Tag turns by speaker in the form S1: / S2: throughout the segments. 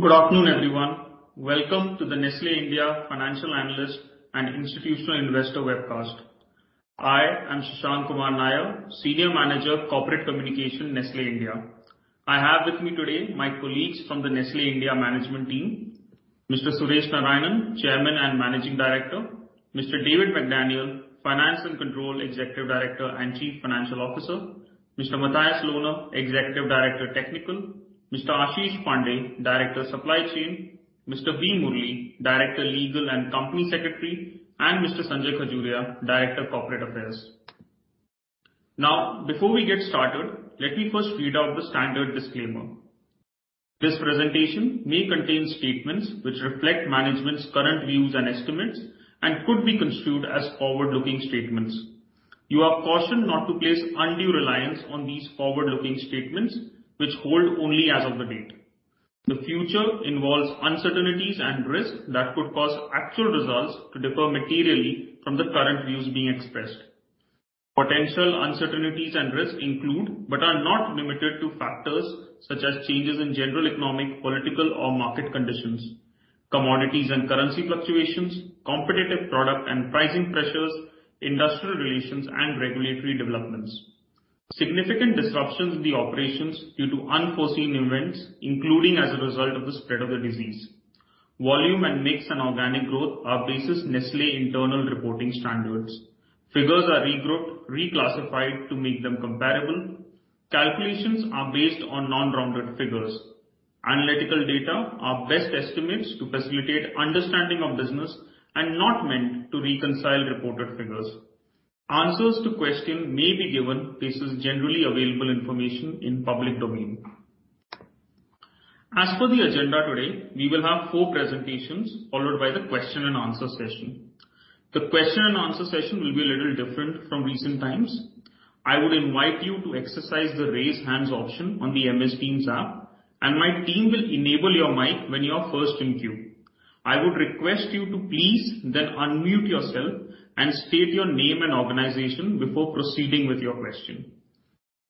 S1: Good afternoon, everyone. Welcome to the Nestlé India Financial Analyst and Institutional Investor Webcast. I am Shashank Kumar Nair, Senior Manager, Corporate Communication, Nestlé India. I have with me today my colleagues from the Nestlé India management team, Mr. Suresh Narayanan, Chairman and Managing Director, Mr. David McDaniel, Executive Director, Finance and Control and Chief Financial Officer, Mr. Matthias Lohner, Executive Director, Technical, Mr. Ashish Pandey, Director, Supply Chain, Mr. B. Murli, Director, Legal and Company Secretary, and Mr. Sanjay Khajuria, Director, Corporate Affairs. Before we get started, let me first read out the standard disclaimer. This presentation may contain statements which reflect management's current views and estimates and could be construed as forward-looking statements. You are cautioned not to place undue reliance on these forward-looking statements, which hold only as of the date. The future involves uncertainties and risks that could cause actual results to differ materially from the current views being expressed. Potential uncertainties and risks include, but are not limited to, factors such as changes in general economic, political, or market conditions, commodities and currency fluctuations, competitive product and pricing pressures, industrial relations and regulatory developments, significant disruptions in the operations due to unforeseen events, including as a result of the spread of the disease. Volume and mix and organic growth are based on Nestlé internal reporting standards. Figures are regrouped, reclassified to make them comparable. Calculations are based on non-rounded figures. Analytical data are best estimates to facilitate understanding of business and not meant to reconcile reported figures. Answers to questions may be given based on generally available information in public domain. As for the agenda today, we will have four presentations, followed by the question and answer session. The question and answer session will be a little different from recent times. I would invite you to exercise the Raise Hands option on the MS Teams app. My team will enable your mic when you are first in queue. I would request you to please then unmute yourself and state your name and organization before proceeding with your question.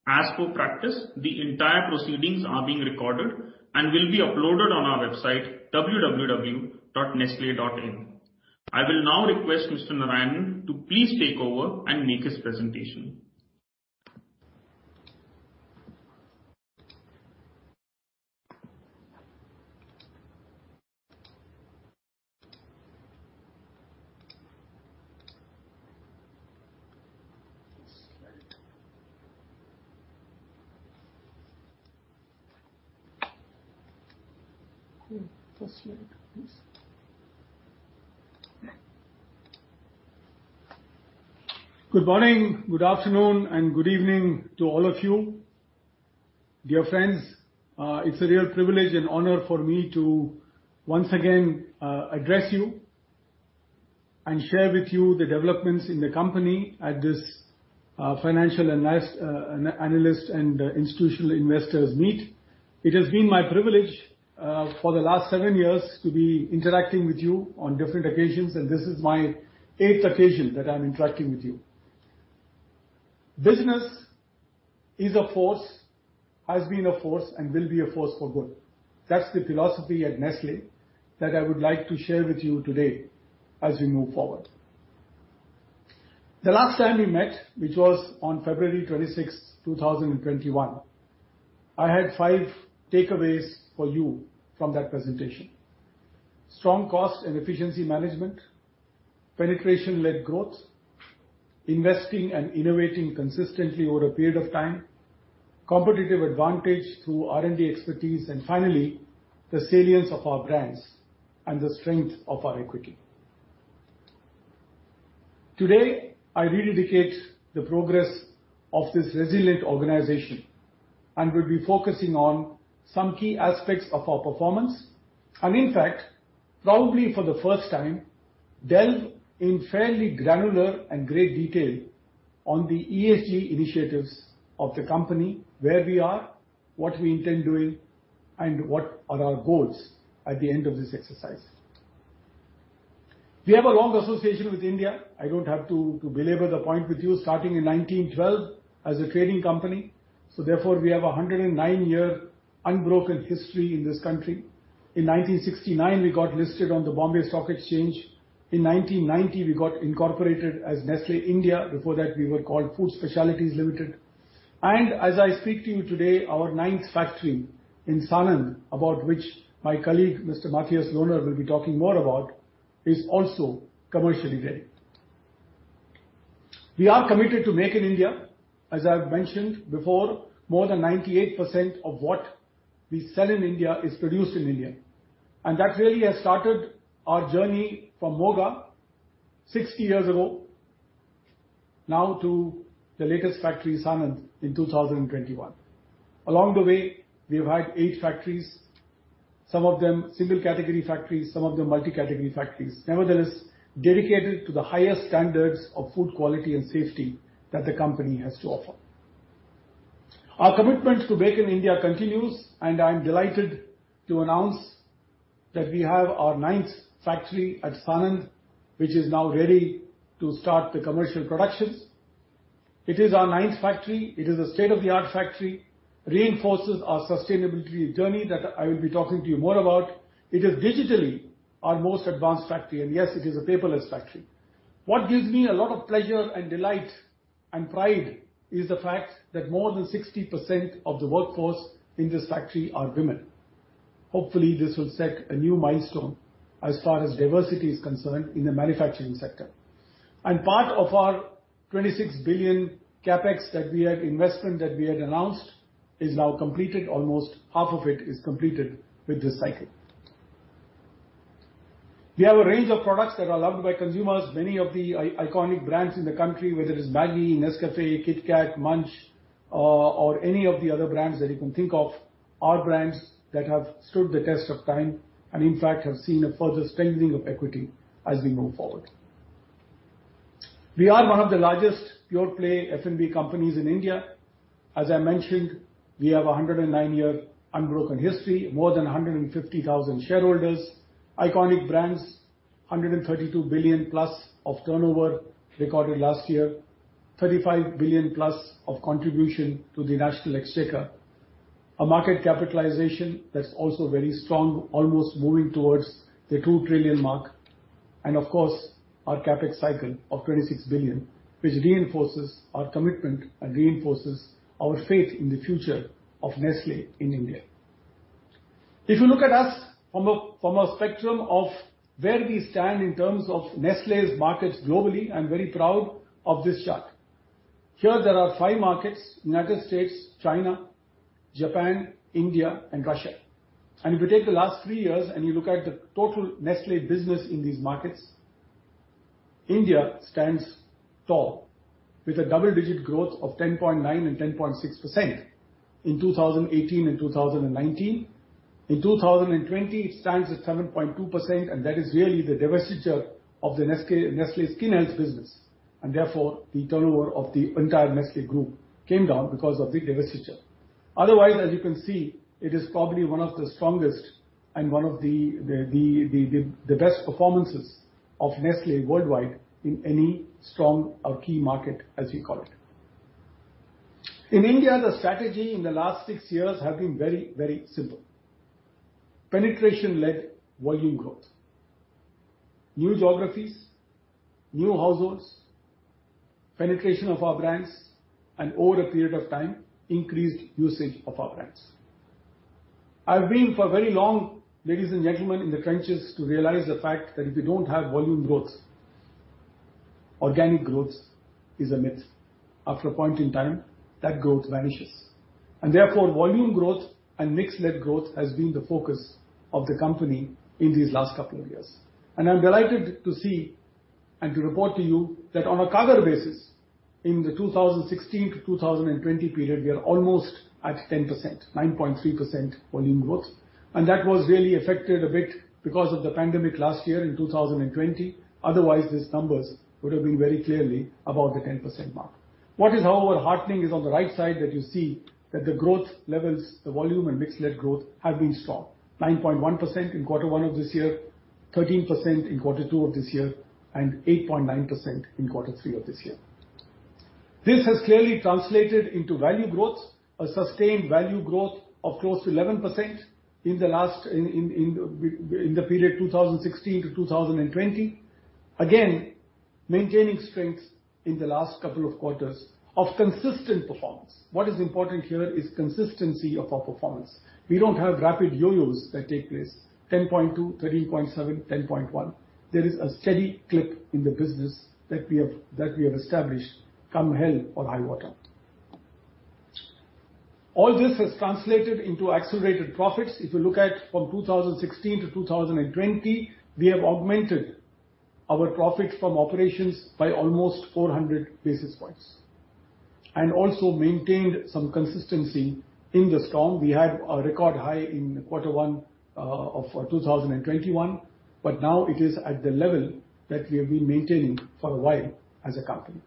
S1: As for practice, the entire proceedings are being recorded and will be uploaded on our website, www.nestle.in. I will now request Mr. Narayanan to please take over and make his presentation.
S2: Good morning, good afternoon, and good evening to all of you. Dear friends, it's a real privilege and honor for me to once again address you and share with you the developments in the company at this financial analyst and institutional investors meet. It has been my privilege for the last seven years to be interacting with you on different occasions, and this is my eighth occasion that I'm interacting with you. Business is a force, has been a force, and will be a force for good. That's the philosophy at Nestlé that I would like to share with you today as we move forward. The last time we met, which was on February 26th, 2021, I had five takeaways for you from that presentation: strong cost and efficiency management, penetration-led growth, investing and innovating consistently over a period of time, competitive advantage through R&D expertise, and finally, the salience of our brands and the strength of our equity. Today, I rededicate the progress of this resilient organization and will be focusing on some key aspects of our performance, and in fact, probably for the first time, delve in fairly granular and great detail on the ESG initiatives of the company, where we are, what we intend doing, and what are our goals at the end of this exercise. We have a long association with India. I don't have to belabor the point with you, starting in 1912 as a trading company, therefore, we have a 109-year unbroken history in this country. In 1969, we got listed on the Bombay Stock Exchange. In 1990, we got incorporated as Nestlé India. Before that, we were called Food Specialities Limited. As I speak to you today, our ninth factory in Sanand, about which my colleague, Mr. Matthias Lohner, will be talking more about, is also commercially ready. We are committed to Make in India. As I've mentioned before, more than 98% of what we sell in India is produced in India, and that really has started our journey from Moga 60 years ago, now to the latest factory, Sanand, in 2021. Along the way, we have had eight factories, some of them single-category factories, some of them multi-category factories. Nevertheless, dedicated to the highest standards of food quality and safety that the company has to offer. Our commitment to Make in India continues. I'm delighted to announce that we have our ninth factory at Sanand, which is now ready to start the commercial production. It is our ninth factory. It is a state-of-the-art factory, reinforces our sustainability journey that I will be talking to you more about. It is digitally our most advanced factory. Yes, it is a paperless factory. What gives me a lot of pleasure and delight and pride is the fact that more than 60% of the workforce in this factory are women. Hopefully, this will set a new milestone as far as diversity is concerned in the manufacturing sector. Part of our 26 billion CapEx that we had announced is now completed. Almost half of it is completed with this cycle. We have a range of products that are loved by consumers. Many of the iconic brands in the country, whether it's MAGGI, Nescafé, KitKat, Munch, or any of the other brands that you can think of, are brands that have stood the test of time and in fact have seen a further strengthening of equity as we move forward. We are one of the largest pure-play F&B companies in India. As I mentioned, we have a 109-year unbroken history, more than 150,000 shareholders, iconic brands, 132 billion plus of turnover recorded last year, 35 billion plus of contribution to the national exchequer. A market capitalization that's also very strong, almost moving towards the two trillion mark, of course, our CapEx cycle of 26 billion, which reinforces our commitment and reinforces our faith in the future of Nestlé in India. If you look at us from a spectrum of where we stand in terms of Nestlé's markets globally, I'm very proud of this chart. Here, there are five markets: United States, China, Japan, India, and Russia. If you take the last three years and you look at the total Nestlé business in these markets, India stands tall with a double-digit growth of 10.9% and 10.6% in 2018 and 2019. In 2020, it stands at 7.2%, that is really the divestiture of the Nestlé Skin Health business. Therefore, the turnover of the entire Nestlé group came down because of the divestiture. Otherwise, as you can see, it is probably one of the strongest and one of the best performances of Nestlé worldwide in any strong or key market, as you call it. In India, the strategy in the last six years has been very, very simple: penetration-led volume growth. New geographies, new households, penetration of our brands, and over a period of time, increased usage of our brands. I've been for very long, ladies and gentlemen, in the trenches, to realize the fact that if you don't have volume growth, organic growth is a myth. After a point in time, that growth vanishes, and therefore, volume growth and mix-led growth has been the focus of the company in these last couple of years. I'm delighted to see and to report to you that on a CAGR basis, in the 2016 to 2020 period, we are almost at 10%, 9.3% volume growth. That was really affected a bit because of the pandemic last year in 2020. Otherwise, these numbers would have been very clearly above the 10% mark. What is, however, heartening is on the right side, that you see that the growth levels, the volume and mix-led growth, have been strong. 9.1% in quarter one of this year, 13% in quarter two of this year, and 8.9% in quarter three of this year. This has clearly translated into value growth, a sustained value growth of close to 11% in the last... in the period 2016 to 2020. Maintaining strength in the last couple of quarters of consistent performance. What is important here is consistency of our performance. We don't have rapid yo-yos that take place, 10.2%, 13.7%, 10.1%. There is a steady clip in the business that we have established, come hell or high water. All this has translated into accelerated profits. If you look at from 2016 to 2020, we have augmented our profits from operations by almost 400 basis points and also maintained some consistency in the strong. We had a record high in quarter one of 2021, now it is at the level that we have been maintaining for a while as a company.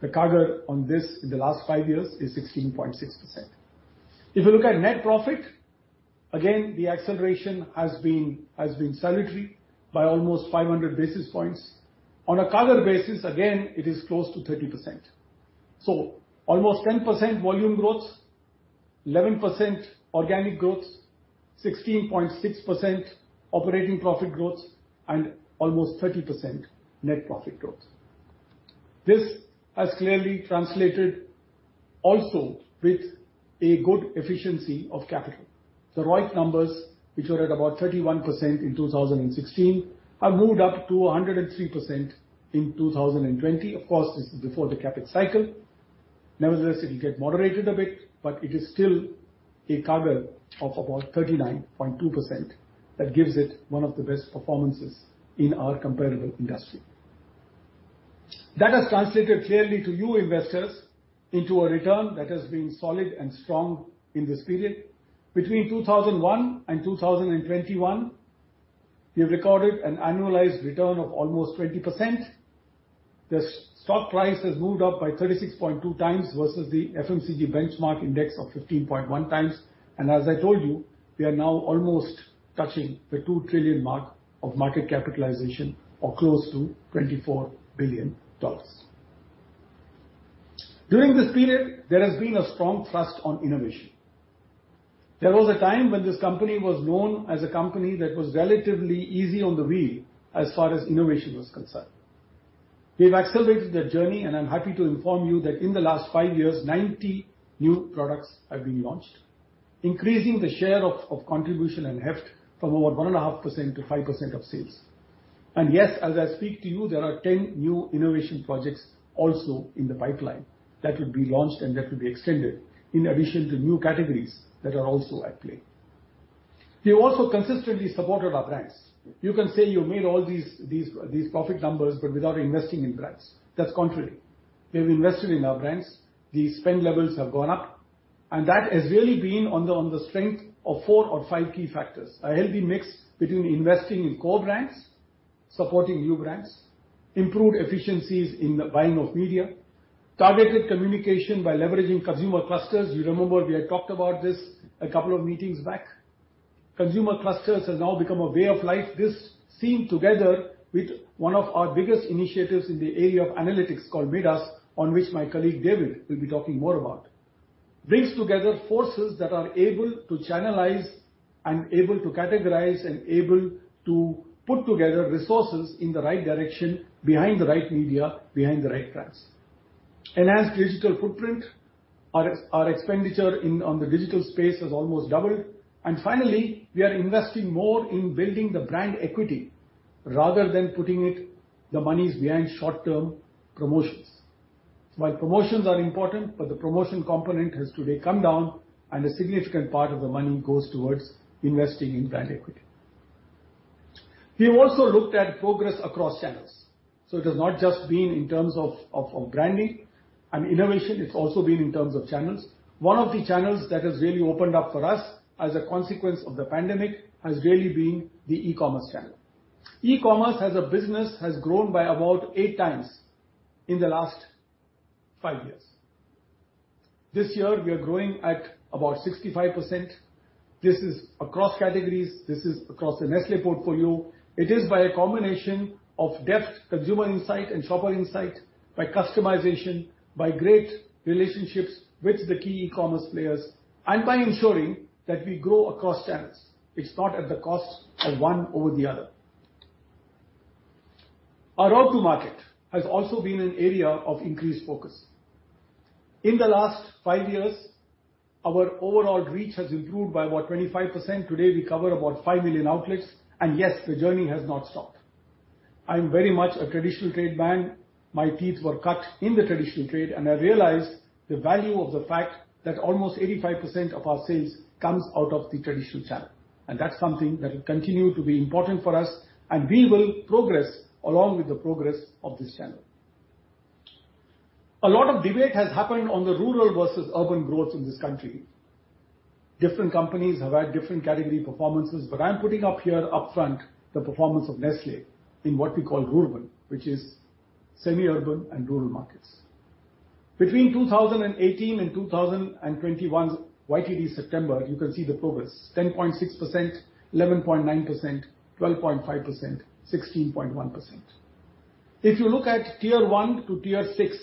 S2: The CAGR on this in the last five years is 16.6%. If you look at net profit, again, the acceleration has been salutary by almost 500 basis points. On a CAGR basis, again, it is close to 30%. Almost 10% volume growth, 11% organic growth, 16.6% operating profit growth, and almost 30% net profit growth. This has clearly translated also with a good efficiency of capital. The ROIC numbers, which were at about 31% in 2016, have moved up to 103% in 2020. Of course, this is before the CapEx cycle. Nevertheless, it'll get moderated a bit, but it is still a CAGR of about 39.2%. That gives it one of the best performances in our comparable industry. That has translated clearly to you, investors, into a return that has been solid and strong in this period. Between 2001 and 2021, we have recorded an annualized return of almost 20%. The stock price has moved up by 36.2x versus the FMCG benchmark index of 15.1x. As I told you, we are now almost touching the $2 trillion mark of market capitalization or close to $24 billion. During this period, there has been a strong thrust on innovation. There was a time when this company was known as a company that was relatively easy on the wheel as far as innovation was concerned. We've accelerated that journey. I'm happy to inform you that in the last five years, 90 new products have been launched, increasing the share of contribution and heft from over 1.5%-5% of sales. Yes, as I speak to you, there are 10 new innovation projects also in the pipeline that will be launched and that will be extended, in addition to new categories that are also at play. We have also consistently supported our brands. You can say you made all these profit numbers without investing in brands. That's contrary. We've invested in our brands. The spend levels have gone up, and that has really been on the strength of four or five key factors. A healthy mix between investing in core brands, supporting new brands, improved efficiencies in the buying of media, targeted communication by leveraging consumer clusters. You remember we had talked about this a couple of meetings back. Consumer clusters has now become a way of life. This scene, together with one of our biggest initiatives in the area of analytics called Midas, on which my colleague, David, will be talking more about, brings together forces that are able to channelize and able to categorize and able to put together resources in the right direction, behind the right media, behind the right brands. Enhanced digital footprint. Our expenditure on the digital space has almost doubled. Finally, we are investing more in building the brand equity rather than putting it, the monies, behind short-term promotions. While promotions are important, but the promotion component has today come down, and a significant part of the money goes towards investing in brand equity. We've also looked at progress across channels, so it has not just been in terms of branding and innovation, it's also been in terms of channels. One of the channels that has really opened up for us as a consequence of the pandemic has really been the e-commerce channel. E-commerce, as a business, has grown by about eight times in the last five years. This year, we are growing at about 65%. This is across categories. This is across the Nestlé portfolio. It is by a combination of depth, consumer insight and shopper insight, by customization, by great relationships with the key e-commerce players, and by ensuring that we grow across channels. It's not at the cost of one over the other. Our go-to-market has also been an area of increased focus. In the last five years, our overall reach has improved by about 25%. Today, we cover about five million outlets. Yes, the journey has not stopped. I'm very much a traditional trade man. My teeth were cut in the traditional trade, I realized the value of the fact that almost 85% of our sales comes out of the traditional channel. That's something that will continue to be important for us. We will progress along with the progress of this channel. A lot of debate has happened on the rural versus urban growth in this country. Different companies have had different category performances. I'm putting up here upfront the performance of Nestlé in what we call RURBAN, which is semi-urban and rural markets. Between 2018 and 2021's YTD September, you can see the progress, 10.6%, 11.9%, 12.5%, 16.1%. If you look at Tier 1 to Tier 6,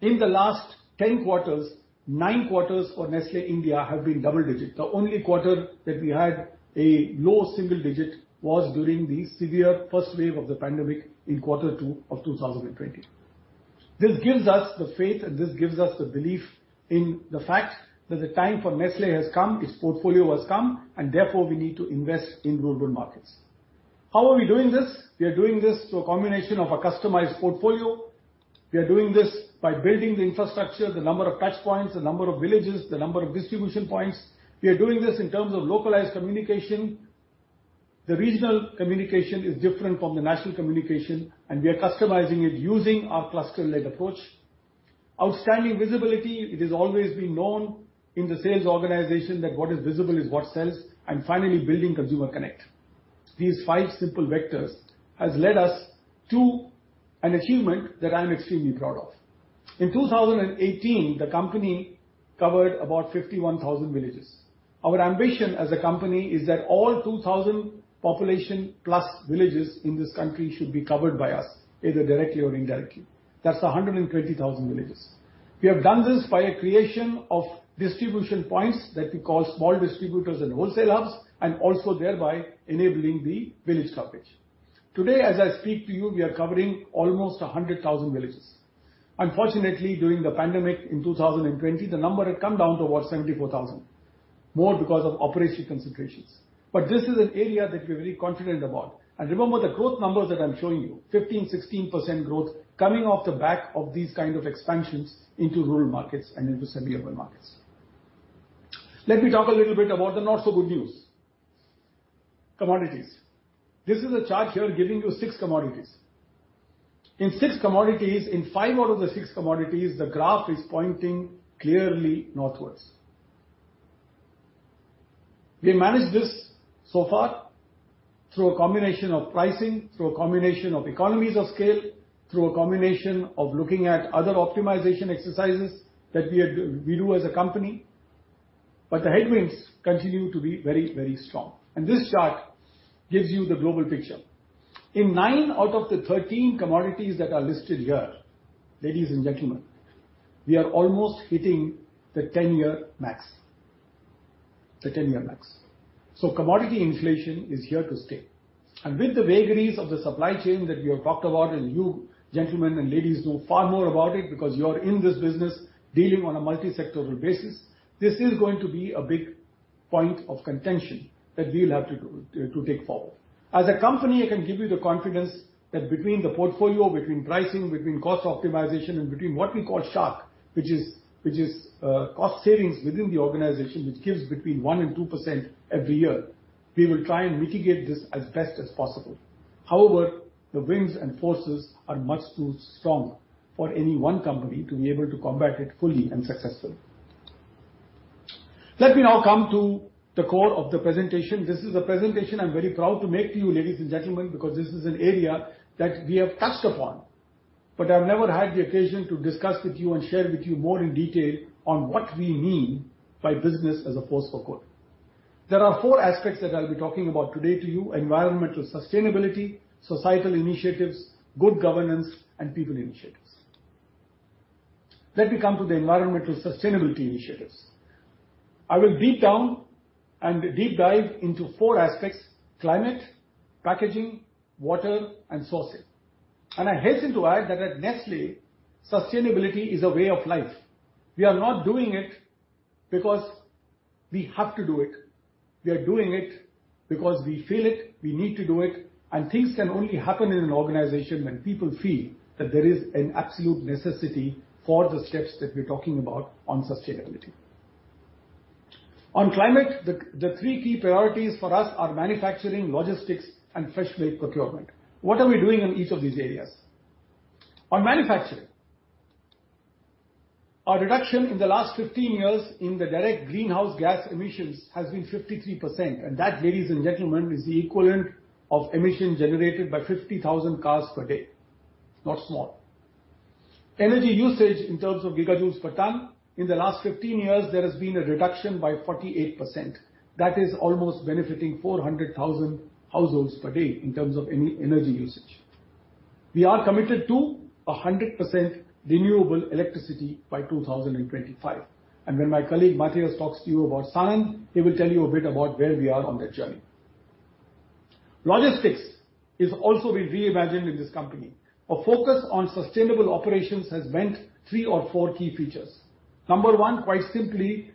S2: in the last 10 quarters, nine quarters for Nestlé India have been double digit. The only quarter that we had a low single digit was during the severe first wave of the pandemic in quarter two of 2020. This gives us the faith and this gives us the belief in the fact that the time for Nestlé has come, its portfolio has come, and therefore we need to invest in RURBAN markets. How are we doing this? We are doing this through a combination of a customized portfolio. We are doing this by building the infrastructure, the number of touch points, the number of villages, the number of distribution points. We are doing this in terms of localized communication. The regional communication is different from the national communication, and we are customizing it using our cluster-led approach. Outstanding visibility. It has always been known in the sales organization that what is visible is what sells, and finally, building consumer connect. These five simple vectors has led us to an achievement that I am extremely proud of. In 2018, the company covered about 51,000 villages. Our ambition as a company is that all 2,000 population-plus villages in this country should be covered by us, either directly or indirectly. That's 120,000 villages. We have done this by a creation of distribution points that we call small distributors and wholesale hubs, and also thereby enabling the village coverage. Today, as I speak to you, we are covering almost 100,000 villages. Unfortunately, during the pandemic in 2020, the number had come down to about 74,000, more because of operational considerations. This is an area that we're very confident about. Remember, the growth numbers that I'm showing you, 15%, 16% growth coming off the back of these kind of expansions into rural markets and into semi-urban markets. Let me talk a little bit about the not so good news. Commodities. This is a chart here giving you six commodities. In six commodities, in five out of the six commodities, the graph is pointing clearly northwards. We managed this so far through a combination of pricing, through a combination of economies of scale, through a combination of looking at other optimization exercises that we do as a company. The headwinds continue to be very, very strong. This chart gives you the global picture. In nine out of the 13 commodities that are listed here, ladies and gentlemen, we are almost hitting the 10-year max. The 10-year max. Commodity inflation is here to stay, and with the vagaries of the supply chain that we have talked about, and you, gentlemen and ladies, know far more about it because you are in this business dealing on a multi-sectoral basis, this is going to be a big point of contention that we'll have to take forward. As a company, I can give you the confidence that between the portfolio, between pricing, between cost optimization, and between what we call Project Shark, which is cost savings within the organization, which gives between 1% and 2% every year, we will try and mitigate this as best as possible. The winds and forces are much too strong for any one company to be able to combat it fully and successfully. Let me now come to the core of the presentation. This is a presentation I'm very proud to make to you, ladies and gentlemen, because this is an area that we have touched upon, but I've never had the occasion to discuss with you and share with you more in detail on what we mean by business as a force for good. There are four aspects that I'll be talking about today to you: environmental sustainability, societal initiatives, good governance, and people initiatives. Let me come to the environmental sustainability initiatives. I will deep dive into four aspects: climate, packaging, water, and sourcing. I hasten to add that at Nestlé, sustainability is a way of life. We are not doing it because we have to do it. We are doing it because we feel it, we need to do it, and things can only happen in an organization when people feel that there is an absolute necessity for the steps that we're talking about on sustainability. On climate, the three key priorities for us are manufacturing, logistics, and fresh milk procurement. What are we doing in each of these areas? On manufacturing, our reduction in the last 15 years in the direct greenhouse gas emissions has been 53%, and that, ladies and gentlemen, is the equivalent of emissions generated by 50,000 cars per day. Not small. Energy usage in terms of gigajoules per ton, in the last 15 years, there has been a reduction by 48%. That is almost benefiting 400,000 households per day in terms of any energy usage. We are committed to 100% renewable electricity by 2025, and when my colleague, Matthias, talks to you about science, he will tell you a bit about where we are on that journey. Logistics is also being reimagined in this company. A focus on sustainable operations has meant three or four key features. Number one, quite simply,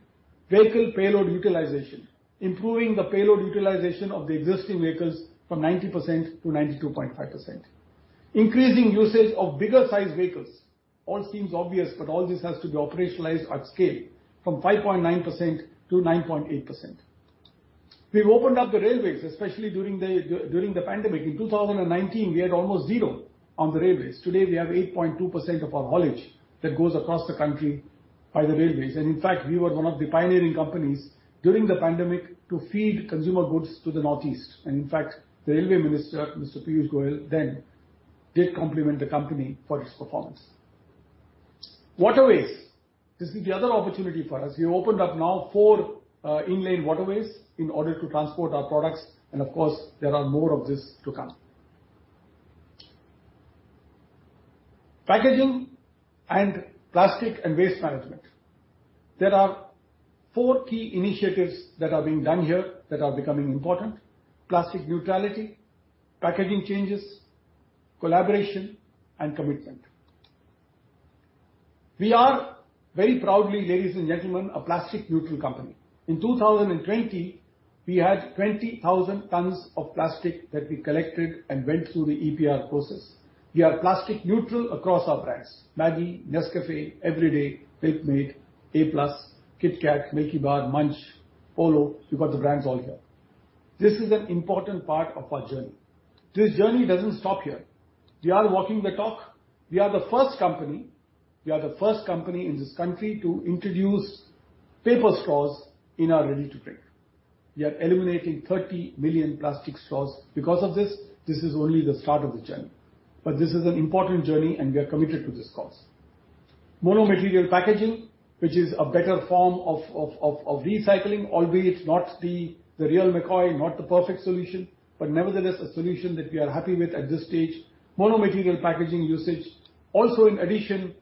S2: vehicle payload utilization. Improving the payload utilization of the existing vehicles from 90%-92.5%. Increasing usage of bigger-sized vehicles. All seems obvious, but all this has to be operationalized at scale, from 5.9%-9.8%. We've opened up the railways, especially during the pandemic. In 2019, we had almost zero on the railways. Today, we have 8.2% of our haulage that goes across the country by the railways. In fact, we were one of the pioneering companies during the pandemic to feed consumer goods to the Northeast. In fact, the railway minister, Mr. Piyush Goyal, then did compliment the company for its performance. Waterways. This is the other opportunity for us. We opened up now four inland waterways in order to transport our products, and of course, there are more of this to come. Packaging and plastic and waste management. There are four key initiatives that are being done here that are becoming important: plastic neutrality, packaging changes, collaboration, and commitment. We are very proudly, ladies and gentlemen, a plastic neutral company. In 2020, we had 20,000 tons of plastic that we collected and went through the EPR process. We are plastic neutral across our brands, MAGGI, Nescafé, Everyday, Milkmaid, a+, KitKat, Milkybar, Munch, Polo, you've got the brands all here. This is an important part of our journey. This journey doesn't stop here. We are walking the talk. We are the first company in this country to introduce paper straws in our ready to drink. We are eliminating 30 million plastic straws because of this. This is only the start of the journey, but this is an important journey and we are committed to this cause. Mono material packaging, which is a better form of recycling, albeit not the real McCoy, not the perfect solution, but nevertheless, a solution that we are happy with at this stage. Mono material packaging usage. In addition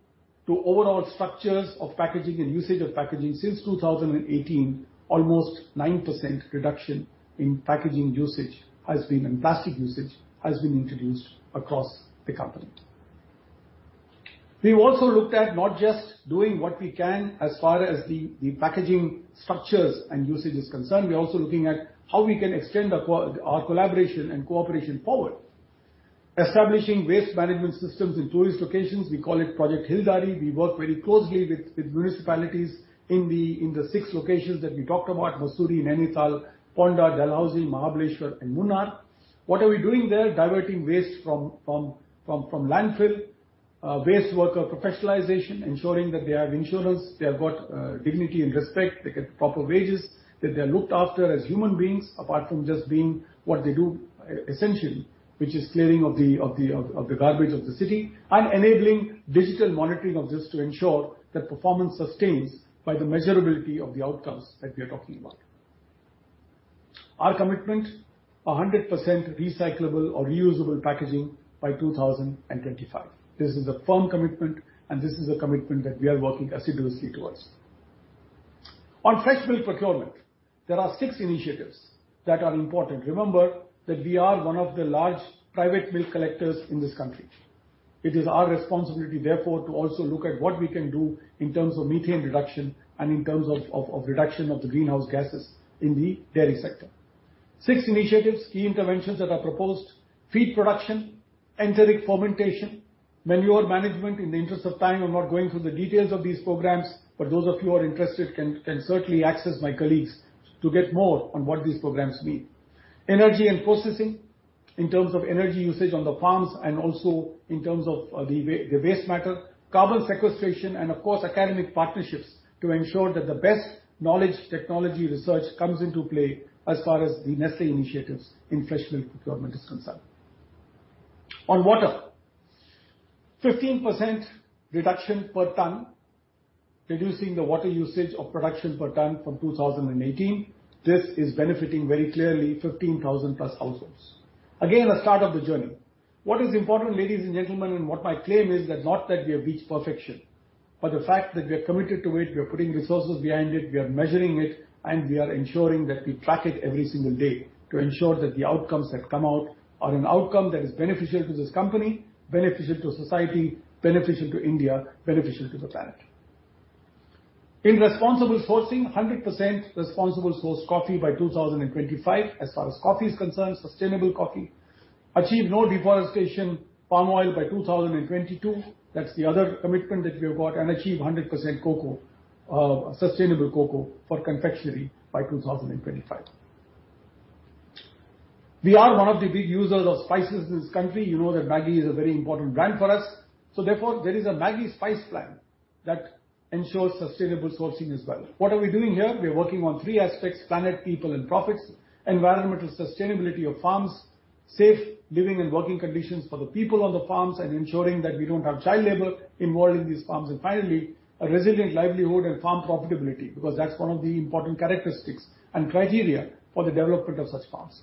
S2: to overall structures of packaging and usage of packaging, since 2018, almost 9% reduction in plastic usage has been introduced across the company. We've also looked at not just doing what we can as far as the packaging structures and usage is concerned, we're also looking at how we can extend our collaboration and cooperation forward. Establishing waste management systems in tourist locations, we call it Project Hilldaari. We work very closely with municipalities in the six locations that we talked about, Mussoorie, Nainital, Ponda, Dalhousie, Mahabaleshwar, and Munnar. What are we doing there? Diverting waste from landfill, waste worker professionalization, ensuring that they have insurance, they have got dignity and respect, they get proper wages, that they are looked after as human beings, apart from just being what they do, essentially, which is clearing of the garbage of the city, and enabling digital monitoring of this to ensure that performance sustains by the measurability of the outcomes that we are talking about. Our commitment: 100% recyclable or reusable packaging by 2025. This is a firm commitment, this is a commitment that we are working assiduously towards. On fresh milk procurement, there are six initiatives that are important. Remember, that we are one of the large private milk collectors in this country. It is our responsibility, therefore, to also look at what we can do in terms of methane reduction and in terms of reduction of the greenhouse gases in the dairy sector. Six initiatives, key interventions that are proposed: feed production, enteric fermentation, manure management. In the interest of time, I'm not going through the details of these programs, but those of you who are interested can certainly access my colleagues to get more on what these programs mean. Energy and processing, in terms of energy usage on the farms and also in terms of the waste matter, carbon sequestration, and of course, academic partnerships, to ensure that the best knowledge technology research comes into play as far as the Nestlé initiatives in fresh milk procurement is concerned. On water, 15% reduction per ton, reducing the water usage of production per ton from 2018. This is benefiting very clearly 15,000+ households. Again, a start of the journey. What is important, ladies and gentlemen, and what my claim is, that not that we have reached perfection, but the fact that we are committed to it, we are putting resources behind it, we are measuring it, and we are ensuring that we track it every single day to ensure that the outcomes that come out are an outcome that is beneficial to this company, beneficial to society, beneficial to India, beneficial to the planet. In responsible sourcing, 100% responsible source coffee by 2025, as far as coffee is concerned, sustainable coffee. Achieve no deforestation palm oil by 2022. That's the other commitment that we have got, and achieve 100% sustainable cocoa for confectionery by 2025. We are one of the big users of spices in this country. You know that MAGGI is a very important brand for us. Therefore, there is a MAGGI Spice Plan that ensures sustainable sourcing as well. What are we doing here? We are working on three aspects: planet, people, and profits. Environmental sustainability of farms, safe living and working conditions for the people on the farms, ensuring that we don't have child labor involved in these farms. Finally, a resilient livelihood and farm profitability, because that's one of the important characteristics and criteria for the development of such farms.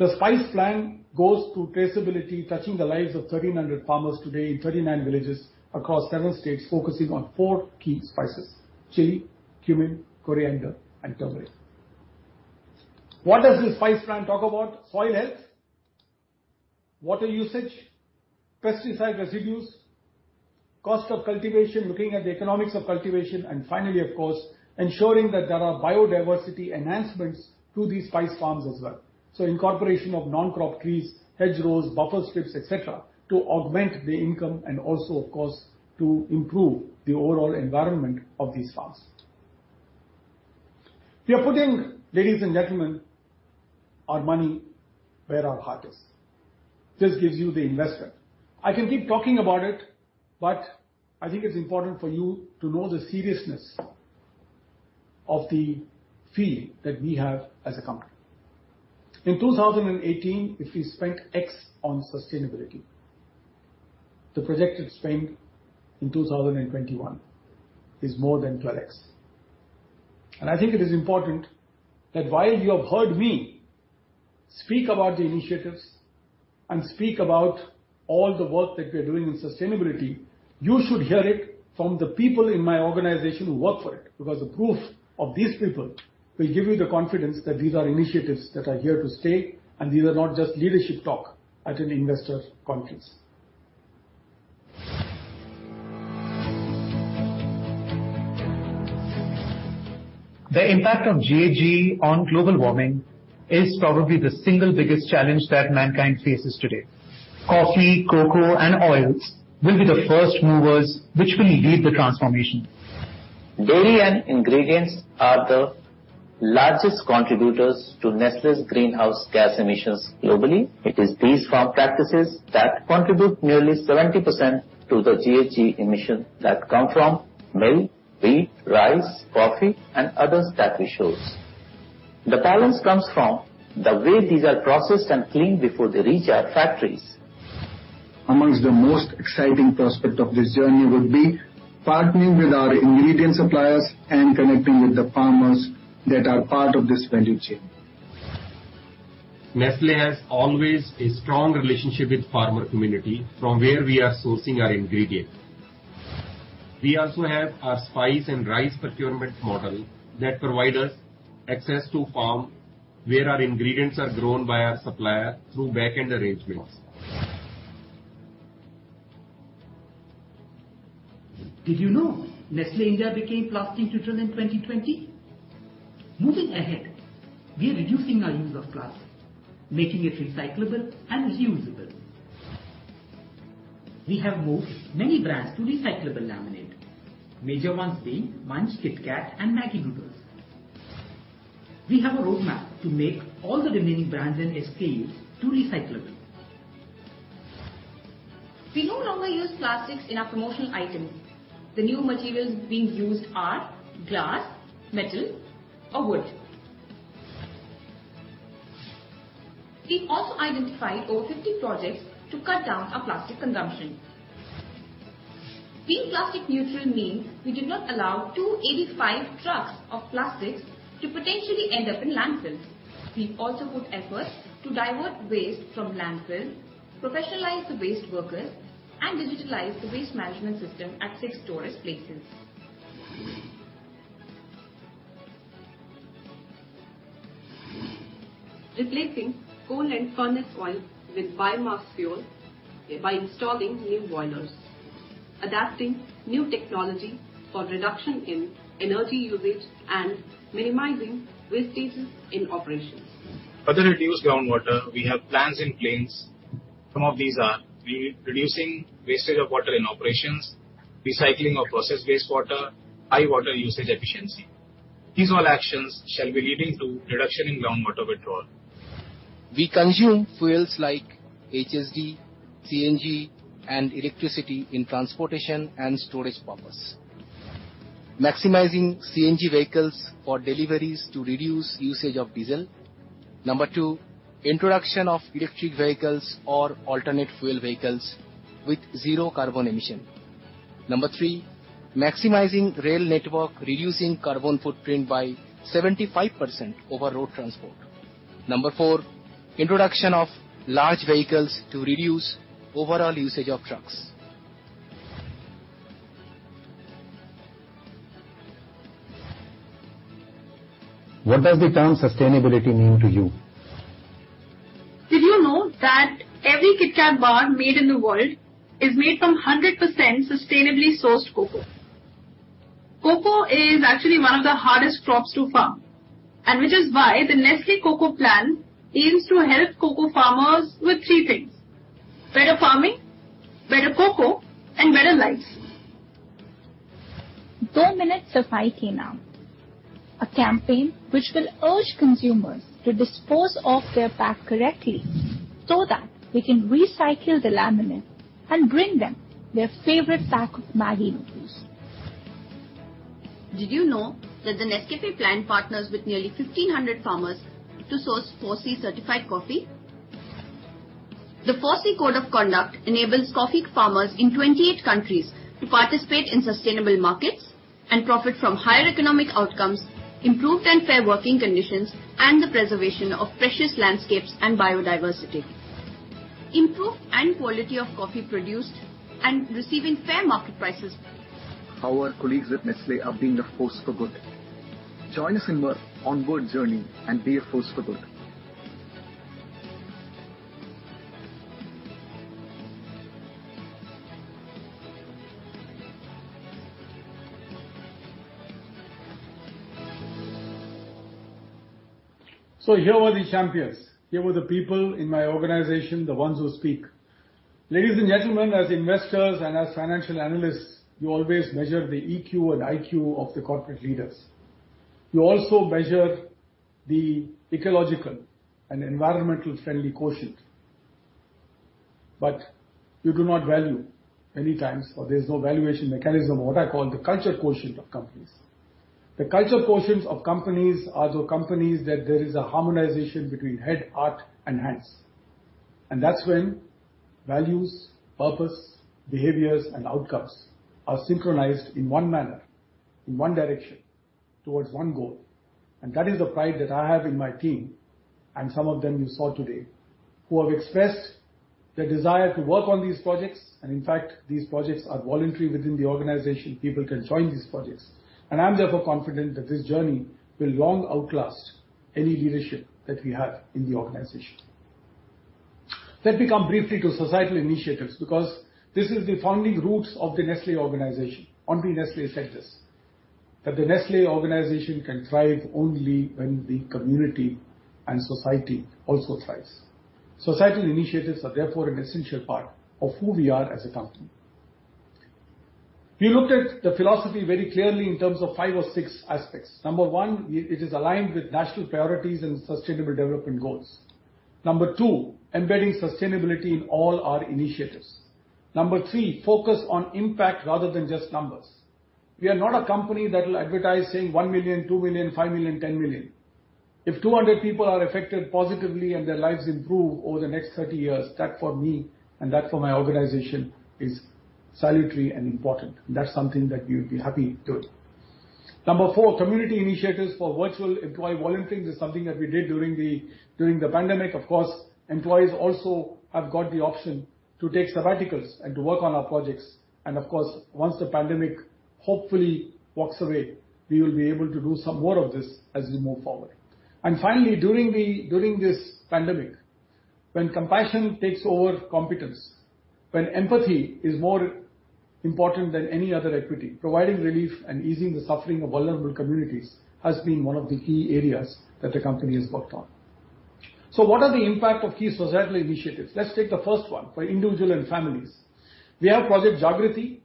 S2: The Spice Plan goes to traceability, touching the lives of 1,300 farmers today in 39 villages across several states, focusing on four key spices: chili, cumin, coriander, and turmeric. What does the Spice Plan talk about? Soil health, water usage, pesticide residues, cost of cultivation, looking at the economics of cultivation, and finally, of course, ensuring that there are biodiversity enhancements to these spice farms as well. Incorporation of non-crop trees, hedgerows, buffer strips, et cetera, to augment the income and also, of course, to improve the overall environment of these farms. We are putting, ladies and gentlemen, our money where our heart is. This gives you the investment. I can keep talking about it, but I think it's important for you to know the seriousness of the feeling that we have as a company. In 2018, if we spent X on sustainability, the projected spend in 2021 is more than 12X. I think it is important that while you have heard me speak about the initiatives and speak about all the work that we are doing in sustainability, you should hear it from the people in my organization who work for it, because the proof of these people will give you the confidence that these are initiatives that are here to stay, and these are not just leadership talk at an investor conference. The impact of GHG on global warming is probably the single biggest challenge that mankind faces today. Coffee, cocoa, and oils will be the first movers, which will lead the transformation.
S3: Dairy and ingredients are the largest contributors to Nestlé's greenhouse gas emissions globally. It is these farm practices that contribute nearly 70% to the GHG emission that come from milk, wheat, rice, coffee, and others that we source. The balance comes from the way these are processed and cleaned before they reach our factories. Amongst the most exciting prospect of this journey would be partnering with our ingredient suppliers and connecting with the farmers that are part of this value chain. Nestlé has always a strong relationship with farmer community from where we are sourcing our ingredients. We also have our spice and rice procurement model that provide us access to farm, where our ingredients are grown by our supplier through back-end arrangements. Did you know Nestlé India became plastic neutral in 2020? Moving ahead, we are reducing our use of plastic, making it recyclable and reusable. We have moved many brands to recyclable laminate. Major ones being Munch, KitKat, and MAGGI Noodles. We have a roadmap to make all the remaining brands and SKUs to recyclable. We no longer use plastics in our promotional items. The new materials being used are glass, metal, or wood. We also identified over 50 projects to cut down our plastic consumption. Being plastic neutral means we do not allow 285 trucks of plastics to potentially end up in landfills. We also put efforts to divert waste from landfill, professionalize the waste workers, and digitalize the waste management system at six tourist places. Replacing coal and furnace oil with biomass fuel by installing new boilers, adapting new technology for reduction in energy usage, and minimizing wastages in operations. For the reduced groundwater, we have plans in place. Some of these are: re-reducing wastage of water in operations, recycling of process wastewater, high water usage efficiency. These all actions shall be leading to reduction in groundwater withdrawal. We consume fuels like HSD, CNG, and electricity in transportation and storage purpose. Maximizing CNG vehicles for deliveries to reduce usage of diesel. Two, introduction of electric vehicles or alternate fuel vehicles with zero carbon emission. Three, maximizing rail network, reducing carbon footprint by 75% over road transport. Four, introduction of large vehicles to reduce overall usage of trucks. What does the term sustainability mean to you? Did you know that every KitKat bar made in the world is made from 100% sustainably sourced cocoa? Cocoa is actually one of the hardest crops to farm. Which is why the Nestlé Cocoa Plan aims to help cocoa farmers with three things: better farming, better cocoa, and better lives. Two-minute safai ke naam, a campaign which will urge consumers to dispose off their pack correctly, so that we can recycle the laminate and bring them their favorite pack of MAGGI Noodles. Did you know that the Nescafé Plan partners with nearly 1,500 farmers to source 4C certified coffee? The 4C Code of Conduct enables coffee farmers in 28 countries to participate in sustainable markets and profit from higher economic outcomes, improved and fair working conditions, and the preservation of precious landscapes and biodiversity, improved and quality of coffee produced and receiving fair market prices. Our colleagues at Nestlé are being a force for good. Join us in our ongoing journey and be a force for good.
S2: Here were the champions, here were the people in my organization, the ones who speak. Ladies and gentlemen, as investors and as financial analysts, you always measure the EQ and IQ of the corporate leaders. You also measure the ecological and environmental friendly quotient, but you do not value many times, or there is no valuation mechanism of what I call the culture quotient of companies. The culture quotients of companies are the companies that there is a harmonization between head, heart, and hands, and that's when values, purpose, behaviors, and outcomes are synchronized in one manner, in one direction, towards one goal. That is the pride that I have in my team, and some of them you saw today, who have expressed their desire to work on these projects. In fact, these projects are voluntary within the organization, people can join these projects. I'm therefore confident that this journey will long outlast any leadership that we have in the organization. Let me come briefly to societal initiatives, because this is the founding roots of the Nestlé organization. Henri Nestlé said this, that the Nestlé organization can thrive only when the community and society also thrives. Societal initiatives are therefore an essential part of who we are as a company. We looked at the philosophy very clearly in terms of five or six aspects. Number one, it is aligned with national priorities and Sustainable Development Goals. Number two, embedding sustainability in all our initiatives. Number three, focus on impact rather than just numbers. We are not a company that will advertise saying one million, two million, five million, 10 million. If 200 people are affected positively and their lives improve over the next 30 years, that for me and that for my organization, is salutary and important. That's something that we'll be happy doing. Number four community initiatives for virtual employee volunteering is something that we did during the pandemic. Of course, employees also have got the option to take sabbaticals and to work on our projects. Of course, once the pandemic hopefully walks away, we will be able to do some more of this as we move forward. Finally, during this pandemic, when compassion takes over competence, when empathy is more important than any other equity, providing relief and easing the suffering of vulnerable communities has been one of the key areas that the company has worked on. What are the impact of key societal initiatives? Let's take the first one, for individual and families. We have Project Jagriti,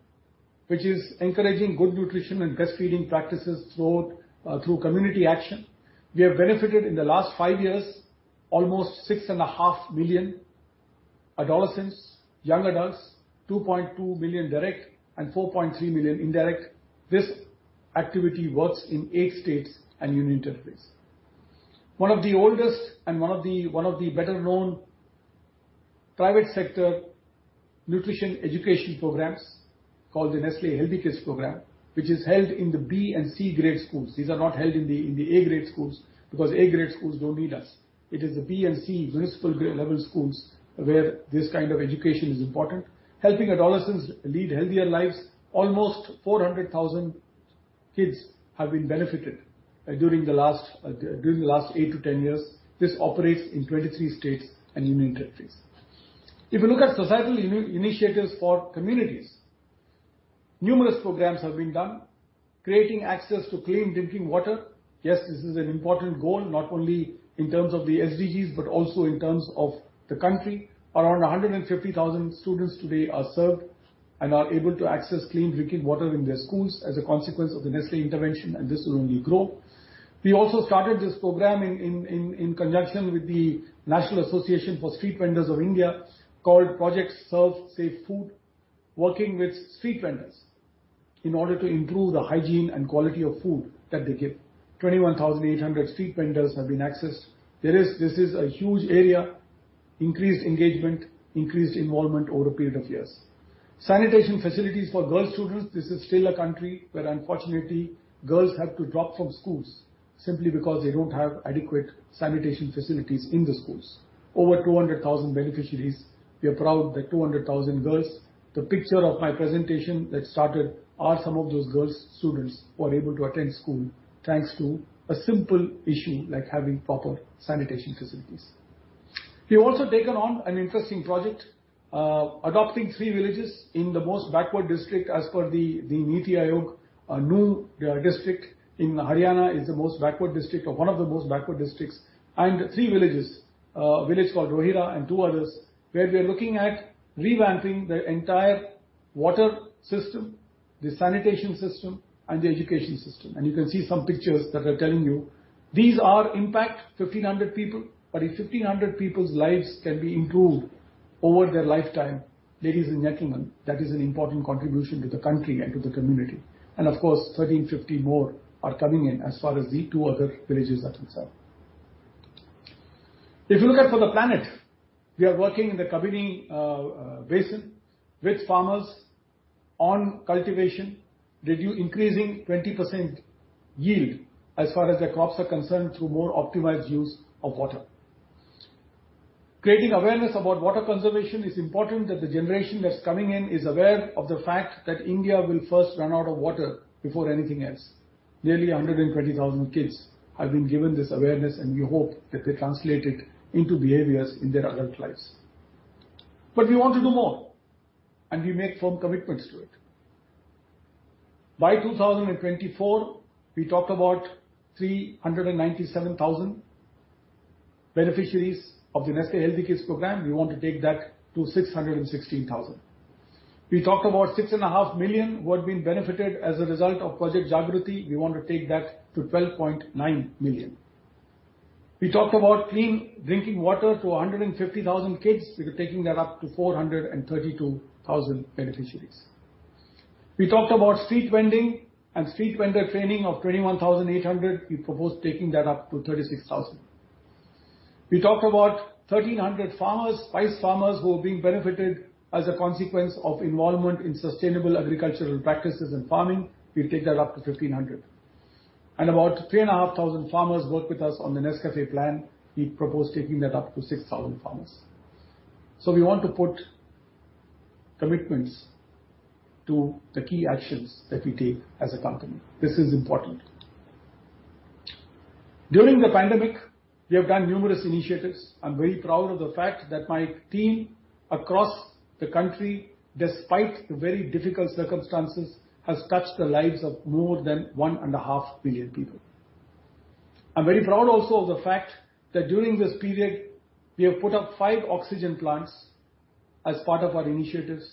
S2: which is encouraging good nutrition and breastfeeding practices through community action. We have benefited in the last five years, almost 6.5 million adolescents, young adults, 2.2 million direct and 4.3 million indirect. This activity works in eight states and union territories. One of the oldest and one of the better known private sector nutrition education programs, called the Nestlé Healthy Kids Programme, which is held in the B and C grade schools. These are not held in the A grade schools, because A grade schools don't need us. It is the B and C municipal grade level schools where this kind of education is important. Helping adolescents lead healthier lives, almost 400,000 kids have been benefited during the last eight to 10 years. This operates in 23 states and union territories. You look at societal initiatives for communities, numerous programs have been done. Creating access to clean drinking water. Yes, this is an important goal, not only in terms of the SDGs, but also in terms of the country. Around 150,000 students today are served and are able to access clean drinking water in their schools as a consequence of the Nestlé intervention, and this will only grow. We also started this program in conjunction with the National Association of Street Vendors of India, called Project Serve Safe Food, working with street vendors in order to improve the hygiene and quality of food that they give. 21,800 street vendors have been accessed. This is a huge area, increased engagement, increased involvement over a period of years. Sanitation facilities for girl students. This is still a country where unfortunately, girls have to drop from schools simply because they don't have adequate sanitation facilities in the schools. Over 200,000 beneficiaries. We are proud that 200,000 girls, the picture of my presentation that started, are some of those girls, students, who are able to attend school, thanks to a simple issue like having proper sanitation facilities. We have also taken on an interesting project, adopting three villages in the most backward district as per the NITI Aayog. Nuh district in Haryana is the most backward district or one of the most backward districts, and three villages. Village called Rohira and two others, where we are looking at revamping the entire water system, the sanitation system and the education system. You can see some pictures that are telling you these are impact 1,500 people. If 1,500 people's lives can be improved over their lifetime, ladies and gentlemen, that is an important contribution to the country and to the community. Of course, 1,350 more are coming in as far as the two other villages are concerned. If you look at For the Planet, we are working in the Kabini basin with farmers on cultivation, increasing 20% yield as far as their crops are concerned, through more optimized use of water. Creating awareness about water conservation is important, that the generation that's coming in is aware of the fact that India will first run out of water before anything else. Nearly 120,000 kids have been given this awareness, and we hope that they translate it into behaviors in their adult lives. We want to do more, and we make firm commitments to it. By 2024, we talked about 397,000 beneficiaries of the Nestlé Healthy Kids Programme. We want to take that to 616,000. We talked about 6.5 million who have been benefited as a result of Project Jagriti. We want to take that to 12.9 million. We talked about clean drinking water to 150,000 kids. We are taking that up to 432,000 beneficiaries. We talked about street vending and street vendor training of 21,800. We propose taking that up to 36,000. We talked about 1,300 farmers, spice farmers, who are being benefited as a consequence of involvement in sustainable agricultural practices and farming. We take that up to 1,500. About 3,500 farmers work with us on the Nescafé Plan. We propose taking that up to 6,000 farmers. We want to put commitments to the key actions that we take as a company. This is important. During the pandemic, we have done numerous initiatives. I'm very proud of the fact that my team across the country, despite the very difficult circumstances, has touched the lives of more than 1.5 billion people. I'm very proud also of the fact that during this period, we have put up five oxygen plants as part of our initiatives,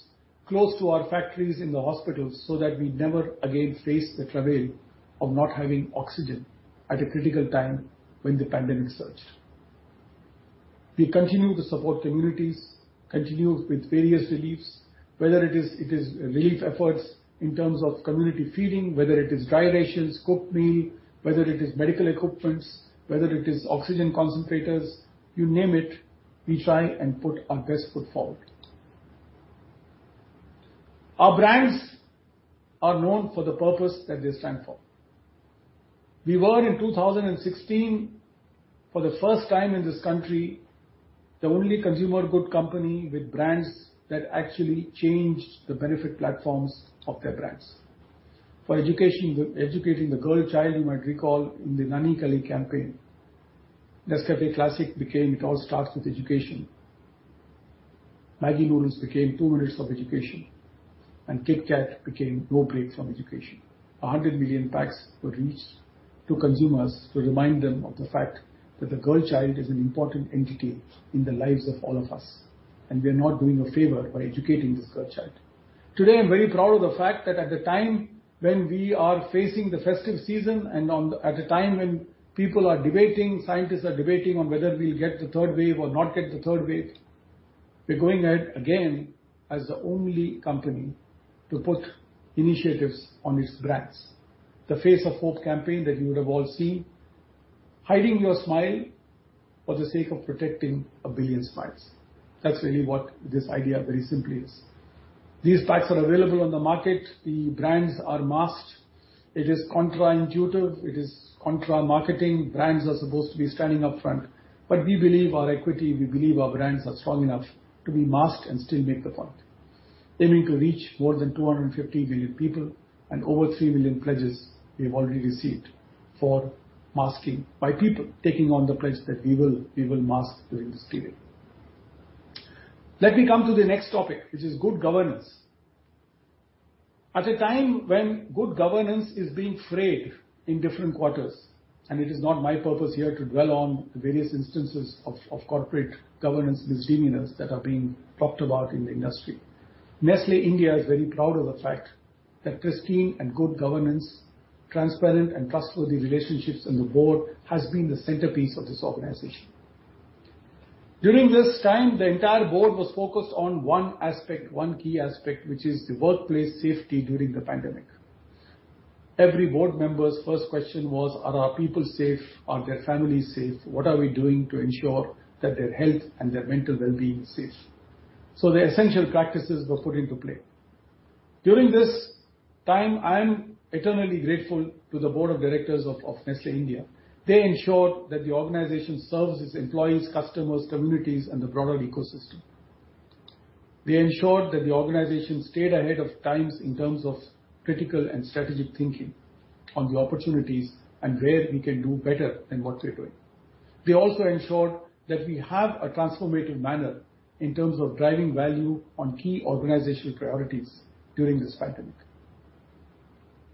S2: close to our factories in the hospitals, so that we never again face the travail of not having oxygen at a critical time when the pandemic surged. We continue to support communities, continue with various reliefs, whether it is relief efforts in terms of community feeding, whether it is dry rations, cooked meal, whether it is medical equipments, whether it is oxygen concentrators, you name it, we try and put our best foot forward. Our brands are known for the purpose that they stand for. We were, in 2016, for the first time in this country, the only consumer good company with brands that actually changed the benefit platforms of their brands. For education... Educating the girl child, you might recall in the Project Nanhi Kali campaign, Nescafé Classic became, "It all starts with education." MAGGI Noodles became, "two minutes of education," and KitKat became, "No break from education." 100 million packs were reached to consumers to remind them of the fact that the girl child is an important entity in the lives of all of us, and we are not doing a favor by educating this girl child. Today, I'm very proud of the fact that at the time when we are facing the festive season and on, at a time when people are debating, scientists are debating on whether we'll get the third wave or not get the third wave, we're going ahead again as the only company to put initiatives on its brands. The Face of Hope campaign that you would have all seen, hiding your smile for the sake of protecting one billion smiles. That's really what this idea very simply is. These packs are available on the market. The brands are masked. It is contra-intuitive, it is contra-marketing. Brands are supposed to be standing up front, we believe our equity, we believe our brands are strong enough to be masked and still make the point. They mean to reach more than 250 million people, over three million pledges we've already received for masking by people taking on the pledge that we will mask during this period. Let me come to the next topic, which is good governance. At a time when good governance is being frayed in different quarters, it is not my purpose here to dwell on the various instances of corporate governance misdemeanors that are being talked about in the industry. Nestlé India is very proud of the fact that pristine and good governance, transparent and trustworthy relationships on the board has been the centerpiece of this organization. During this time, the entire board was focused on one aspect, one key aspect, which is the workplace safety during the pandemic. Every board member's first question was: Are our people safe? Are their families safe? What are we doing to ensure that their health and their mental wellbeing is safe? The essential practices were put into play. During this time, I am eternally grateful to the board of directors of Nestlé India. They ensured that the organization serves its employees, customers, communities, and the broader ecosystem. They ensured that the organization stayed ahead of times in terms of critical and strategic thinking on the opportunities and where we can do better than what we're doing. They also ensured that we have a transformative manner in terms of driving value on key organizational priorities during this pandemic.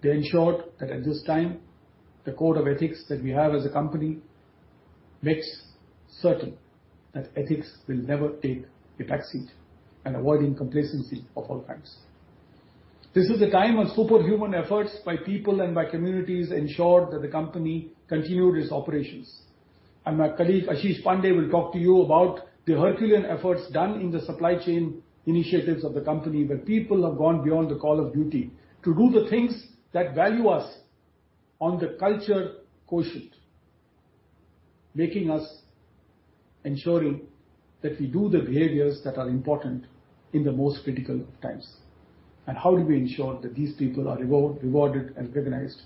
S2: They ensured that at this time, the code of ethics that we have as a company makes certain that ethics will never take a back seat and avoiding complacency of all kinds. This is a time when superhuman efforts by people and by communities ensured that the company continued its operations, and my colleague, Ashish Pandey, will talk to you about the Herculean efforts done in the supply chain initiatives of the company, where people have gone beyond the call of duty to do the things that value us on the culture quotient, making us ensuring that we do the behaviors that are important in the most critical of times. How do we ensure that these people are rewarded and recognized?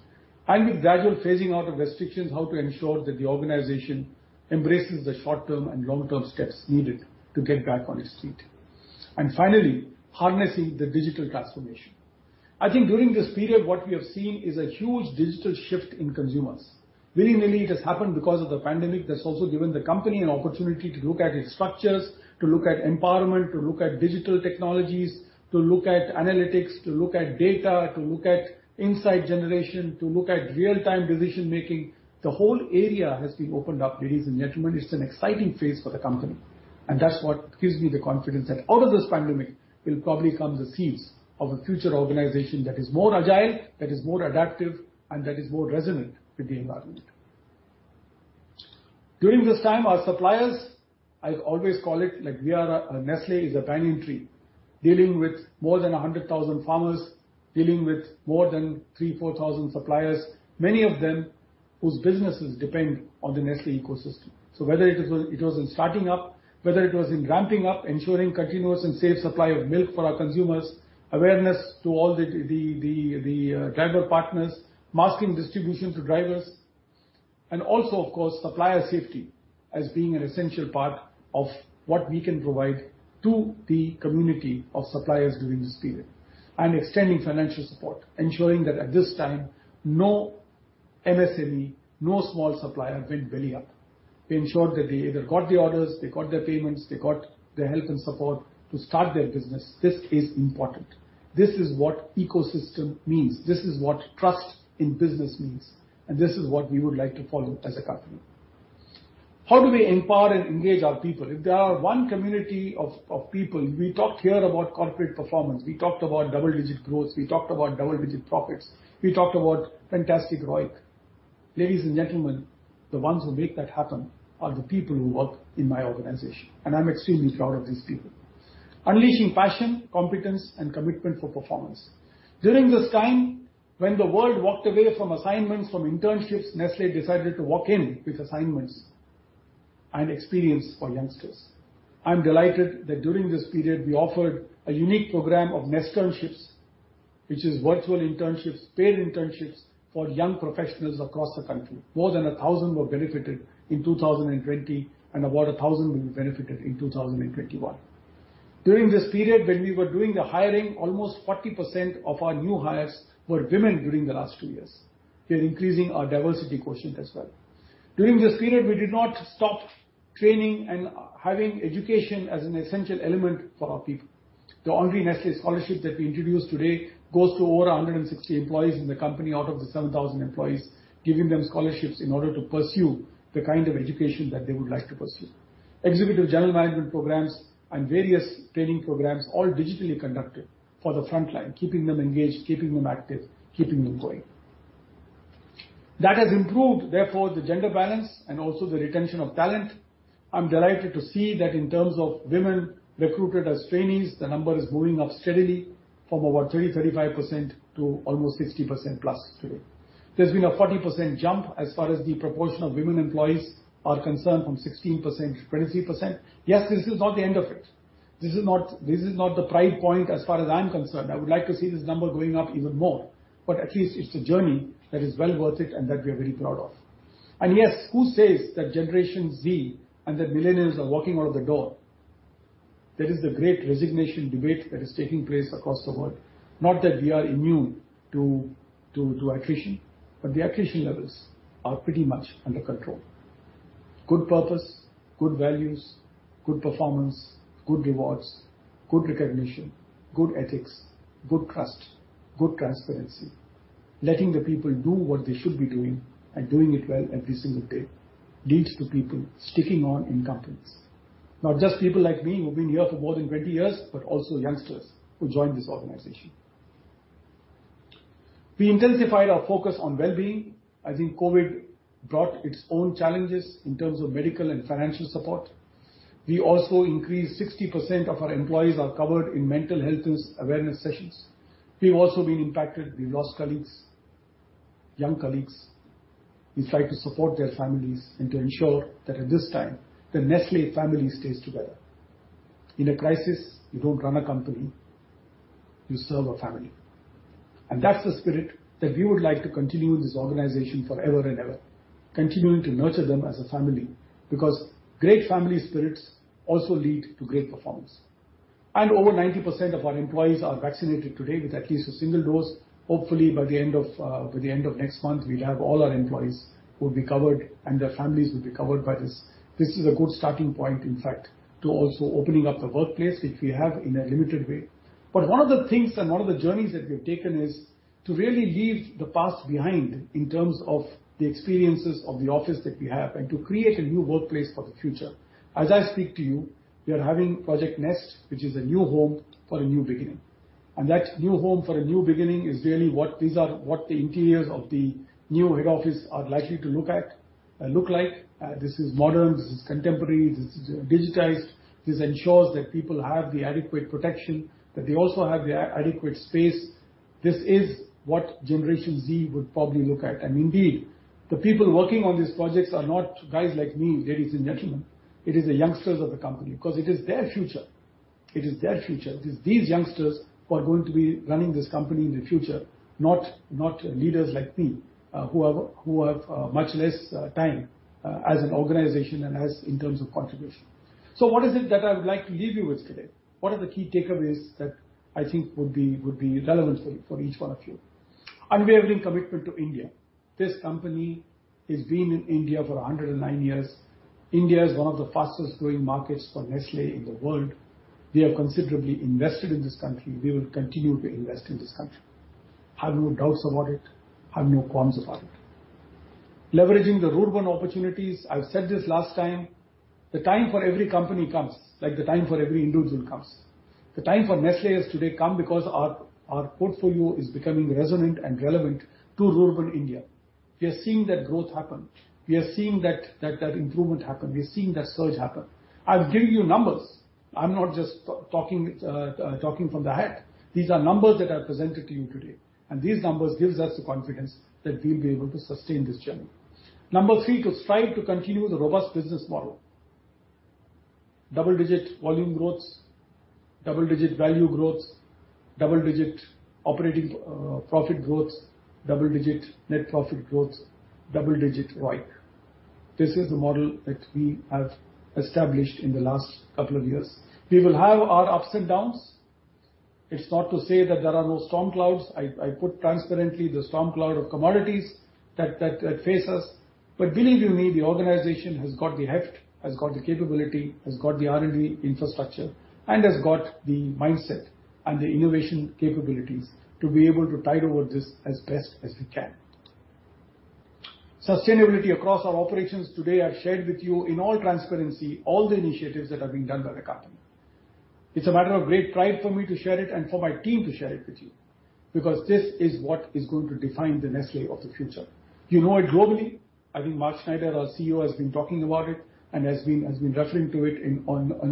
S2: With gradual phasing out of restrictions, how to ensure that the organization embraces the short-term and long-term steps needed to get back on its feet. Finally, harnessing the digital transformation. I think during this period, what we have seen is a huge digital shift in consumers. Very rarely it has happened because of the pandemic, that's also given the company an opportunity to look at its structures, to look at empowerment, to look at digital technologies, to look at analytics, to look at data, to look at insight generation, to look at real-time decision-making. The whole area has been opened up, ladies and gentlemen. It's an exciting phase for the company, that's what gives me the confidence that out of this pandemic will probably come the seeds of a future organization that is more agile, that is more adaptive, and that is more resonant with the environment. During this time, our suppliers, I always call it like Nestlé is a banyan tree, dealing with more than 100,000 farmers, dealing with more than 3,000-4,000 suppliers, many of them whose businesses depend on the Nestlé ecosystem. Whether it was in starting up, whether it was in ramping up, ensuring continuous and safe supply of milk for our consumers, awareness to all the driver partners, masking distribution to drivers. Also, of course, supplier safety as being an essential part of what we can provide to the community of suppliers during this period. Extending financial support, ensuring that at this time, no MSME, no small supplier went belly up. We ensured that they either got the orders, they got their payments, they got the help and support to start their business. This is important. This is what ecosystem means. This is what trust in business means. This is what we would like to follow as a company. How do we empower and engage our people? If there are one community of people, we talked here about corporate performance, we talked about double-digit growth, we talked about double-digit profits, we talked about fantastic ROIC. Ladies and gentlemen, the ones who make that happen are the people who work in my organization. I'm extremely proud of these people. Unleashing passion, competence, and commitment for performance. During this time, when the world walked away from assignments, from internships, Nestlé decided to walk in with assignments and experience for youngsters. I'm delighted that during this period we offered a unique program of Nesternships, which is virtual internships, paid internships for young professionals across the country. More than 1,000 were benefited in 2020. About 1,000 will be benefited in 2021. During this period, when we were doing the hiring, almost 40% of our new hires were women during the last two years. We are increasing our diversity quotient as well. During this period, we did not stop training and having education as an essential element for our people. The only Nestlé scholarship that we introduced today goes to over 160 employees in the company out of the 7,000 employees, giving them scholarships in order to pursue the kind of education that they would like to pursue. Executive general management programs and various training programs, all digitally conducted for the front line, keeping them engaged, keeping them active, keeping them going. That has improved, therefore, the gender balance and also the retention of talent. I'm delighted to see that in terms of women recruited as trainees, the number is moving up steadily from about 20%, 35% to almost 60%+ today. There's been a 40% jump as far as the proportion of women employees are concerned, from 16%-20%. This is not the end of it. This is not the pride point as far as I'm concerned. I would like to see this number going up even more, at least it's a journey that is well worth it and that we are very proud of. Who says that Generation Z and that millennials are walking out of the door? There is a great resignation debate that is taking place across the world. Not that we are immune to attrition, the attrition levels are pretty much under control. Good purpose, good values, good performance, good rewards, good recognition, good ethics, good trust, good transparency. Letting the people do what they should be doing and doing it well every single day leads to people sticking on in companies. Not just people like me, who've been here for more than 20 years, but also youngsters who join this organization. We intensified our focus on well-being. I think COVID brought its own challenges in terms of medical and financial support. We also increased 60% of our employees are covered in mental health awareness sessions. We've also been impacted. We've lost colleagues, young colleagues. We try to support their families and to ensure that at this time, the Nestlé family stays together. In a crisis, you don't run a company, you serve a family. That's the spirit that we would like to continue in this organization forever and ever, continuing to nurture them as a family, because great family spirits also lead to great performance. Over 90% of our employees are vaccinated today with at least a single dose. Hopefully, by the end of next month, we'll have all our employees will be covered and their families will be covered by this. This is a good starting point, in fact, to also opening up the workplace, which we have in a limited way. One of the things and one of the journeys that we've taken is to really leave the past behind in terms of the experiences of the office that we have, and to create a new workplace for the future. As I speak to you, we are having Project Nest, which is a new home for a new beginning. That new home for a new beginning is really these are what the interiors of the new head office are likely to look at, look like. This is modern, this is contemporary, this is digitized. This ensures that people have the adequate protection, that they also have the adequate space. This is what Generation Z would probably look at. Indeed, the people working on these projects are not guys like me, ladies and gentlemen. It is the youngsters of the company, because it is their future. It is their future. It is these youngsters who are going to be running this company in the future, not leaders like me, who have much less time as an organization and as in terms of contribution. What is it that I would like to leave you with today? What are the key takeaways that I think would be relevant for you, for each one of you? Unwavering commitment to India. This company has been in India for 109 years. India is one of the fastest growing markets for Nestlé in the world. We have considerably invested in this country. We will continue to invest in this country. I have no doubts about it. I have no qualms about it. Leveraging the rural opportunities, I've said this last time: the time for every company comes, like the time for every individual comes. The time for Nestlé has today come because our portfolio is becoming resonant and relevant to rural India. We are seeing that growth happen. We are seeing that improvement happen. We are seeing that surge happen. I've given you numbers. I'm not just talking from the hat. These are numbers that I've presented to you today, and these numbers gives us the confidence that we'll be able to sustain this journey. Number three, to strive to continue the robust business model. Double-digit volume growths, double-digit value growths, double-digit operating profit growths, double-digit net profit growths, double-digit ROIC. This is the model that we have established in the last couple of years. We will have our ups and downs. It's not to say that there are no storm clouds. I put transparently the storm cloud of commodities that face us. Believe you me, the organization has got the heft, has got the capability, has got the R&D infrastructure, and has got the mindset and the innovation capabilities to be able to tide over this as best as we can. Sustainability across our operations. Today, I've shared with you in all transparency, all the initiatives that are being done by the company. It's a matter of great pride for me to share it and for my team to share it with you, because this is what is going to define the Nestlé of the future. You know it globally. I think Mark Schneider, our CEO, has been talking about it and has been referring to it in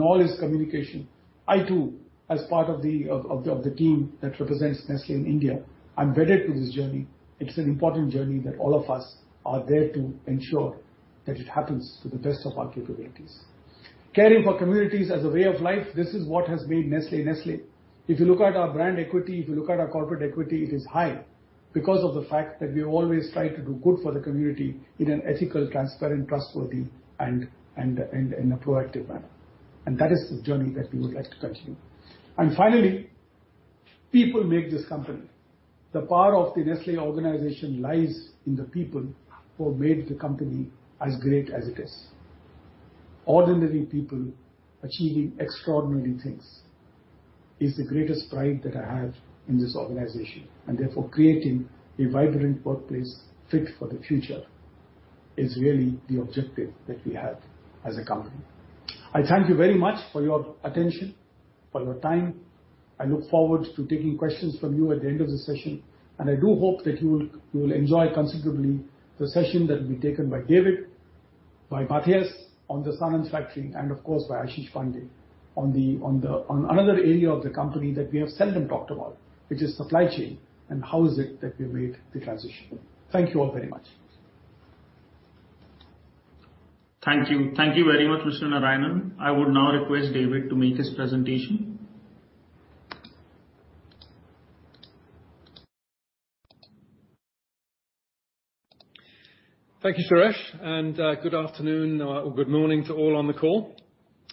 S2: all his communication. I, too, as part of the team that represents Nestlé India, I'm vetted to this journey. It's an important journey that all of us are there to ensure that it happens to the best of our capabilities. Caring for communities as a way of life, this is what has made Nestlé. If you look at our brand equity, if you look at our corporate equity, it is high because of the fact that we always try to do good for the community in an ethical, transparent, trustworthy and in a proactive manner. That is the journey that we would like to continue. Finally. People make this company. The power of the Nestlé organization lies in the people who have made the company as great as it is. Ordinary people achieving extraordinary things, is the greatest pride that I have in this organization, and therefore, creating a vibrant workplace fit for the future, is really the objective that we have as a company. I thank you very much for your attention, for your time. I look forward to taking questions from you at the end of the session, and I do hope that you will enjoy considerably the session that will be taken by David, by Matthias on the Sanand factory, and of course, by Ashish Pandey on another area of the company that we have seldom talked about, which is supply chain and how is it that we made the transition. Thank you all very much.
S1: Thank you. Thank you very much, Mr. Narayanan. I would now request David to make his presentation.
S4: Thank you, Suresh, good afternoon, or good morning to all on the call.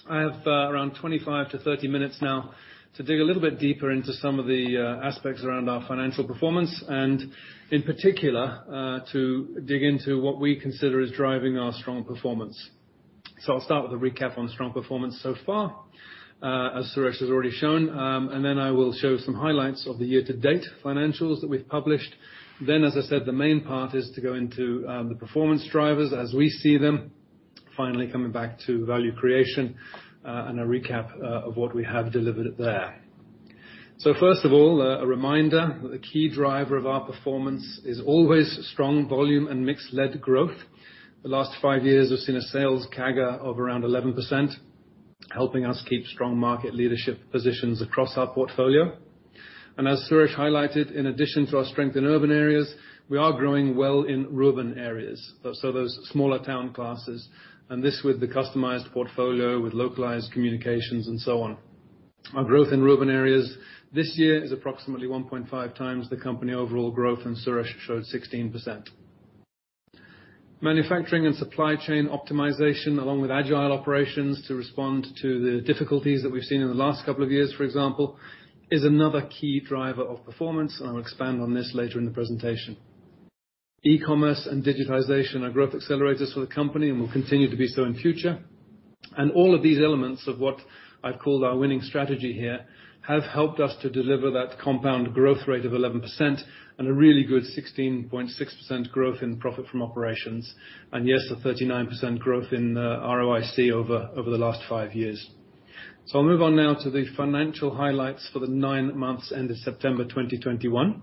S4: I have around 25-30 minutes now to dig a little bit deeper into some of the aspects around our financial performance, and in particular, to dig into what we consider is driving our strong performance. I'll start with a recap on strong performance so far, as Suresh has already shown, and then I will show some highlights of the year-to-date financials that we've published. As I said, the main part is to go into the performance drivers as we see them, finally coming back to value creation, and a recap of what we have delivered there. First of all, a reminder that the key driver of our performance is always strong volume and mix-led growth. The last five years, we've seen a sales CAGR of around 11%, helping us keep strong market leadership positions across our portfolio. As Suresh highlighted, in addition to our strength in urban areas, we are growing well in rural areas, so those smaller town classes, and this with the customized portfolio, with localized communications, and so on. Our growth in rural areas this year is approximately 1.5x the company overall growth, and Suresh showed 16%. Manufacturing and supply chain optimization, along with agile operations to respond to the difficulties that we've seen in the last couple of years, for example, is another key driver of performance, and I'll expand on this later in the presentation. E-commerce and digitization are growth accelerators for the company and will continue to be so in future. All of these elements of what I've called our winning strategy here, have helped us to deliver that compound growth rate of 11% and a really good 16.6% growth in profit from operations, and yes, a 39% growth in ROIC over the last five years. I'll move on now to the financial highlights for the nine months ended September 2021.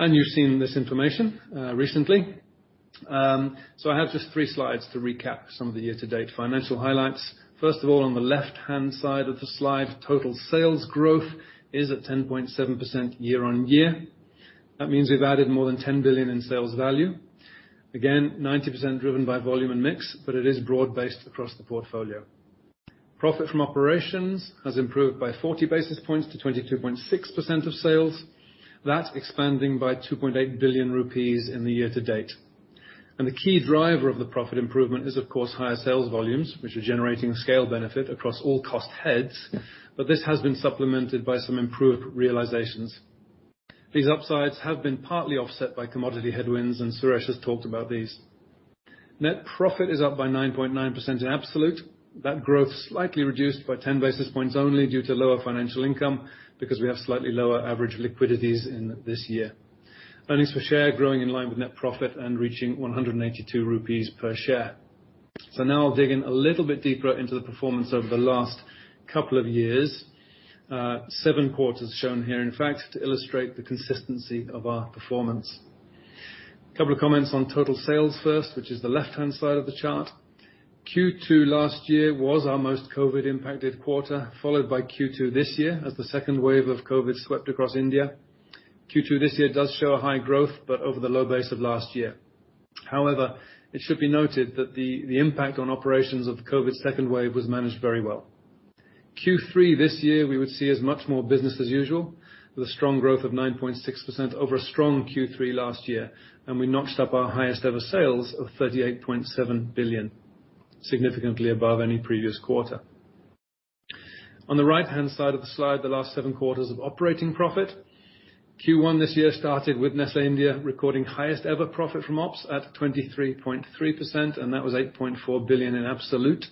S4: You've seen this information recently. I have just three slides to recap some of the year-to-date financial highlights. First of all, on the left-hand side of the slide, total sales growth is at 10.7% year-on-year. That means we've added more than 10 billion in sales value. Again, 90% driven by volume and mix, but it is broad-based across the portfolio. Profit from operations has improved by 40 basis points to 22.6% of sales. That's expanding by 2.8 billion rupees in the year to date. The key driver of the profit improvement is, of course, higher sales volumes, which are generating scale benefit across all cost heads, but this has been supplemented by some improved realizations. These upsides have been partly offset by commodity headwinds, and Suresh has talked about these. Net profit is up by 9.9% in absolute. That growth slightly reduced by 10 basis points only due to lower financial income, because we have slightly lower average liquidities in this year. Earnings per share growing in line with net profit and reaching 182 rupees per share. Now I'll dig in a little bit deeper into the performance over the last couple of years. Seven quarters shown here, in fact, to illustrate the consistency of our performance. A couple of comments on total sales first, which is the left-hand side of the chart. Q2 last year was our most COVID-impacted quarter, followed by Q2 this year, as the second wave of COVID swept across India. Q2 this year does show a high growth, but over the low base of last year. However, it should be noted that the impact on operations of the COVID second wave was managed very well. Q3 this year, we would see as much more business as usual, with a strong growth of 9.6% over a strong Q3 last year. We notched up our highest ever sales of 38.7 billion, significantly above any previous quarter. On the right-hand side of the slide, the last seven quarters of operating profit. Q1 this year started with Nestlé India recording highest ever profit from ops at 23.3%. That was 8.4 billion in absolute.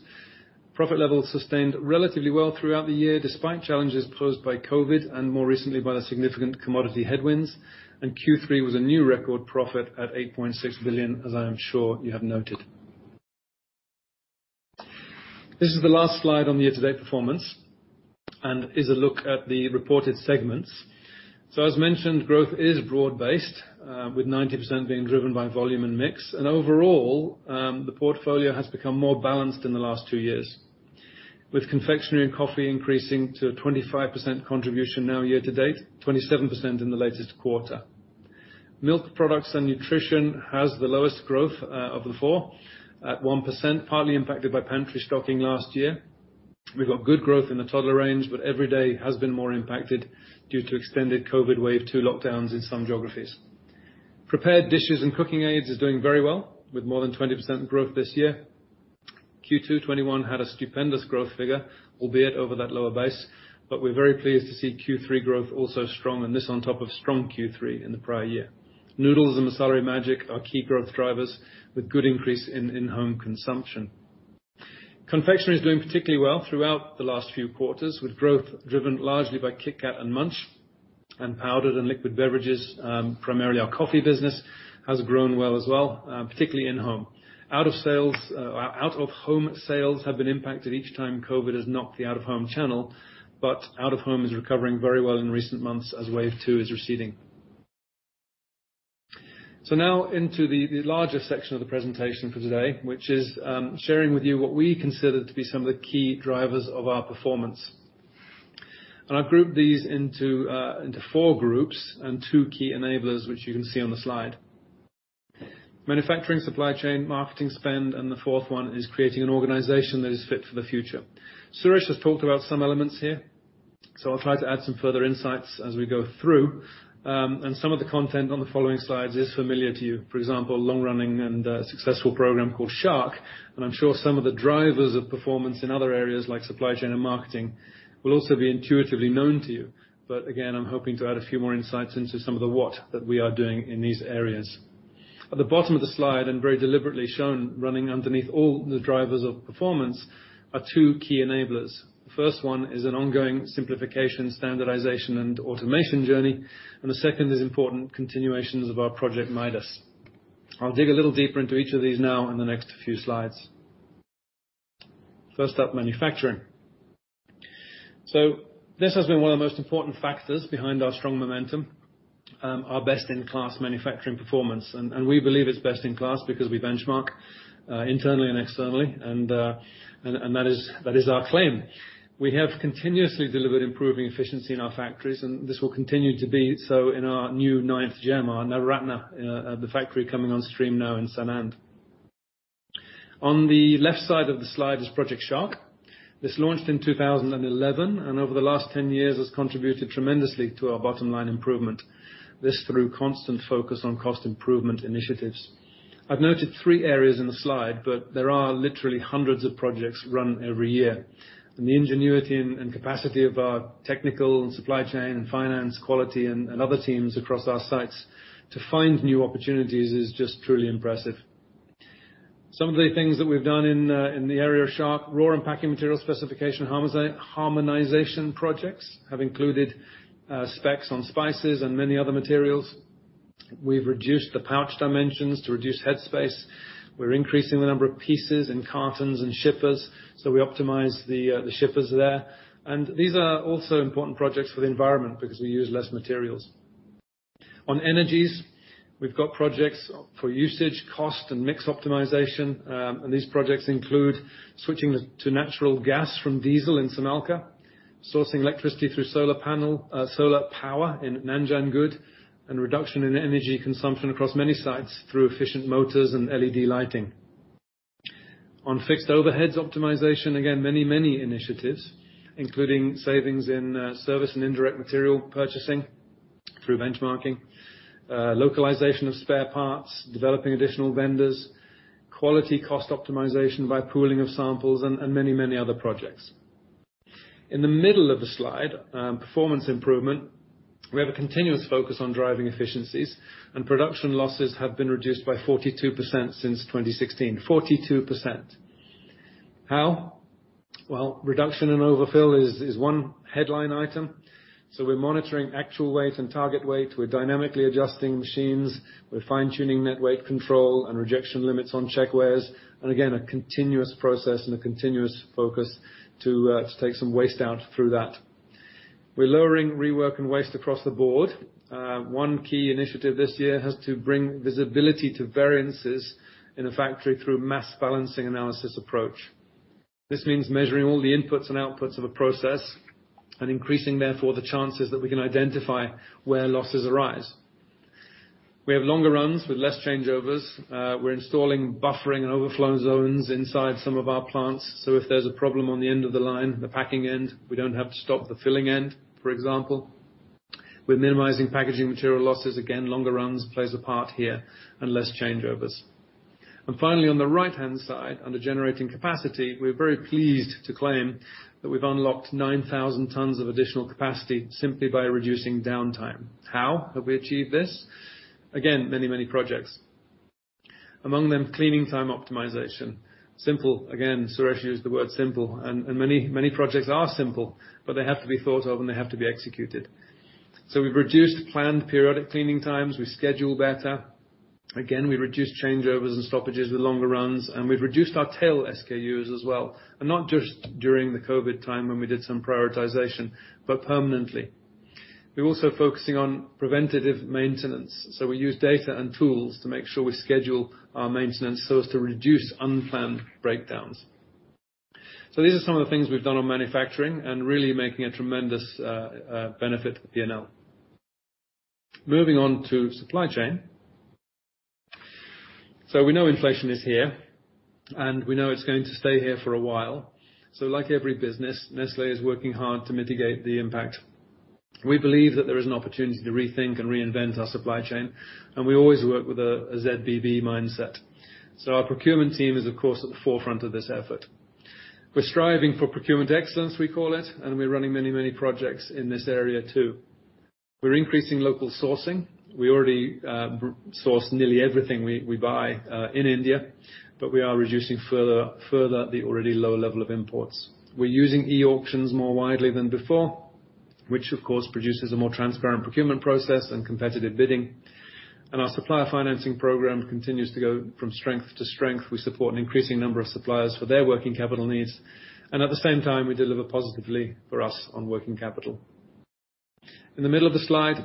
S4: Profit levels sustained relatively well throughout the year, despite challenges posed by COVID and more recently by the significant commodity headwinds. Q3 was a new record profit at 8.6 billion, as I am sure you have noted. This is the last slide on the year-to-date performance, and is a look at the reported segments. As mentioned, growth is broad-based, with 90% being driven by volume and mix. Overall, the portfolio has become more balanced in the last two years, with confectionery and coffee increasing to a 25% contribution now year to date, 27% in the latest quarter. Milk products and nutrition has the lowest growth of the four, at 1%, partly impacted by pantry stocking last year. We've got good growth in the toddler range, Everyday has been more impacted due to extended COVID wave two lockdowns in some geographies. Prepared dishes and cooking aids is doing very well, with more than 20% growth this year. Q2 2021 had a stupendous growth figure, albeit over that lower base, we're very pleased to see Q3 growth also strong, this on top of strong Q3 in the prior year. Noodles and Masala Magic are key growth drivers with good increase in in-home consumption. Confectionery is doing particularly well throughout the last few quarters, with growth driven largely by KitKat and Munch. Powdered and liquid beverages, primarily our coffee business, has grown well as well, particularly in-home. Out of sales, out-of-home sales have been impacted each time COVID has knocked the out-of-home channel, but out-of-home is recovering very well in recent months as wave two is receding. Now into the larger section of the presentation for today, which is sharing with you what we consider to be some of the key drivers of our performance. I've grouped these into four groups and two key enablers, which you can see on the slide. Manufacturing, supply chain, marketing spend, and the fourth one is creating an organization that is fit for the future. Suresh has talked about some elements here, so I'll try to add some further insights as we go through. Some of the content on the following slides is familiar to you. For example, long-running and successful program called Project Shark, I'm sure some of the drivers of performance in other areas like supply chain and marketing, will also be intuitively known to you. Again, I'm hoping to add a few more insights into some of the what that we are doing in these areas. At the bottom of the slide, very deliberately shown, running underneath all the drivers of performance, are two key enablers. The first one is an ongoing simplification, standardization, and automation journey. The second is important continuations of our Project Midas. I'll dig a little deeper into each of these now in the next few slides. First up, manufacturing. This has been one of the most important factors behind our strong momentum, our best-in-class manufacturing performance. We believe it's best in class because we benchmark internally and externally, and that is our claim. We have continuously delivered improving efficiency in our factories, and this will continue to be so in our new ninth gem, our Navarathna, the factory coming on stream now in Sanand. On the left side of the slide is Project Shark. This launched in 2011, over the last 10 years has contributed tremendously to our bottom line improvement. This through constant focus on cost improvement initiatives. I've noted three areas in the slide, but there are literally hundreds of projects run every year, and the ingenuity and capacity of our technical, and supply chain, and finance, quality, and other teams across our sites to find new opportunities is just truly impressive. Some of the things that we've done in the area of Shark, raw and packing material specification harmonization projects, have included specs on spices and many other materials. We've reduced the pouch dimensions to reduce head space. We're increasing the number of pieces in cartons and shippers, we optimize the shippers there. These are also important projects for the environment because we use less materials. On energies, we've got projects for usage, cost, and mix optimization. These projects include switching to natural gas from diesel in Samalkha, sourcing electricity through solar power in Nanjangud, and reduction in energy consumption across many sites through efficient motors and LED lighting. On fixed overheads optimization, again, many, many initiatives, including savings in service and indirect material purchasing through benchmarking, localization of spare parts, developing additional vendors, quality cost optimization by pooling of samples, and many, many other projects. In the middle of the slide, performance improvement, we have a continuous focus on driving efficiencies, and production losses have been reduced by 42% since 2016. 42%. How? Well, reduction in overfill is one headline item. We're monitoring actual weight and target weight. We're dynamically adjusting machines. We're fine-tuning net weight control and rejection limits on checkweighers. Again, a continuous process and a continuous focus to take some waste out through that. We're lowering rework and waste across the board. One key initiative this year has to bring visibility to variances in a factory through mass balancing analysis approach. This means measuring all the inputs and outputs of a process, increasing, therefore, the chances that we can identify where losses arise. We have longer runs with less changeovers. We're installing buffering and overflow zones inside some of our plants, so if there's a problem on the end of the line, the packing end, we don't have to stop the filling end, for example. We're minimizing packaging material losses. Again, longer runs plays a part here and less changeovers. Finally, on the right-hand side, under generating capacity, we're very pleased to claim that we've unlocked 9,000 tons of additional capacity simply by reducing downtime. How have we achieved this? Again, many projects, among them, cleaning time optimization. Simple. Again, Suresh used the word simple, and many projects are simple, but they have to be thought of, and they have to be executed. We've reduced planned periodic cleaning times. We schedule better. Again, we've reduced changeovers and stoppages with longer runs, and we've reduced our tail SKUs as well. Not just during the COVID time when we did some prioritization, but permanently. We're also focusing on preventative maintenance. We use data and tools to make sure we schedule our maintenance so as to reduce unplanned breakdowns. These are some of the things we've done on manufacturing and really making a tremendous benefit to the P&L. Moving on to supply chain. We know inflation is here, and we know it's going to stay here for a while. Like every business, Nestlé is working hard to mitigate the impact. We believe that there is an opportunity to rethink and reinvent our supply chain. We always work with a ZBB mindset. Our procurement team is, of course, at the forefront of this effort. We're striving for procurement excellence, we call it, and we're running many projects in this area, too. We're increasing local sourcing. We already source nearly everything we buy in India, we are reducing further the already low level of imports. We're using e-auctions more widely than before, which, of course, produces a more transparent procurement process and competitive bidding. Our supplier financing program continues to go from strength to strength. We support an increasing number of suppliers for their working capital needs, and at the same time, we deliver positively for us on working capital. In the middle of the slide,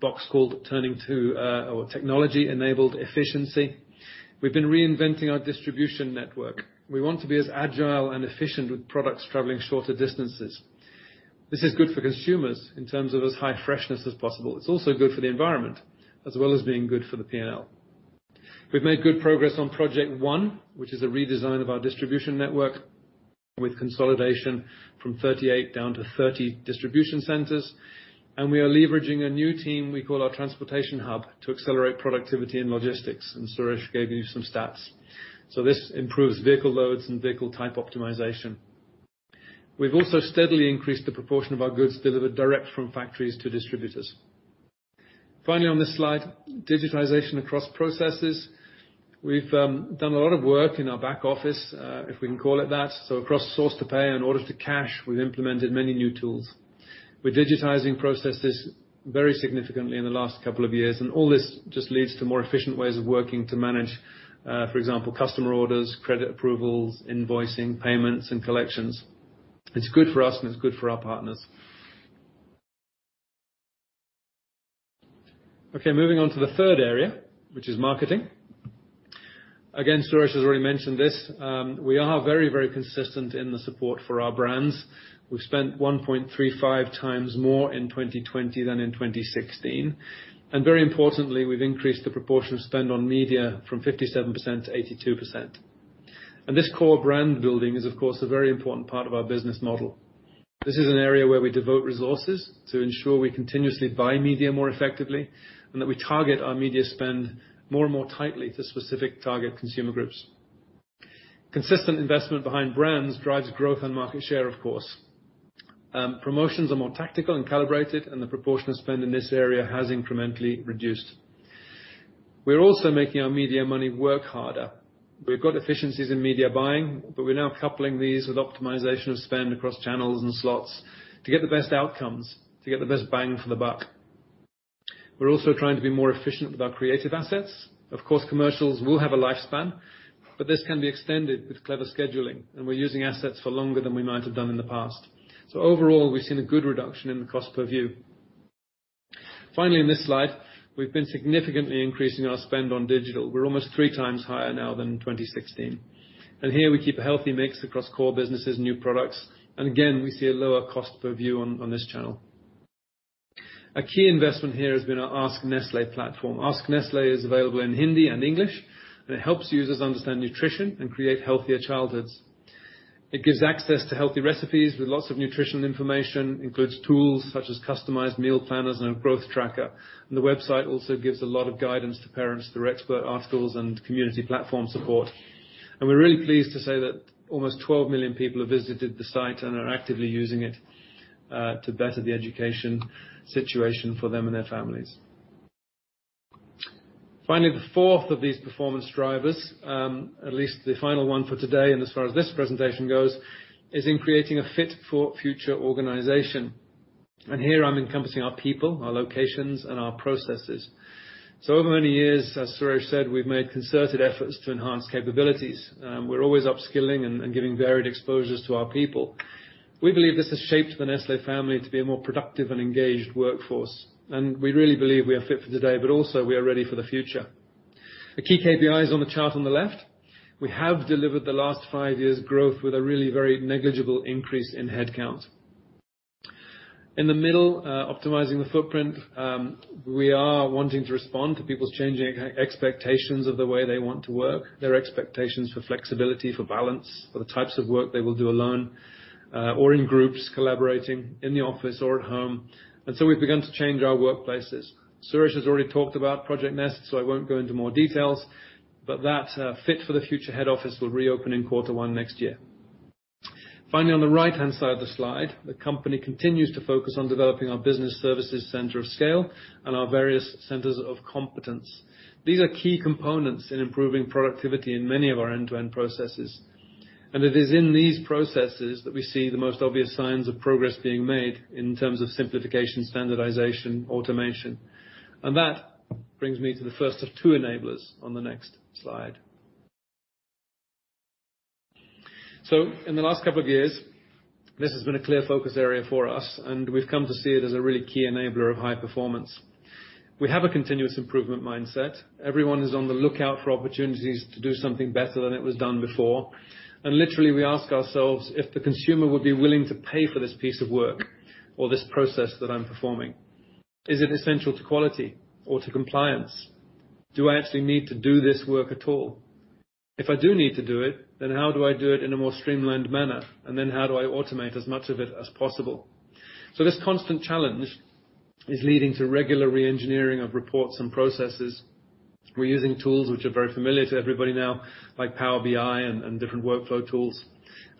S4: box called Turning to or Technology-Enabled Efficiency, we've been reinventing our distribution network. We want to be as agile and efficient, with products traveling shorter distances. This is good for consumers in terms of as high freshness as possible. It's also good for the environment, as well as being good for the P&L. We've made good progress on Project ONE, which is a redesign of our distribution network, with consolidation from 38 down to 30 distribution centers, and we are leveraging a new team we call our Transportation Hub, to accelerate productivity and logistics, and Suresh gave you some stats. This improves vehicle loads and vehicle type optimization. We've also steadily increased the proportion of our goods delivered direct from factories to distributors. Finally, on this slide, digitization across processes. We've done a lot of work in our back office, if we can call it that. Across source to pay and order to cash, we've implemented many new tools. We're digitizing processes very significantly in the last couple of years, and all this just leads to more efficient ways of working to manage, for example, customer orders, credit approvals, invoicing, payments, and collections. It's good for us, and it's good for our partners. Okay, moving on to the third area, which is marketing. Again, Suresh has already mentioned this, we are very, very consistent in the support for our brands. We've spent 1.35x more in 2020 than in 2016, and very importantly, we've increased the proportion spend on media from 57%-82%. This core brand building is, of course, a very important part of our business model. This is an area where we devote resources to ensure we continuously buy media more effectively, and that we target our media spend more and more tightly to specific target consumer groups. Consistent investment behind brands drives growth and market share, of course. Promotions are more tactical and calibrated, and the proportion of spend in this area has incrementally reduced. We're also making our media money work harder. We've got efficiencies in media buying, but we're now coupling these with optimization of spend across channels and slots to get the best outcomes, to get the best bang for the buck. We're also trying to be more efficient with our creative assets. Of course, commercials will have a lifespan, but this can be extended with clever scheduling, and we're using assets for longer than we might have done in the past. Overall, we've seen a good reduction in the cost per view. Finally, in this slide, we've been significantly increasing our spend on digital. We're almost three times higher now than in 2016, and here we keep a healthy mix across core businesses, new products, and again, we see a lower cost per view on this channel. A key investment here has been our AskNestlé platform. AskNestlé is available in Hindi and English, and it helps users understand nutrition and create healthier childhoods. It gives access to healthy recipes with lots of nutritional information, includes tools such as customized meal planners and a growth tracker. The website also gives a lot of guidance to parents through expert articles and community platform support. We're really pleased to say that almost 12 million people have visited the site and are actively using it to better the education situation for them and their families. Finally, the fourth of these performance drivers, at least the final one for today, and as far as this presentation goes, is in creating a fit-for-future organization. Here I'm encompassing our people, our locations, and our processes. Over many years, as Suresh said, we've made concerted efforts to enhance capabilities. We're always upskilling and giving varied exposures to our people. We believe this has shaped the Nestlé family to be a more productive and engaged workforce, and we really believe we are fit for today, but also we are ready for the future. The key KPIs on the chart on the left, we have delivered the last five years' growth with a really very negligible increase in headcount. In the middle, optimizing the footprint, we are wanting to respond to people's changing expectations of the way they want to work, their expectations for flexibility, for balance, for the types of work they will do alone, or in groups, collaborating in the office or at home. We've begun to change our workplaces. Suresh has already talked about Project Nest, so I won't go into more details, but that fit for the future head office will reopen in quarter one next year. Finally, on the right-hand side of the slide, the company continues to focus on developing our business services center of scale and our various centers of competence. These are key components in improving productivity in many of our end-to-end processes, and it is in these processes that we see the most obvious signs of progress being made in terms of simplification, standardization, automation. That brings me to the first of two enablers on the next slide. In the last couple of years, this has been a clear focus area for us, and we've come to see it as a really key enabler of high performance. We have a continuous improvement mindset. Everyone is on the lookout for opportunities to do something better than it was done before. Literally, we ask ourselves if the consumer would be willing to pay for this piece of work or this process that I'm performing. Is it essential to quality or to compliance? Do I actually need to do this work at all? If I do need to do it, then how do I do it in a more streamlined manner? How do I automate as much of it as possible? This constant challenge is leading to regular reengineering of reports and processes. We're using tools which are very familiar to everybody now, like Power BI and different workflow tools.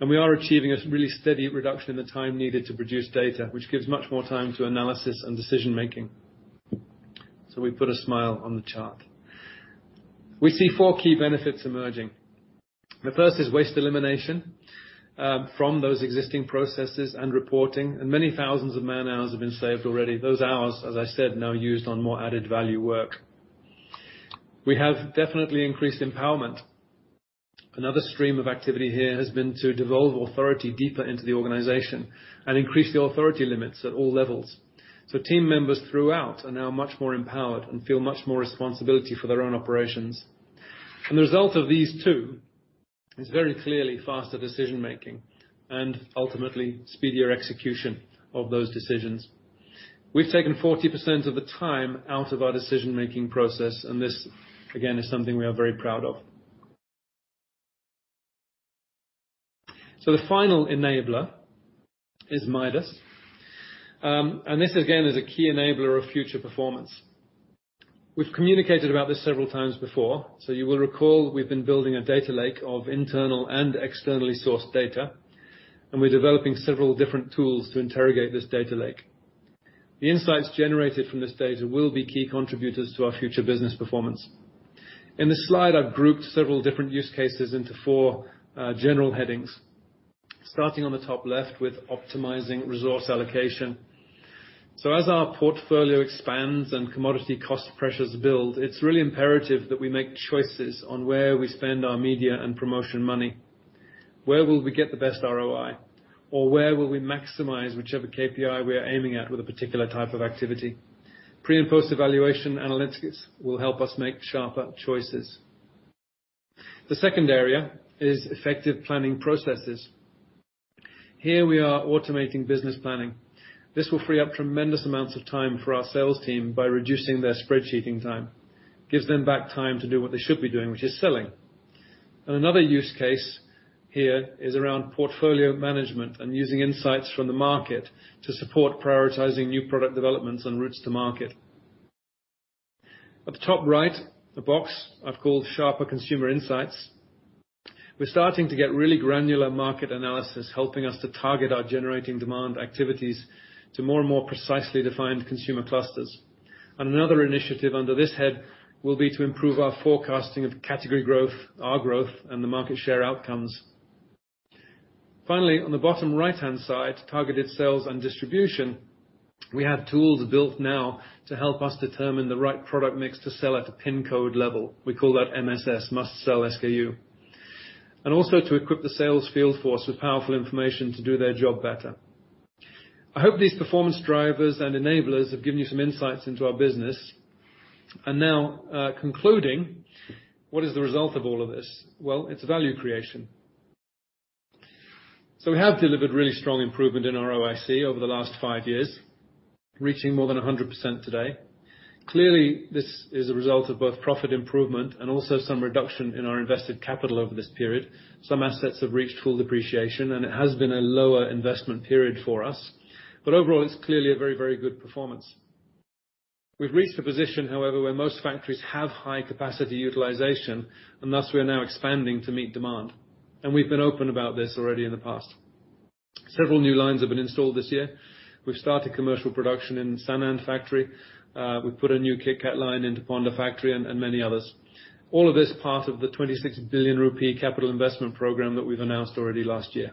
S4: We are achieving a really steady reduction in the time needed to produce data, which gives much more time to analysis and decision making. We put a smile on the chart. We see four key benefits emerging. The first is waste elimination from those existing processes and reporting. Many thousands of man-hours have been saved already. Those hours, as I said, now used on more added value work. We have definitely increased empowerment. Another stream of activity here has been to devolve authority deeper into the organization and increase the authority limits at all levels. Team members throughout are now much more empowered and feel much more responsibility for their own operations. The result of these two is very clearly faster decision making and ultimately speedier execution of those decisions. We've taken 40% of the time out of our decision-making process, and this, again, is something we are very proud of. The final enabler is Midas. This, again, is a key enabler of future performance. We've communicated about this several times before, so you will recall we've been building a data lake of internal and externally sourced data, and we're developing several different tools to interrogate this data lake. The insights generated from this data will be key contributors to our future business performance. In this slide, I've grouped several different use cases into four general headings, starting on the top left with optimizing resource allocation. As our portfolio expands and commodity cost pressures build, it's really imperative that we make choices on where we spend our media and promotion money. Where will we get the best ROI? Where will we maximize whichever KPI we are aiming at with a particular type of activity? Pre and post-evaluation analytics will help us make sharper choices. The second area is effective planning processes. Here we are automating business planning. This will free up tremendous amounts of time for our sales team by reducing their spreadsheeting time. Gives them back time to do what they should be doing, which is selling. Another use case here is around portfolio management and using insights from the market to support prioritizing new product developments and routes to market. At the top right, the box I've called Sharper Consumer Insights. We're starting to get really granular market analysis, helping us to target our generating demand activities to more and more precisely defined consumer clusters. Another initiative under this head will be to improve our forecasting of category growth, our growth, and the market share outcomes. Finally, on the bottom right-hand side, targeted sales and distribution, we have tools built now to help us determine the right product mix to sell at a pin code level. We call that MSS, Must Sell SKU, and also to equip the sales field force with powerful information to do their job better. I hope these performance drivers and enablers have given you some insights into our business. Concluding, what is the result of all of this? Well, it's value creation. We have delivered really strong improvement in our ROIC over the last five years, reaching more than 100% today. Clearly, this is a result of both profit improvement and also some reduction in our invested capital over this period. Some assets have reached full depreciation, and it has been a lower investment period for us, but overall, it's clearly a very, very good performance. We've reached a position, however, where most factories have high capacity utilization, and thus we are now expanding to meet demand. We've been open about this already in the past. Several new lines have been installed this year. We've started commercial production in Sanand factory. We've put a new KitKat line into Ponda factory and many others. All of this part of the 26 billion rupee capital investment program that we've announced already last year.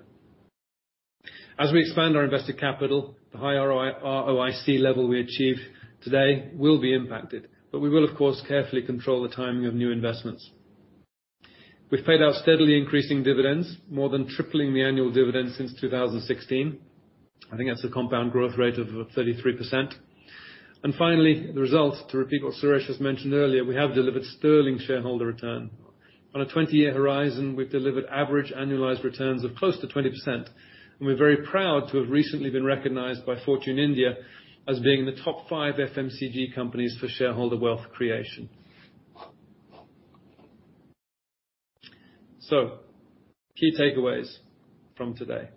S4: As we expand our invested capital, the high ROIC level we achieve today will be impacted, we will, of course, carefully control the timing of new investments. We've paid out steadily increasing dividends, more than tripling the annual dividends since 2016. I think that's a compound growth rate of 33%. Finally, the result, to repeat what Suresh has mentioned earlier, we have delivered sterling shareholder return. On a 20-year horizon, we've delivered average annualized returns of close to 20%, we're very proud to have recently been recognized by Fortune India as being in the top five FMCG companies for shareholder wealth creation. Key takeaways from today.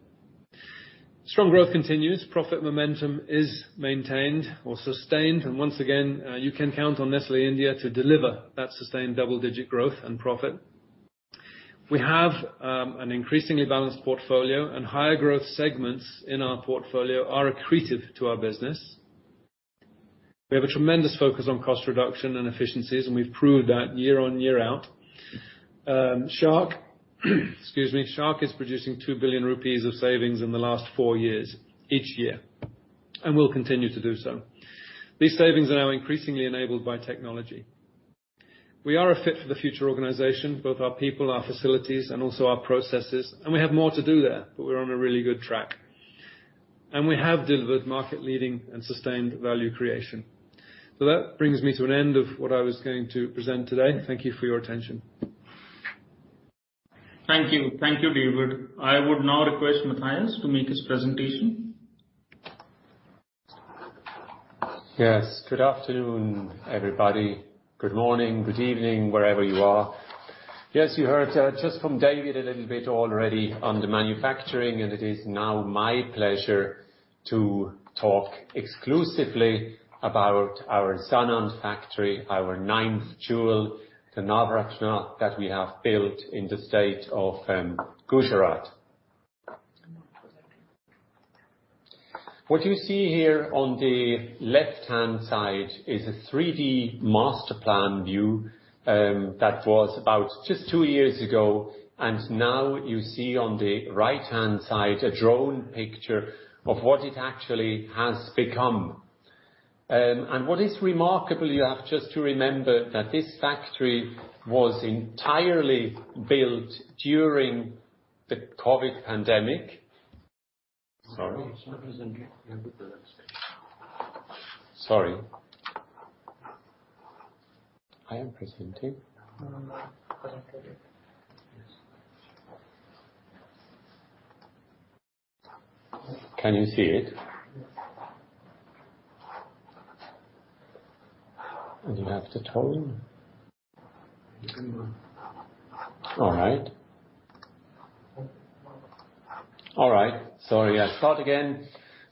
S4: Strong growth continues. Profit momentum is maintained or sustained. Once again, you can count on Nestlé India to deliver that sustained double-digit growth and profit. We have an increasingly balanced portfolio, and higher growth segments in our portfolio are accretive to our business. We have a tremendous focus on cost reduction and efficiencies, and we've proved that year in, year out. Project Shark, excuse me, Project Shark is producing 2 billion rupees of savings in the last four years, each year, and will continue to do so. These savings are now increasingly enabled by technology. We are a fit for the future organization, both our people, our facilities, and also our processes, and we have more to do there, but we're on a really good track. We have delivered market-leading and sustained value creation. That brings me to an end of what I was going to present today. Thank you for your attention.
S1: Thank you. Thank you, David. I would now request Matthias to make his presentation.
S5: Yes, good afternoon, everybody. Good morning, good evening, wherever you are. Yes, you heard just from David a little bit already on the manufacturing, and it is now my pleasure to talk exclusively about our Sanand factory, our ninth jewel, the Navarathna, that we have built in the state of Gujarat. What you see here on the left-hand side is a 3D master plan view that was about just two years ago, and now you see on the right-hand side, a drone picture of what it actually has become. What is remarkable, you have just to remember that this factory was entirely built during the COVID pandemic. Sorry?
S6: It's not presenting. You have to-
S5: Sorry. I am presenting.
S6: No, no.
S5: Can you see it?
S6: Yes.
S5: You have the tone?
S6: Mm-hmm.
S5: All right. All right. Sorry, I start again.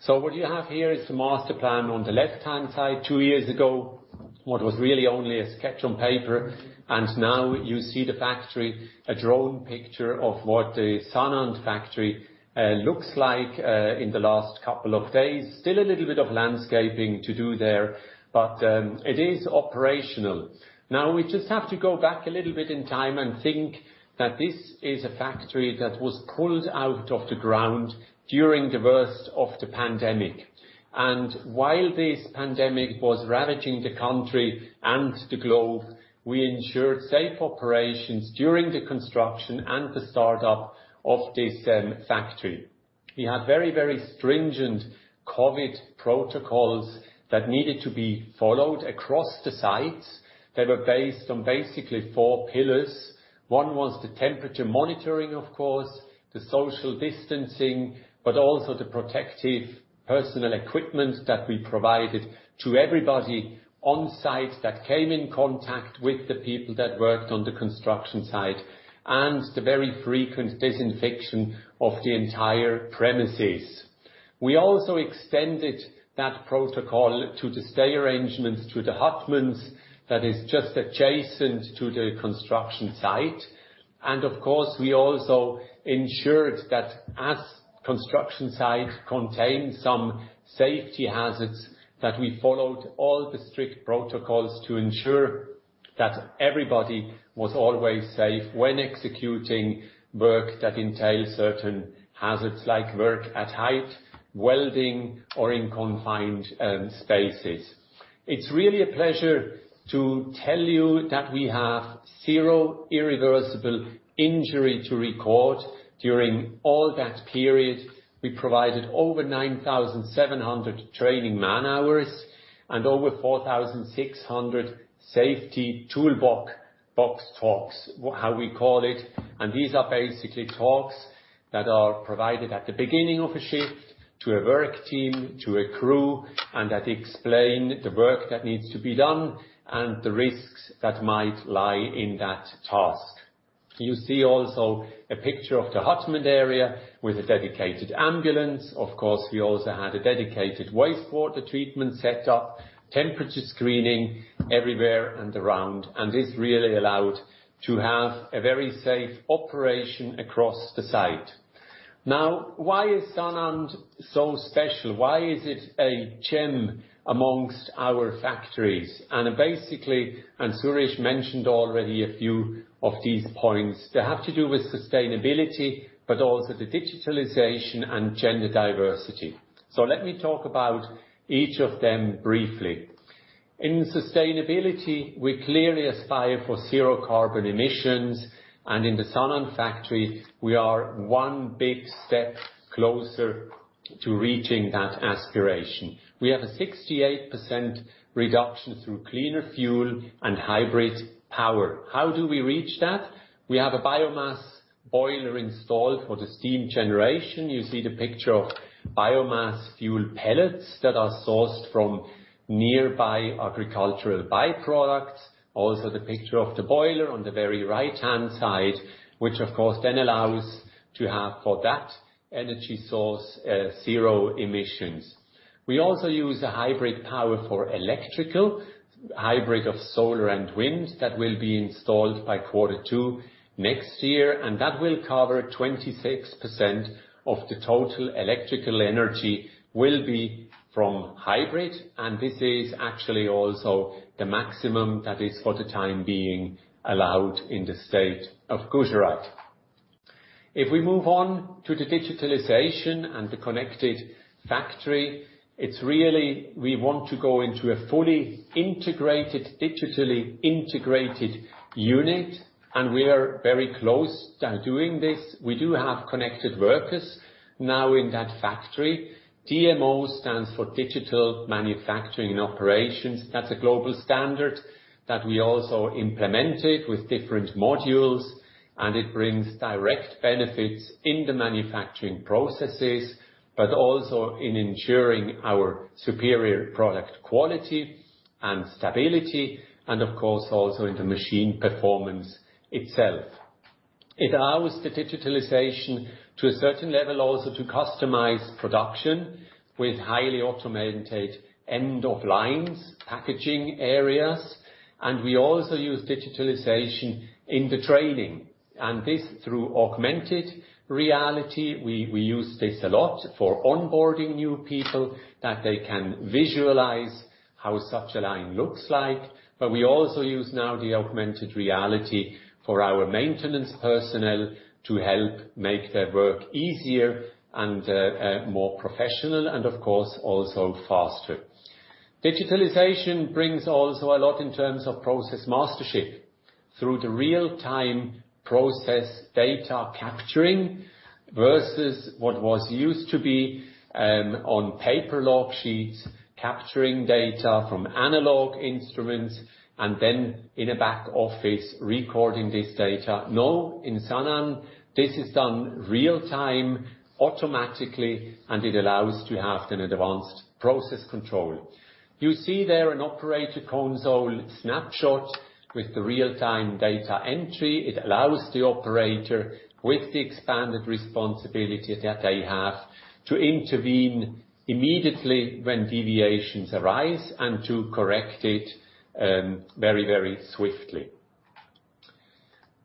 S5: What you have here is the master plan on the left-hand side, two years ago, what was really only a sketch on paper, and now you see the factory, a drone picture of what the Sanand factory looks like in the last couple of days. Still a little bit of landscaping to do there, it is operational. We just have to go back a little bit in time and think that this is a factory that was pulled out of the ground during the worst of the pandemic. While this pandemic was ravaging the country and the globe, we ensured safe operations during the construction and the startup of this factory. We had very stringent COVID protocols that needed to be followed across the sites. They were based on basically four pillars. One was the temperature monitoring, of course, the social distancing, but also the protective personal equipment that we provided to everybody on site that came in contact with the people that worked on the construction site, and the very frequent disinfection of the entire premises. We also extended that protocol to the stay arrangements, to the hutments, that is just adjacent to the construction site. Of course, we also ensured that as construction site contained some safety hazards, that we followed all the strict protocols to ensure that everybody was always safe when executing work that entails certain hazards, like work at height, welding, or in confined spaces. It's really a pleasure to tell you that we have 0 irreversible injury to record during all that period. We provided over 9,700 training man-hours, and over 4,600 safety toolbox talks, how we call it, and these are basically talks that are provided at the beginning of a shift to a work team, to a crew, and that explain the work that needs to be done and the risks that might lie in that task. You see also a picture of the hutment area with a dedicated ambulance. Of course, we also had a dedicated wastewater treatment set up, temperature screening everywhere and around, and this really allowed to have a very safe operation across the site. Now, why is Sanand so special? Why is it a gem amongst our factories? Basically, and Suresh mentioned already a few of these points, they have to do with sustainability, but also the digitalization and gender diversity. Let me talk about each of them briefly. In sustainability, we clearly aspire for zero carbon emissions, and in the Sanand factory, we are one big step closer to reaching that aspiration. We have a 68% reduction through cleaner fuel and hybrid power. How do we reach that? We have a biomass boiler installed for the steam generation. You see the picture of biomass fuel pellets that are sourced from nearby agricultural byproducts. Also, the picture of the boiler on the very right-hand side, which of course, then allows to have, for that energy source, zero emissions. We also use a hybrid power for electrical. Hybrid of solar and wind that will be installed by Q2 next year, that will cover 26% of the total electrical energy will be from hybrid, this is actually also the maximum that is, for the time being, allowed in the state of Gujarat. If we move on to the digitalization and the connected factory, it's really. We want to go into a fully integrated, digitally integrated unit, we are very close to doing this. We do have connected workers now in that factory. DMO stands for Digital Manufacturing and Operations. That's a global standard that we also implemented with different modules, it brings direct benefits in the manufacturing processes, also in ensuring our superior product quality and stability, of course, also in the machine performance itself. It allows the digitalization to a certain level, also to customize production with highly automated end of lines, packaging areas. We also use digitalization in the training, and this through augmented reality. We use this a lot for onboarding new people, that they can visualize how such a line looks like. We also use now the augmented reality for our maintenance personnel to help make their work easier and more professional, and of course, also faster. Digitalization brings also a lot in terms of process mastership through the real-time process data capturing, versus what was used to be on paper log sheets, capturing data from analog instruments, and then in a back office, recording this data. In Sanand, this is done real time, automatically, and it allows to have an advanced process control. You see there an operator console snapshot with the real-time data entry. It allows the operator, with the expanded responsibility that they have, to intervene immediately when deviations arise, and to correct it very, very swiftly.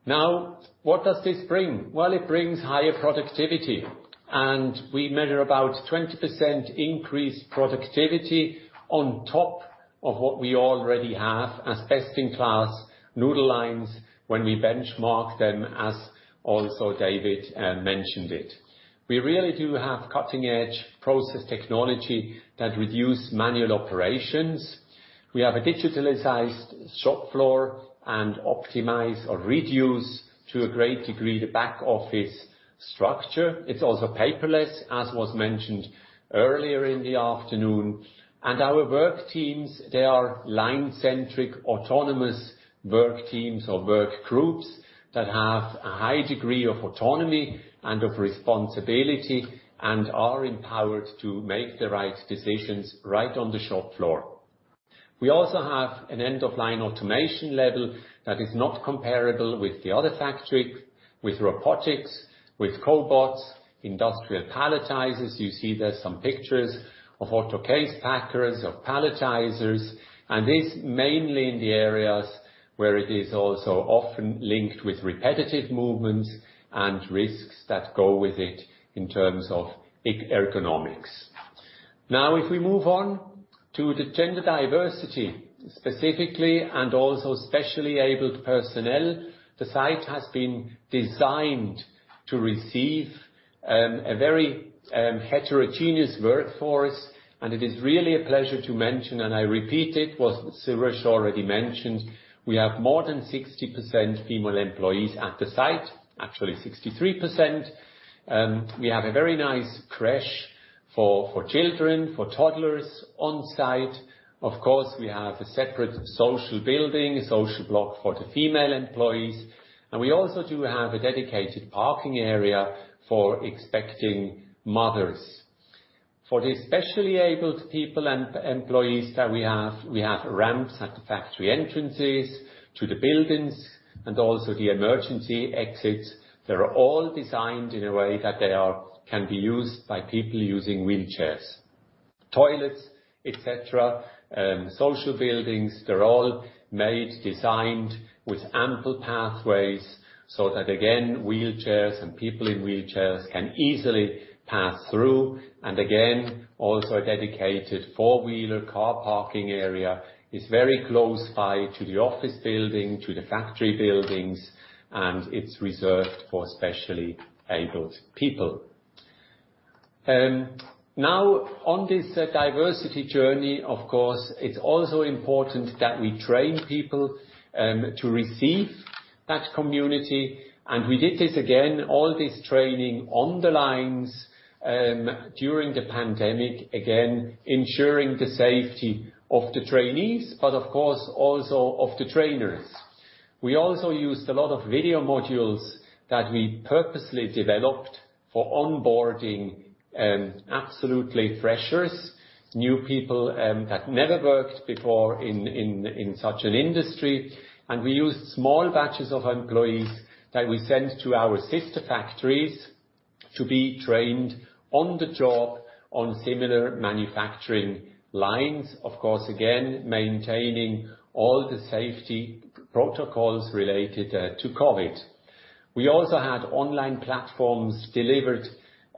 S5: What does this bring? It brings higher productivity, and we measure about 20% increased productivity on top of what we already have as best-in-class noodle lines when we benchmark them, as also David mentioned it. We really do have cutting-edge process technology that reduce manual operations. We have a digitalized shop floor and optimize or reduce, to a great degree, the back office structure. It's also paperless, as was mentioned earlier in the afternoon. Our work teams, they are line-centric, autonomous work teams or work groups that have a high degree of autonomy and of responsibility, and are empowered to make the right decisions right on the shop floor. We also have an end-of-line automation level that is not comparable with the other factory, with robotics, with cobots, industrial palletizers. You see there some pictures of auto case packers, of palletizers, and this mainly in the areas where it is also often linked with repetitive movements and risks that go with it in terms of ergonomics. If we move on to the gender diversity, specifically, and also specially abled personnel, the site has been designed to receive a very heterogeneous workforce, and it is really a pleasure to mention, and I repeat it, what Suresh already mentioned: we have more than 60% female employees at the site, actually 63%. We have a very nice creche for children, for toddlers on site. Of course, we have a separate social building, a social block for the female employees, and we also do have a dedicated parking area for expecting mothers. For the specially abled people and employees that we have, we have ramps at the factory entrances to the buildings and also the emergency exits. They're all designed in a way that can be used by people using wheelchairs. Toilets, et cetera, social buildings, they're all made, designed with ample pathways so that, again, wheelchairs and people in wheelchairs can easily pass through. Again, also a dedicated four-wheeler car parking area is very close by to the office building, to the factory buildings, and it's reserved for specially abled people. Now, on this diversity journey, of course, it's also important that we train people to receive that community. We did this, again, all this training on the lines during the pandemic, again, ensuring the safety of the trainees, but of course, also of the trainers. We also used a lot of video modules that we purposely developed for onboarding, absolutely freshers, new people that never worked before in such an industry. We used small batches of employees that we sent to our sister factories to be trained on the job on similar manufacturing lines. Again, maintaining all the safety protocols related to COVID. We also had online platforms delivered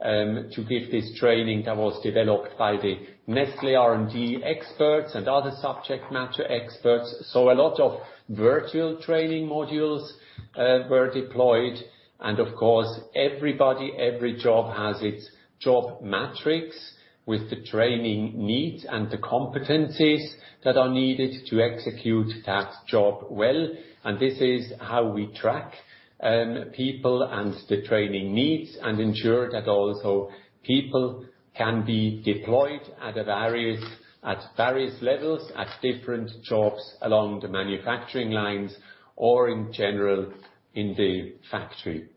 S5: to give this training that was developed by the Nestlé R&D experts and other subject matter experts. A lot of virtual training modules were deployed. Of course, everybody, every job has its job matrix with the training needs and the competencies that are needed to execute that job well. This is how we track people and the training needs, and ensure that also people can be deployed at various levels, at different jobs along the manufacturing lines or in general, in the factory.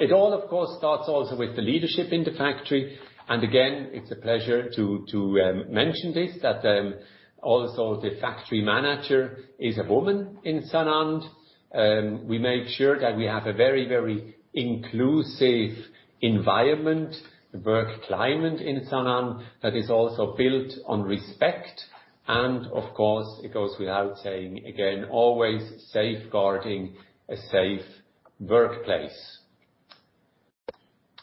S5: It all, of course, starts also with the leadership in the factory. Again, it's a pleasure to mention this, that also the factory manager is a woman in Sanand. We make sure that we have a very inclusive environment, the work climate in Sanand, that is also built on respect, and of course, it goes without saying, again, always safeguarding a safe workplace.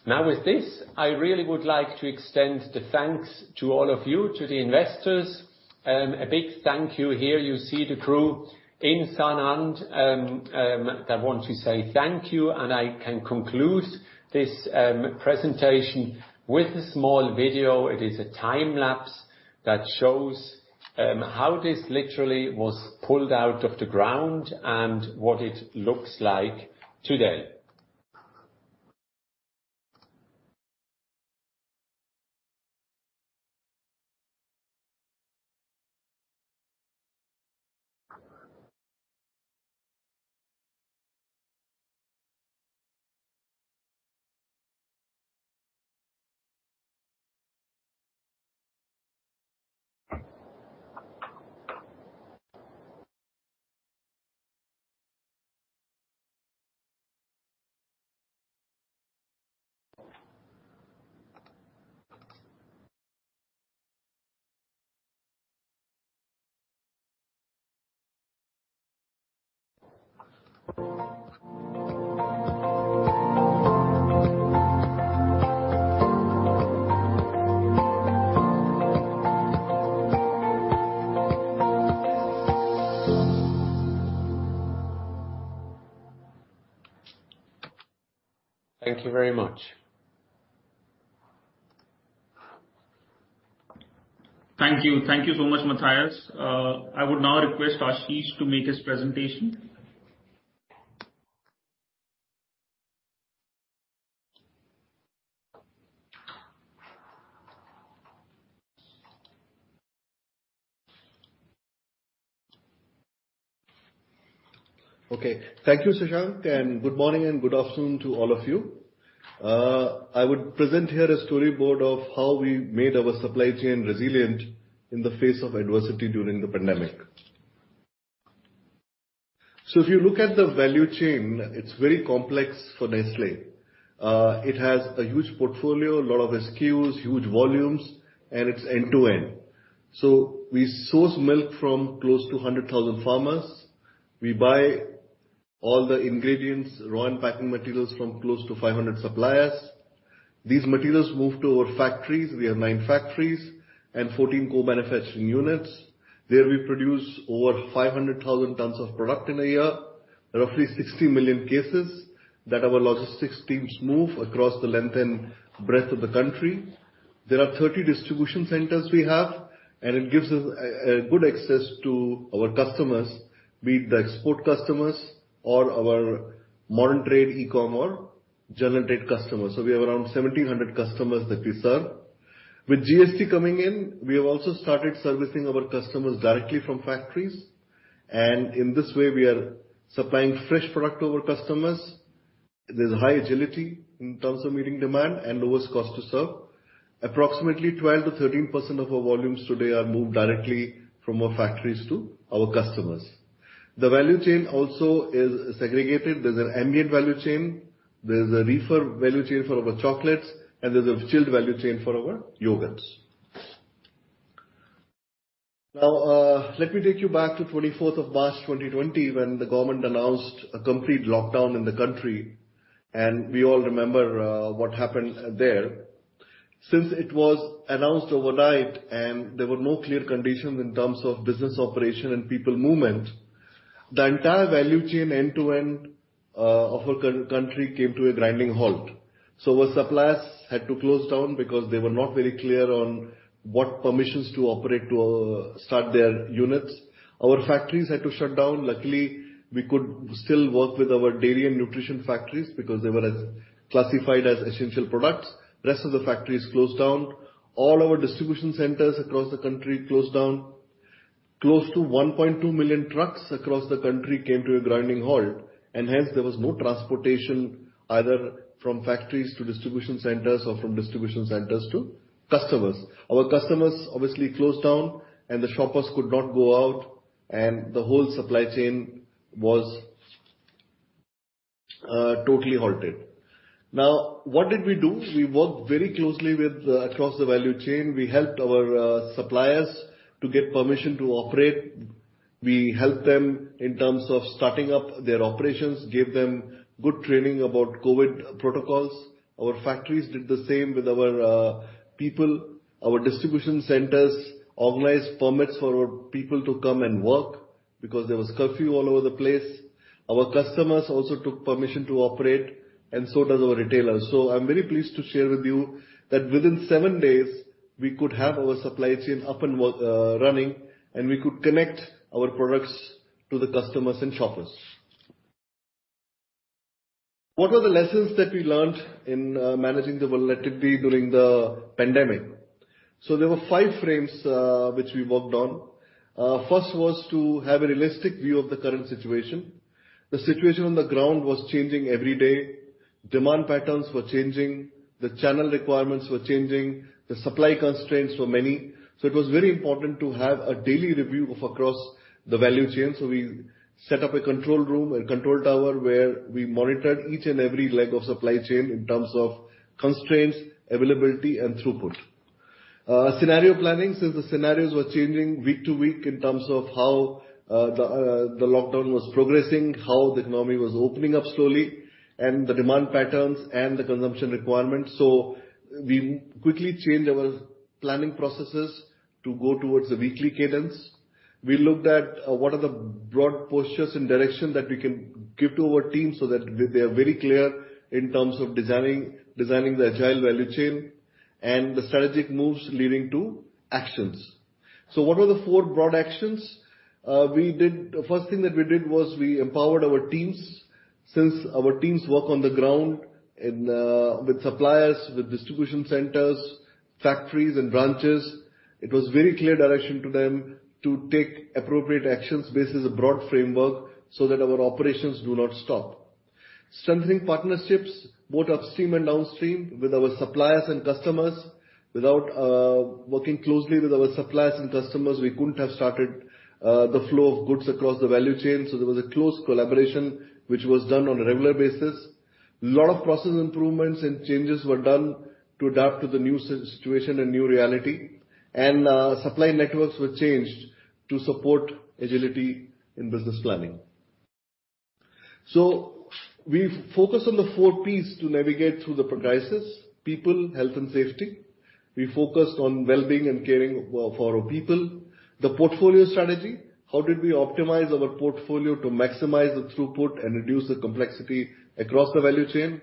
S5: Now, with this, I really would like to extend the thanks to all of you, to the investors. A big thank you here. You see the crew in Sanand that want to say thank you, and I can conclude this presentation with a small video. It is a time lapse that shows how this literally was pulled out of the ground and what it looks like today. Thank you very much.
S1: Thank you. Thank you so much, Matthias. I would now request Ashish to make his presentation.
S7: Okay. Thank you, Shashank, good morning and good afternoon to all of you. I would present here a storyboard of how we made our supply chain resilient in the face of adversity during the pandemic. If you look at the value chain, it's very complex for Nestlé. It has a huge portfolio, a lot of SKUs, huge volumes, and it's end-to-end. We source milk from close to 100,000 farmers. We buy all the ingredients, raw and packing materials, from close to 500 suppliers. These materials move to our factories. We have nine factories and 14 co-manufacturing units. There we produce over 500,000 tons of product in a year, roughly 60 million cases, that our logistics teams move across the length and breadth of the country. There are 30 distribution centers we have. It gives us a good access to our customers, be it the export customers or our modern trade, e-commerce, general trade customers. We have around 1,700 customers that we serve. With GST coming in, we have also started servicing our customers directly from factories, and in this way, we are supplying fresh product to our customers. There's high agility in terms of meeting demand and lowest cost to serve. Approximately 12%-13% of our volumes today are moved directly from our factories to our customers. The value chain also is segregated. There's an ambient value chain, there's a reefer value chain for our chocolates, and there's a chilled value chain for our yogurts. Let me take you back to 24th of March 2020, when the government announced a complete lockdown in the country, and we all remember what happened there. Since it was announced overnight and there were no clear conditions in terms of business operation and people movement, the entire value chain, end-to-end, of our country came to a grinding halt. Our suppliers had to close down because they were not very clear on what permissions to operate to start their units. Our factories had to shut down. Luckily, we could still work with our dairy and nutrition factories because they were classified as essential products. The rest of the factories closed down. All our distribution centers across the country closed down. Close to 1.2 million trucks across the country came to a grinding halt, and hence, there was no transportation, either from factories to distribution centers or from distribution centers to customers. Our customers obviously closed down, and the shoppers could not go out, and the whole supply chain was totally halted. Now, what did we do? We worked very closely with across the value chain. We helped our suppliers to get permission to operate. We helped them in terms of starting up their operations, gave them good training about COVID protocols. Our factories did the same with our people. Our distribution centers organized permits for our people to come and work, because there was curfew all over the place. Our customers also took permission to operate, and so does our retailers. I'm very pleased to share with you that within seven days, we could have our supply chain up and work, running, and we could connect our products to the customers and shoppers. What were the lessons that we learned in managing the volatility during the pandemic? There were five frames, which we worked on. First was to have a realistic view of the current situation. The situation on the ground was changing every day. Demand patterns were changing, the channel requirements were changing, the supply constraints were many. It was very important to have a daily review of across the value chain. We set up a control room, a control tower, where we monitored each and every leg of supply chain in terms of constraints, availability, and throughput. Scenario planning. Since the scenarios were changing week to week in terms of how the lockdown was progressing, how the economy was opening up slowly, and the demand patterns and the consumption requirements. We quickly changed our planning processes to go towards a weekly cadence. We looked at what are the broad postures and direction that we can give to our team, so that they are very clear in terms of designing the agile value chain and the strategic moves leading to actions. What are the four broad actions? The first thing that we did was we empowered our teams. Since our teams work on the ground in with suppliers, with distribution centers, factories and branches, it was very clear direction to them to take appropriate actions based as a broad framework, so that our operations do not stop. Strengthening partnerships, both upstream and downstream, with our suppliers and customers. Without working closely with our suppliers and customers, we couldn't have started the flow of goods across the value chain. There was a close collaboration, which was done on a regular basis. A lot of process improvements and changes were done to adapt to the new situation and new reality, and supply networks were changed to support agility in business planning. We focus on the four Ps to navigate through the crisis. People, health, and safety. We focused on well-being and caring for our people. The portfolio strategy. How did we optimize our portfolio to maximize the throughput and reduce the complexity across the value chain?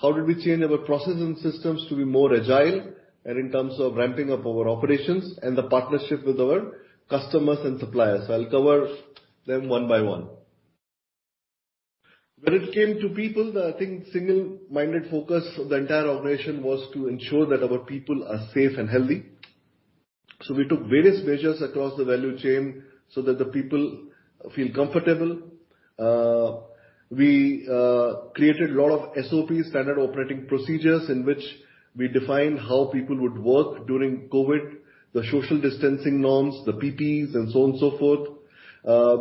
S7: How did we change our processes and systems to be more agile and in terms of ramping up our operations and the partnership with our customers and suppliers? I'll cover them one by one. When it came to people, I think single-minded focus of the entire operation was to ensure that our people are safe and healthy. We took various measures across the value chain so that the people feel comfortable. We created a lot of SOP, standard operating procedures, in which we defined how people would work during COVID, the social distancing norms, the PPEs, and so on and so forth.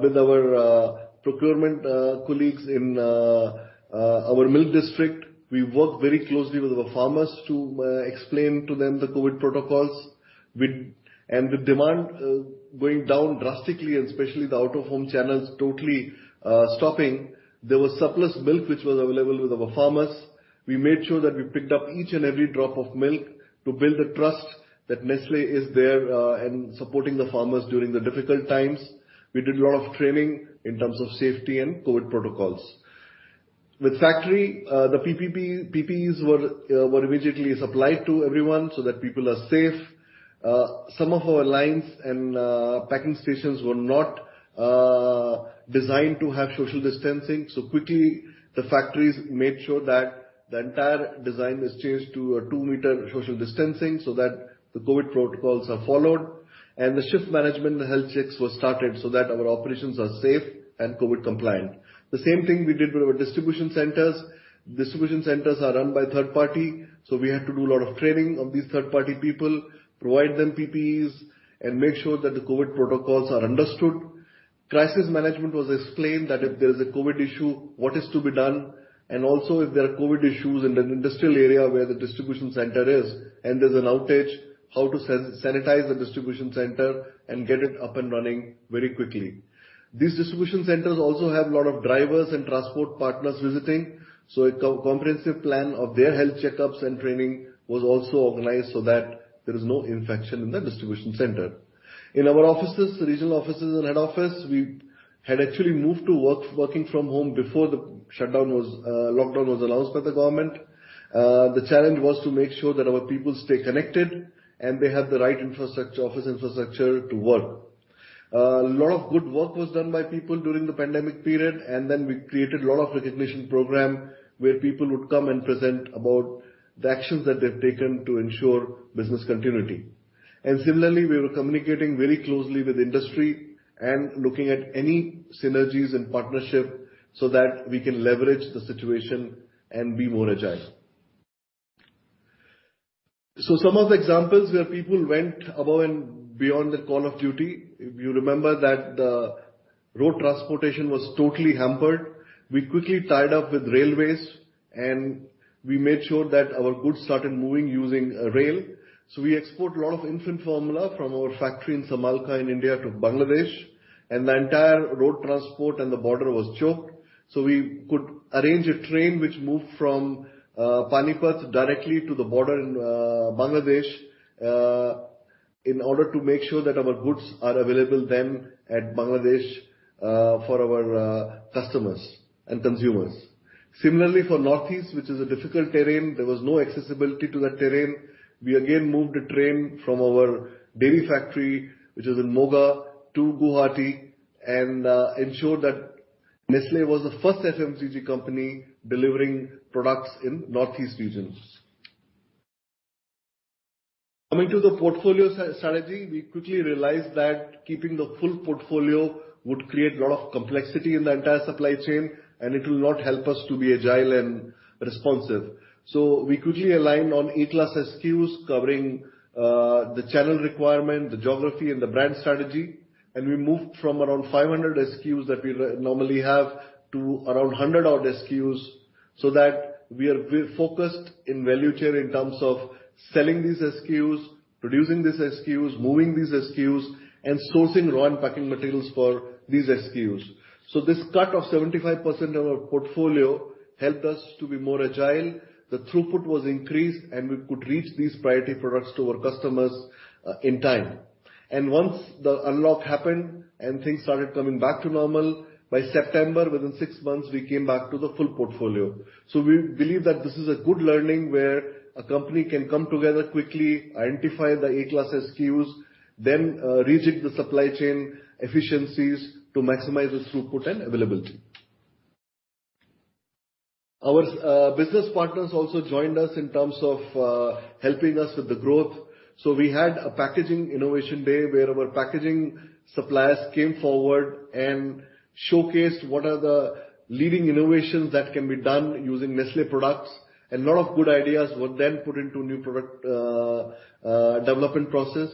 S7: With our procurement colleagues in our milk district, we worked very closely with our farmers to explain to them the COVID protocols. With and with demand going down drastically, and especially the out-of-home channels totally stopping, there was surplus milk which was available with our farmers. We made sure that we picked up each and every drop of milk to build a trust that Nestlé is there and supporting the farmers during the difficult times. We did a lot of training in terms of safety and COVID protocols. With factory, the PPEs were immediately supplied to everyone so that people are safe. Some of our lines and packing stations were not designed to have social distancing, so quickly the factories made sure that the entire design is changed to a two-meter social distancing, so that the COVID protocols are followed. The shift management and the health checks were started so that our operations are safe and COVID compliant. The same thing we did with our distribution centers. Distribution centers are run by third party, so we had to do a lot of training of these third-party people, provide them PPEs, and make sure that the COVID protocols are understood. Crisis management was explained that if there is a COVID issue, what is to be done, and also if there are COVID issues in an industrial area where the distribution center is and there's an outage, how to sanitize the distribution center and get it up and running very quickly. These distribution centers also have a lot of drivers and transport partners visiting, so a comprehensive plan of their health checkups and training was also organized so that there is no infection in the distribution center. In our offices, regional offices and head office, we had actually moved to working from home before the shutdown was lockdown was announced by the government. The challenge was to make sure that our people stay connected and they have the right office infrastructure to work. A lot of good work was done by people during the pandemic period, then we created a lot of recognition program where people would come and present about the actions that they've taken to ensure business continuity. Similarly, we were communicating very closely with industry and looking at any synergies and partnership so that we can leverage the situation and be more agile. Some of the examples where people went above and beyond the call of duty, if you remember that the road transportation was totally hampered. We quickly tied up with railways, and we made sure that our goods started moving using rail. We export a lot of infant formula from our factory in Samalkha, in India, to Bangladesh, and the entire road transport and the border was choked. We could arrange a train which moved from Panipat directly to the border in Bangladesh in order to make sure that our goods are available then at Bangladesh for our customers and consumers. Similarly, for Northeast, which is a difficult terrain, there was no accessibility to that terrain. We again moved a train from our dairy factory, which is in Moga, to Guwahati, and ensured that Nestlé was the first FMCG company delivering products in Northeast regions. Coming to the portfolio strategy, we quickly realized that keeping the full portfolio would create a lot of complexity in the entire supply chain, it will not help us to be agile and responsive. We quickly aligned on A-class SKUs, covering the channel requirement, the geography, and the brand strategy, we moved from around 500 SKUs that we normally have, to around 100 odd SKUs, so that we are focused in value chain in terms of selling these SKUs, producing these SKUs, moving these SKUs, and sourcing raw and packing materials for these SKUs. This cut of 75% of our portfolio helped us to be more agile. The throughput was increased, we could reach these priority products to our customers in time. Once the unlock happened and things started coming back to normal, by September, within six months, we came back to the full portfolio. We believe that this is a good learning, where a company can come together quickly, identify the A-class SKUs, then rejig the supply chain efficiencies to maximize the throughput and availability. Our business partners also joined us in terms of helping us with the growth. We had a packaging innovation day, where our packaging suppliers came forward and showcased what are the leading innovations that can be done using Nestlé products. A lot of good ideas were then put into new product development process.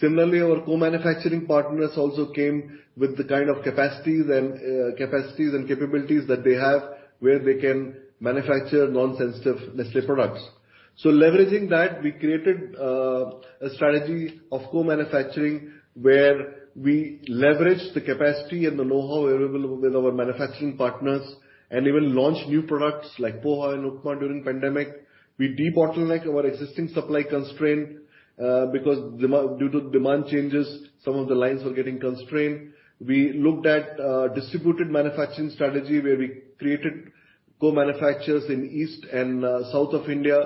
S7: Similarly, our co-manufacturing partners also came with the kind of capacities and capabilities that they have, where they can manufacture non-sensitive Nestlé products. Leveraging that, we created a strategy of co-manufacturing, where we leveraged the capacity and the know-how available with our manufacturing partners, and even launched new products like Poha and Upma during pandemic. We de-bottlenecked our existing supply constraint because due to demand changes, some of the lines were getting constrained. We looked at distributed manufacturing strategy, where we created co-manufacturers in east and south of India,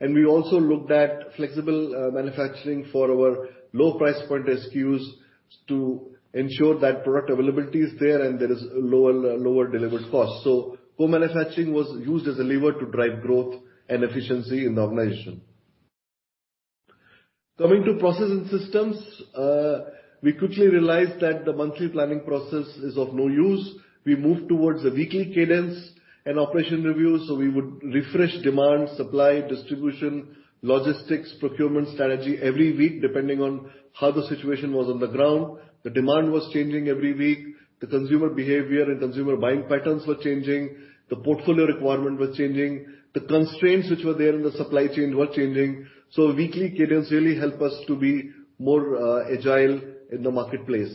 S7: and we also looked at flexible manufacturing for our low price point SKUs to ensure that product availability is there and there is lower delivered cost. Co-manufacturing was used as a lever to drive growth and efficiency in the organization. Coming to process and systems, we quickly realized that the monthly planning process is of no use. We moved towards a weekly cadence and operation review. We would refresh demand, supply, distribution, logistics, procurement strategy every week, depending on how the situation was on the ground. The demand was changing every week. The consumer behavior and consumer buying patterns were changing. The portfolio requirement was changing. The constraints which were there in the supply chain were changing. Weekly cadence really help us to be more agile in the marketplace.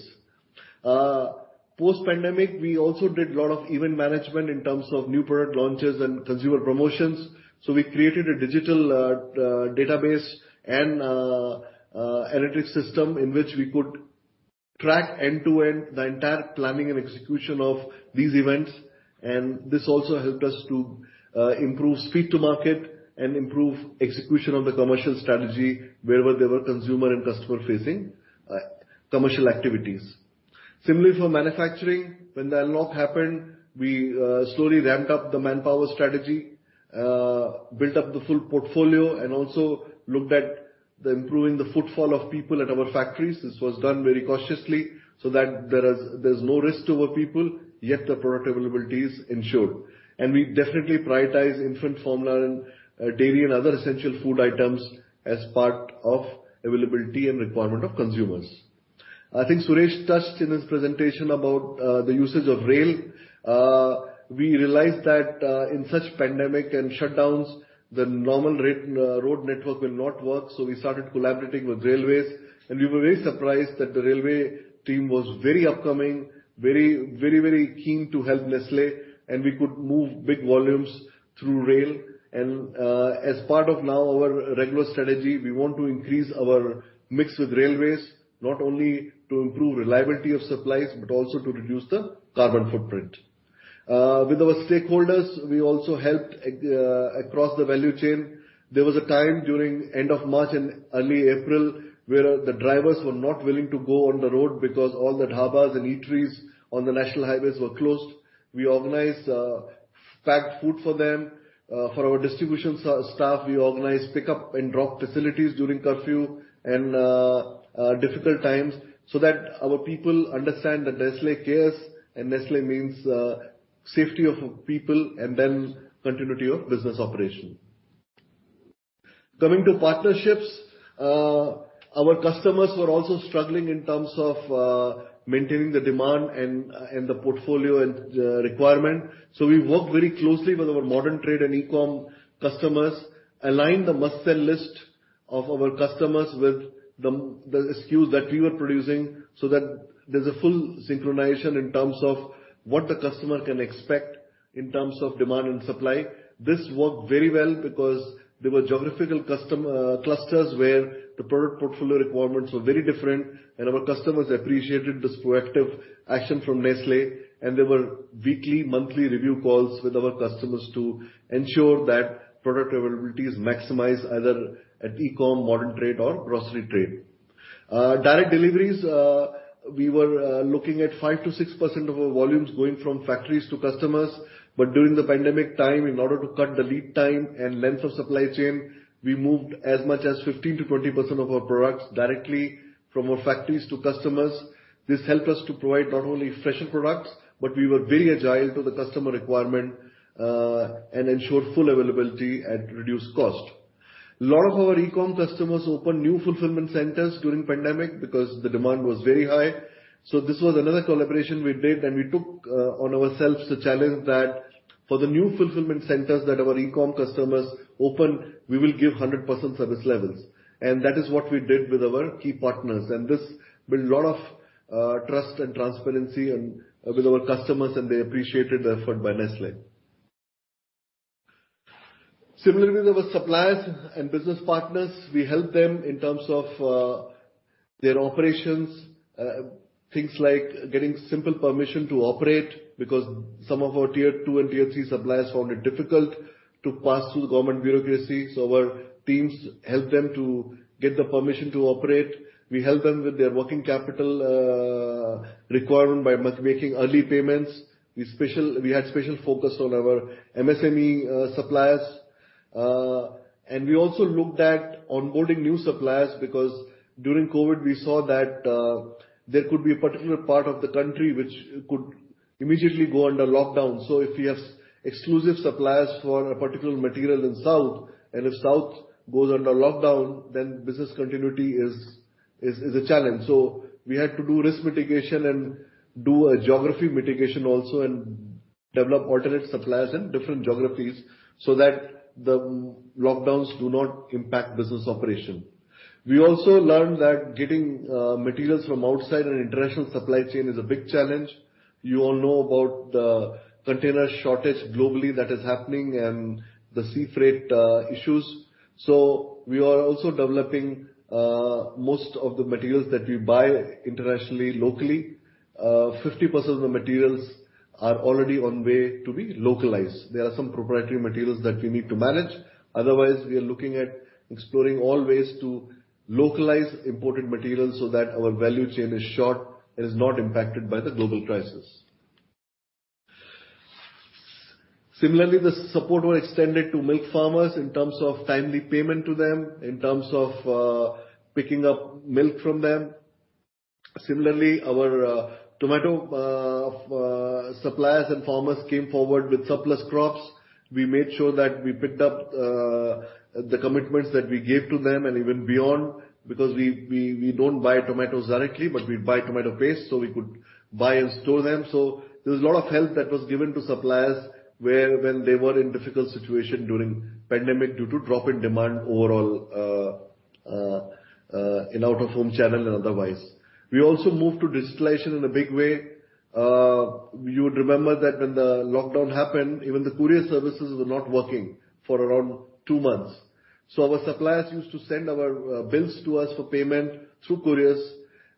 S7: Post-pandemic, we also did a lot of event management in terms of new product launches and consumer promotions. We created a digital database and analytics system, in which we could track end-to-end the entire planning and execution of these events. This also helped us to improve speed to market and improve execution of the commercial strategy wherever there were consumer and customer-facing commercial activities. Similarly, for manufacturing, when the unlock happened, we slowly ramped up the manpower strategy, built up the full portfolio, and also looked at the improving the footfall of people at our factories. This was done very cautiously, so that there's no risk to our people, yet the product availability is ensured. We definitely prioritize infant formula and dairy and other essential food items as part of availability and requirement of consumers. I think Suresh touched in his presentation about the uses of rail. We realized that in such pandemic and shutdowns, the normal road network will not work, so we started collaborating with railways. We were very surprised that the railway team was very upcoming, very keen to help Nestlé, and we could move big volumes through rail. As part of now our regular strategy, we want to increase our mix with railways, not only to improve reliability of supplies, but also to reduce the carbon footprint. With our stakeholders, we also helped across the value chain. There was a time during end of March and early April, where the drivers were not willing to go on the road because all the dhabas and eateries on the national highways were closed. We organized packed food for them. For our distribution staff, we organized pickup and drop facilities during curfew and difficult times, so that our people understand that Nestlé cares, and Nestlé means safety of people and then continuity of business operation. Coming to partnerships, our customers were also struggling in terms of maintaining the demand and the portfolio and requirement. We worked very closely with our modern trade and e-com customers, aligned the must-sell list of our customers with the SKUs that we were producing, so that there's a full synchronization in terms of what the customer can expect in terms of demand and supply. This worked very well because there were geographical clusters, where the product portfolio requirements were very different, and our customers appreciated this proactive action from Nestlé. There were weekly, monthly review calls with our customers to ensure that product availability is maximized, either at e-com, modern trade or grocery trade. Direct deliveries, we were looking at 5%-6% of our volumes going from factories to customers, but during the pandemic time, in order to cut the lead time and length of supply chain, we moved as much as 15%-20% of our products directly from our factories to customers. This helped us to provide not only fresher products, but we were very agile to the customer requirement and ensured full availability at reduced cost. A lot of our e-com customers opened new fulfillment centers during pandemic because the demand was very high. This was another collaboration we did, and we took on ourselves the challenge that for the new fulfillment centers that our e-com customers opened, we will give 100% service levels. That is what we did with our key partners, and this built a lot of trust and transparency with our customers, and they appreciated the effort by Nestlé. Similarly, with our suppliers and business partners, we helped them in terms of their operations, things like getting simple permission to operate, because some of our Tier 2 and Tier 3 suppliers found it difficult to pass through the government bureaucracy, so our teams helped them to get the permission to operate. We helped them with their working capital requirement by making early payments. We had special focus on our MSME suppliers. We also looked at onboarding new suppliers, because during COVID, we saw that there could be a particular part of the country which could immediately go under lockdown. If we have exclusive suppliers for a particular material in South, and if South goes under lockdown, business continuity is a challenge. We had to do risk mitigation and do a geography mitigation also and develop alternate suppliers in different geographies so that the lockdowns do not impact business operation. We also learned that getting materials from outside an international supply chain is a big challenge. You all know about the container shortage globally that is happening and the sea freight issues. We are also developing most of the materials that we buy internationally, locally. 50% of the materials are already on way to be localized. There are some proprietary materials that we need to manage. We are looking at exploring all ways to localize imported materials so that our value chain is short and is not impacted by the global crisis. The support was extended to milk farmers in terms of timely payment to them, in terms of picking up milk from them. Our tomato suppliers and farmers came forward with surplus crops. We made sure that we picked up the commitments that we gave to them and even beyond, because we don't buy tomatoes directly, but we buy tomato paste, so we could buy and store them. There was a lot of help that was given to suppliers where, when they were in difficult situation during pandemic, due to drop in demand overall in out-of-home channel and otherwise. We also moved to digitalization in a big way. You would remember that when the lockdown happened, even the courier services were not working for around two months. Our suppliers used to send our bills to us for payment through couriers.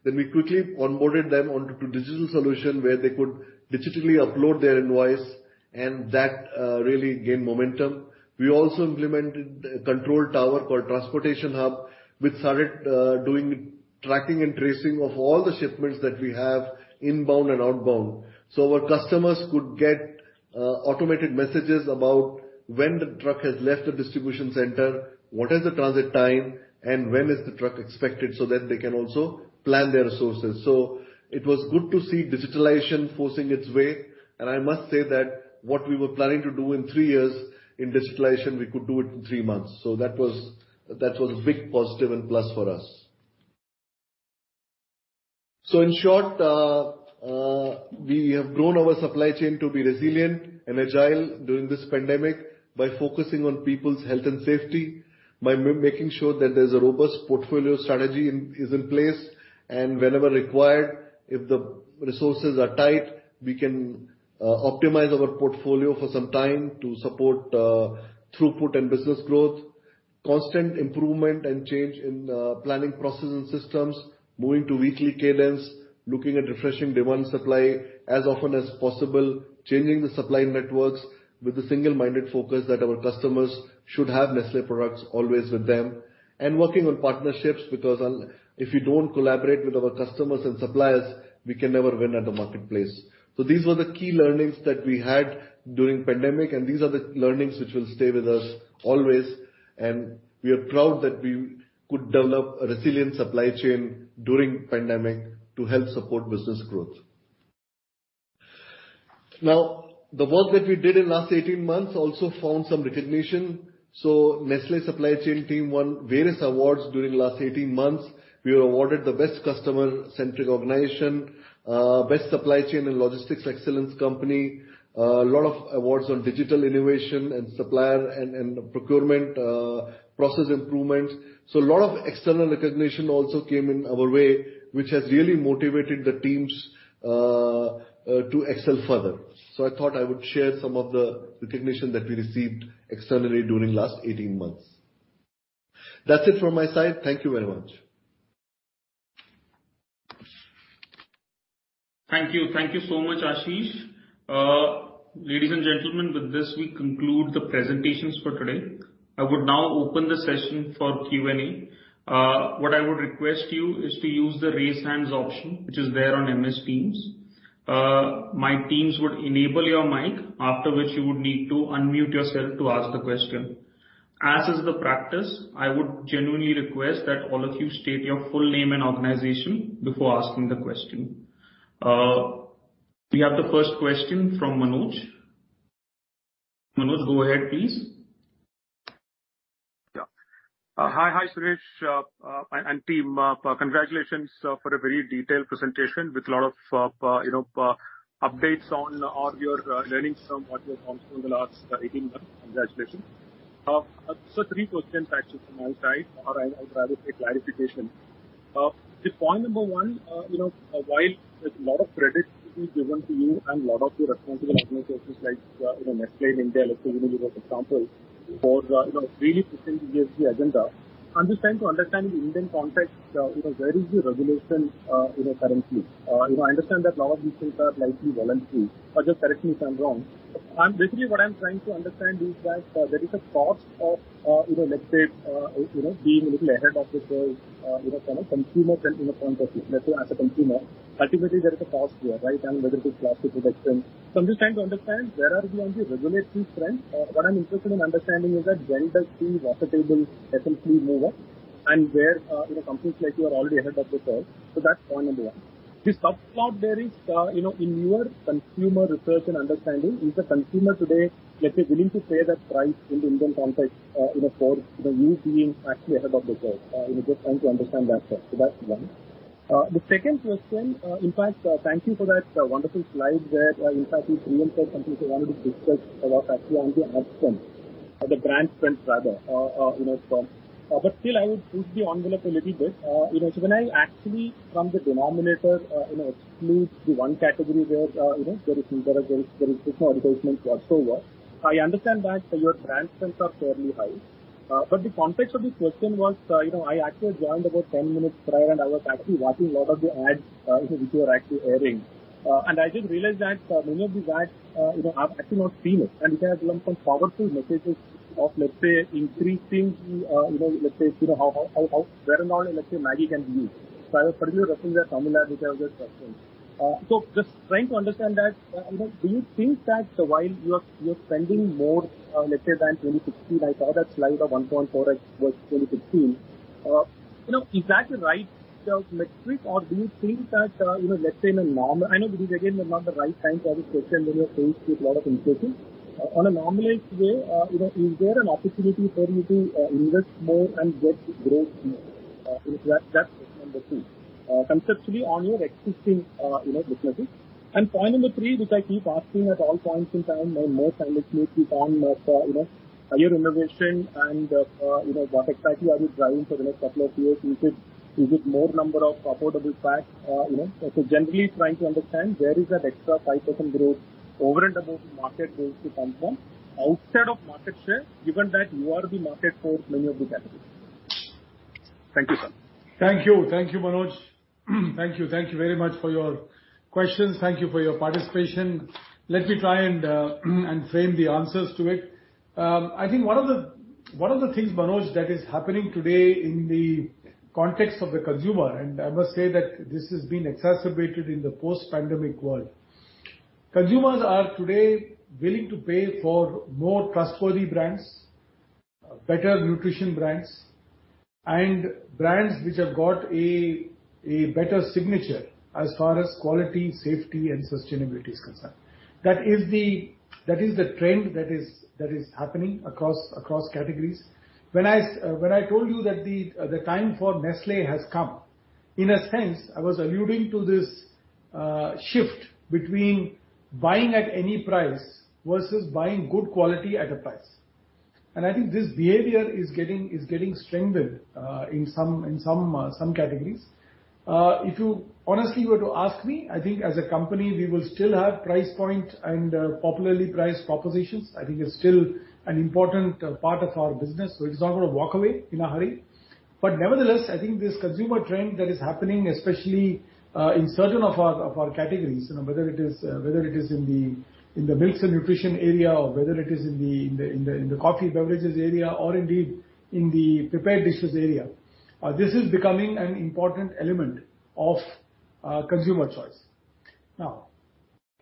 S7: We quickly onboarded them onto digital solution, where they could digitally upload their invoice, and that really gained momentum. We also implemented a control tower called Transportation Hub, which started doing tracking and tracing of all the shipments that we have inbound and outbound. Our customers could get automated messages about when the truck has left the distribution center, what is the transit time, and when is the truck expected, so that they can also plan their resources. It was good to see digitalization forcing its way, and I must say that what we were planning to do in three years in digitalization, we could do it in three months. That was a big positive and plus for us. In short, we have grown our supply chain to be resilient and agile during this pandemic by focusing on people's health and safety, by making sure that there's a robust portfolio strategy is in place, and whenever required, if the resources are tight, we can optimize our portfolio for some time to support throughput and business growth, constant improvement and change in planning processes and systems, moving to weekly cadence, looking at refreshing demand supply as often as possible, changing the supply networks with a single-minded focus that our customers should have Nestlé products always with them, and working on partnerships, because if you don't collaborate with our customers and suppliers, we can never win at the marketplace. These were the key learnings that we had during pandemic, and these are the learnings which will stay with us always, and we are proud that we could develop a resilient supply chain during pandemic to help support business growth. Now, the work that we did in last 18 months also found some recognition. Nestlé supply chain team won various awards during last 18 months. We were awarded the Best Customer-Centric Organization, Best Supply Chain and Logistics Excellence Company, a lot of awards on digital innovation and supplier and procurement process improvements. A lot of external recognition also came in our way, which has really motivated the teams to excel further. I thought I would share some of the recognition that we received externally during last 18 months. That's it from my side. Thank you very much!
S2: Thank you. Thank you so much, Ashish. Ladies and gentlemen, with this, we conclude the presentations for today. I would now open the session for Q&A. What I would request you is to use the Raise Hands option, which is there on Microsoft Teams. My teams would enable your mic, after which you would need to unmute yourself to ask the question. As is the practice, I would genuinely request that all of you state your full name and organization before asking the question. We have the first question from Manoj. Manoj, go ahead, please.
S8: Yeah. Hi. Hi, Suresh, and team. Congratulations for a very detailed presentation with a lot of, you know, updates on all your learnings from what you have done in the last 18 months. Congratulations. Three questions actually from my side, or I'd rather say clarification. The point number one, you know, while a lot of credit is given to you and a lot of your responsible organizations like, you know, Nestlé India, let's say, you give us examples for, you know, really pushing the ESG agenda. I'm just trying to understand the Indian context, you know, where is the regulation, you know, currently? You know, I understand that a lot of these things are likely voluntary, but just correct me if I'm wrong. Basically, what I'm trying to understand is that there is a cost of, you know, let's say, you know, being a little ahead of the curve, you know, from a consumer sense, in the front of you. Let's say, as a consumer, ultimately there is a cost here, right? Whether it is plastic production. I'm just trying to understand where are we on the regulatory front. What I'm interested in understanding is that when does the regulatory essentially move up and where, you know, companies like you are already ahead of the curve. That's point number one. The sub plot there is, you know, in your consumer research and understanding, is the consumer today, let's say, willing to pay that price in the Indian context, you know, for, you know, you being actually ahead of the curve? You know, just trying to understand that first. That's one. The second question, in fact, thank you for that wonderful slide where, in fact, we pre-empted something so wanted to discuss about actually on the ad spend, or the brand spend, rather, you know, still, I would push the envelope a little bit. You know, when I actually, from the denominator, you know, exclude the one category where, you know, there is zero, there is no advertisement whatsoever, I understand that your brand spends are fairly high. The context of this question was, you know, I actually joined about 10 minutes prior, and I was actually watching a lot of the ads, which were actually airing. I just realized that many of these ads, you know, I've actually not seen it, and it has some powerful messages of, let's say, increasing, you know, let's say, how, where and all, you know, MAGGI can be used. I was particularly referring that familiar, which I was just questioning. Just trying to understand that do you think that while you are spending more, let's say, than 2016, I saw that slide of 1.4x was 2016. You know, is that the right metric, or do you think that, you know, let's say in a normal... I know this is again not the right time for this question, when you are faced with a lot of increases. On a normalized way, you know, is there an opportunity for you to invest more and get growth more? That's number two. Conceptually, on your existing, you know, businesses. Point number three, which I keep asking at all points in time, and more silently on, you know, higher innovation and, you know, what exactly are you driving for the next couple of years? Is it more number of affordable packs? You know, so generally trying to understand where is that extra 5% growth over and above the market growth to come from outside of market share, given that you are the market for many of the categories. Thank you, sir.
S2: Thank you. Thank you, Manoj. Thank you. Thank you very much for your questions. Thank you for your participation. Let me try and frame the answers to it. I think one of the things, Manoj, that is happening today in the context of the consumer. I must say that this has been exacerbated in the post-pandemic world. Consumers are today willing to pay for more trustworthy brands, better nutrition brands and brands which have got a better signature as far as quality, safety and sustainability is concerned. That is the trend that is happening across categories. When I told you that the time for Nestlé has come, in a sense, I was alluding to this shift between buying at any price versus buying good quality at a price. I think this behavior is getting strengthened in some categories. If you honestly were to ask me, I think as a company, we will still have price point and popularly priced propositions. I think it's still an important part of our business, so it's not going to walk away in a hurry. Nevertheless, I think this consumer trend that is happening, especially in certain of our categories, you know, whether it is, whether it is in the milks and nutrition area or whether it is in the coffee beverages area or indeed in the prepared dishes area, this is becoming an important element of consumer choice.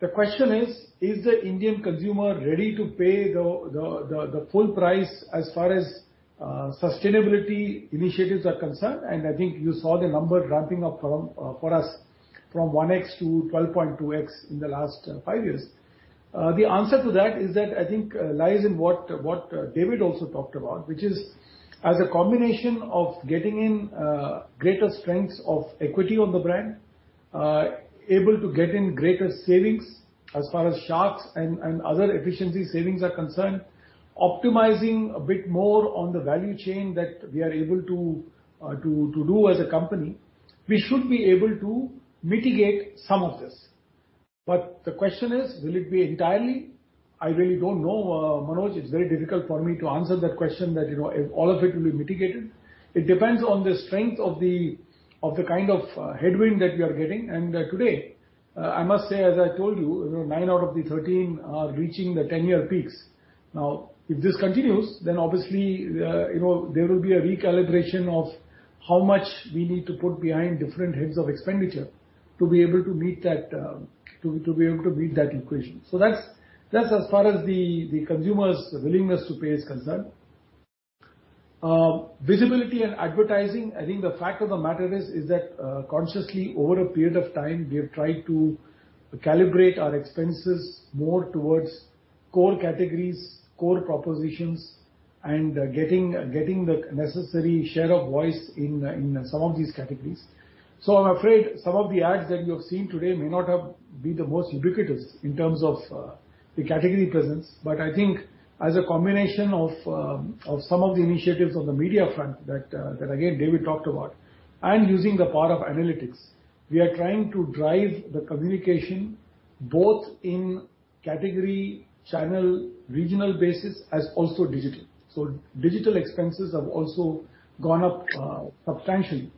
S2: The question is: Is the Indian consumer ready to pay the full price as far as sustainability initiatives are concerned? I think you saw the number ramping up for us from 1x to 12.2x in the last five years. The answer to that is that I think lies in what David also talked about, which is as a combination of getting in greater strengths of equity on the brand, able to get in greater savings as far as Sharks and other efficiency savings are concerned, optimizing a bit more on the value chain that we are able to do as a company, we should be able to mitigate some of this.... The question is, will it be entirely? I really don't know, Manoj. It's very difficult for me to answer that question, that, you know, if all of it will be mitigated. It depends on the strength of the, of the kind of headwind that we are getting. Today, I must say, as I told you know, nine out of the 13 are reaching the 10-year peaks. If this continues, then obviously, you know, there will be a recalibration of how much we need to put behind different heads of expenditure to be able to meet that, to be able to meet that equation. That's, that's as far as the consumer's willingness to pay is concerned. Visibility and advertising, I think the fact of the matter is that, consciously, over a period of time, we have tried to calibrate our expenses more towards core categories, core propositions, and getting the necessary share of voice in some of these categories. I'm afraid some of the ads that you have seen today may not have been the most ubiquitous in terms of the category presence. I think as a combination of some of the initiatives on the media front, that again, David talked about, and using the power of analytics, we are trying to drive the communication both in category, channel, regional basis, as also digital. Digital expenses have also gone up substantially,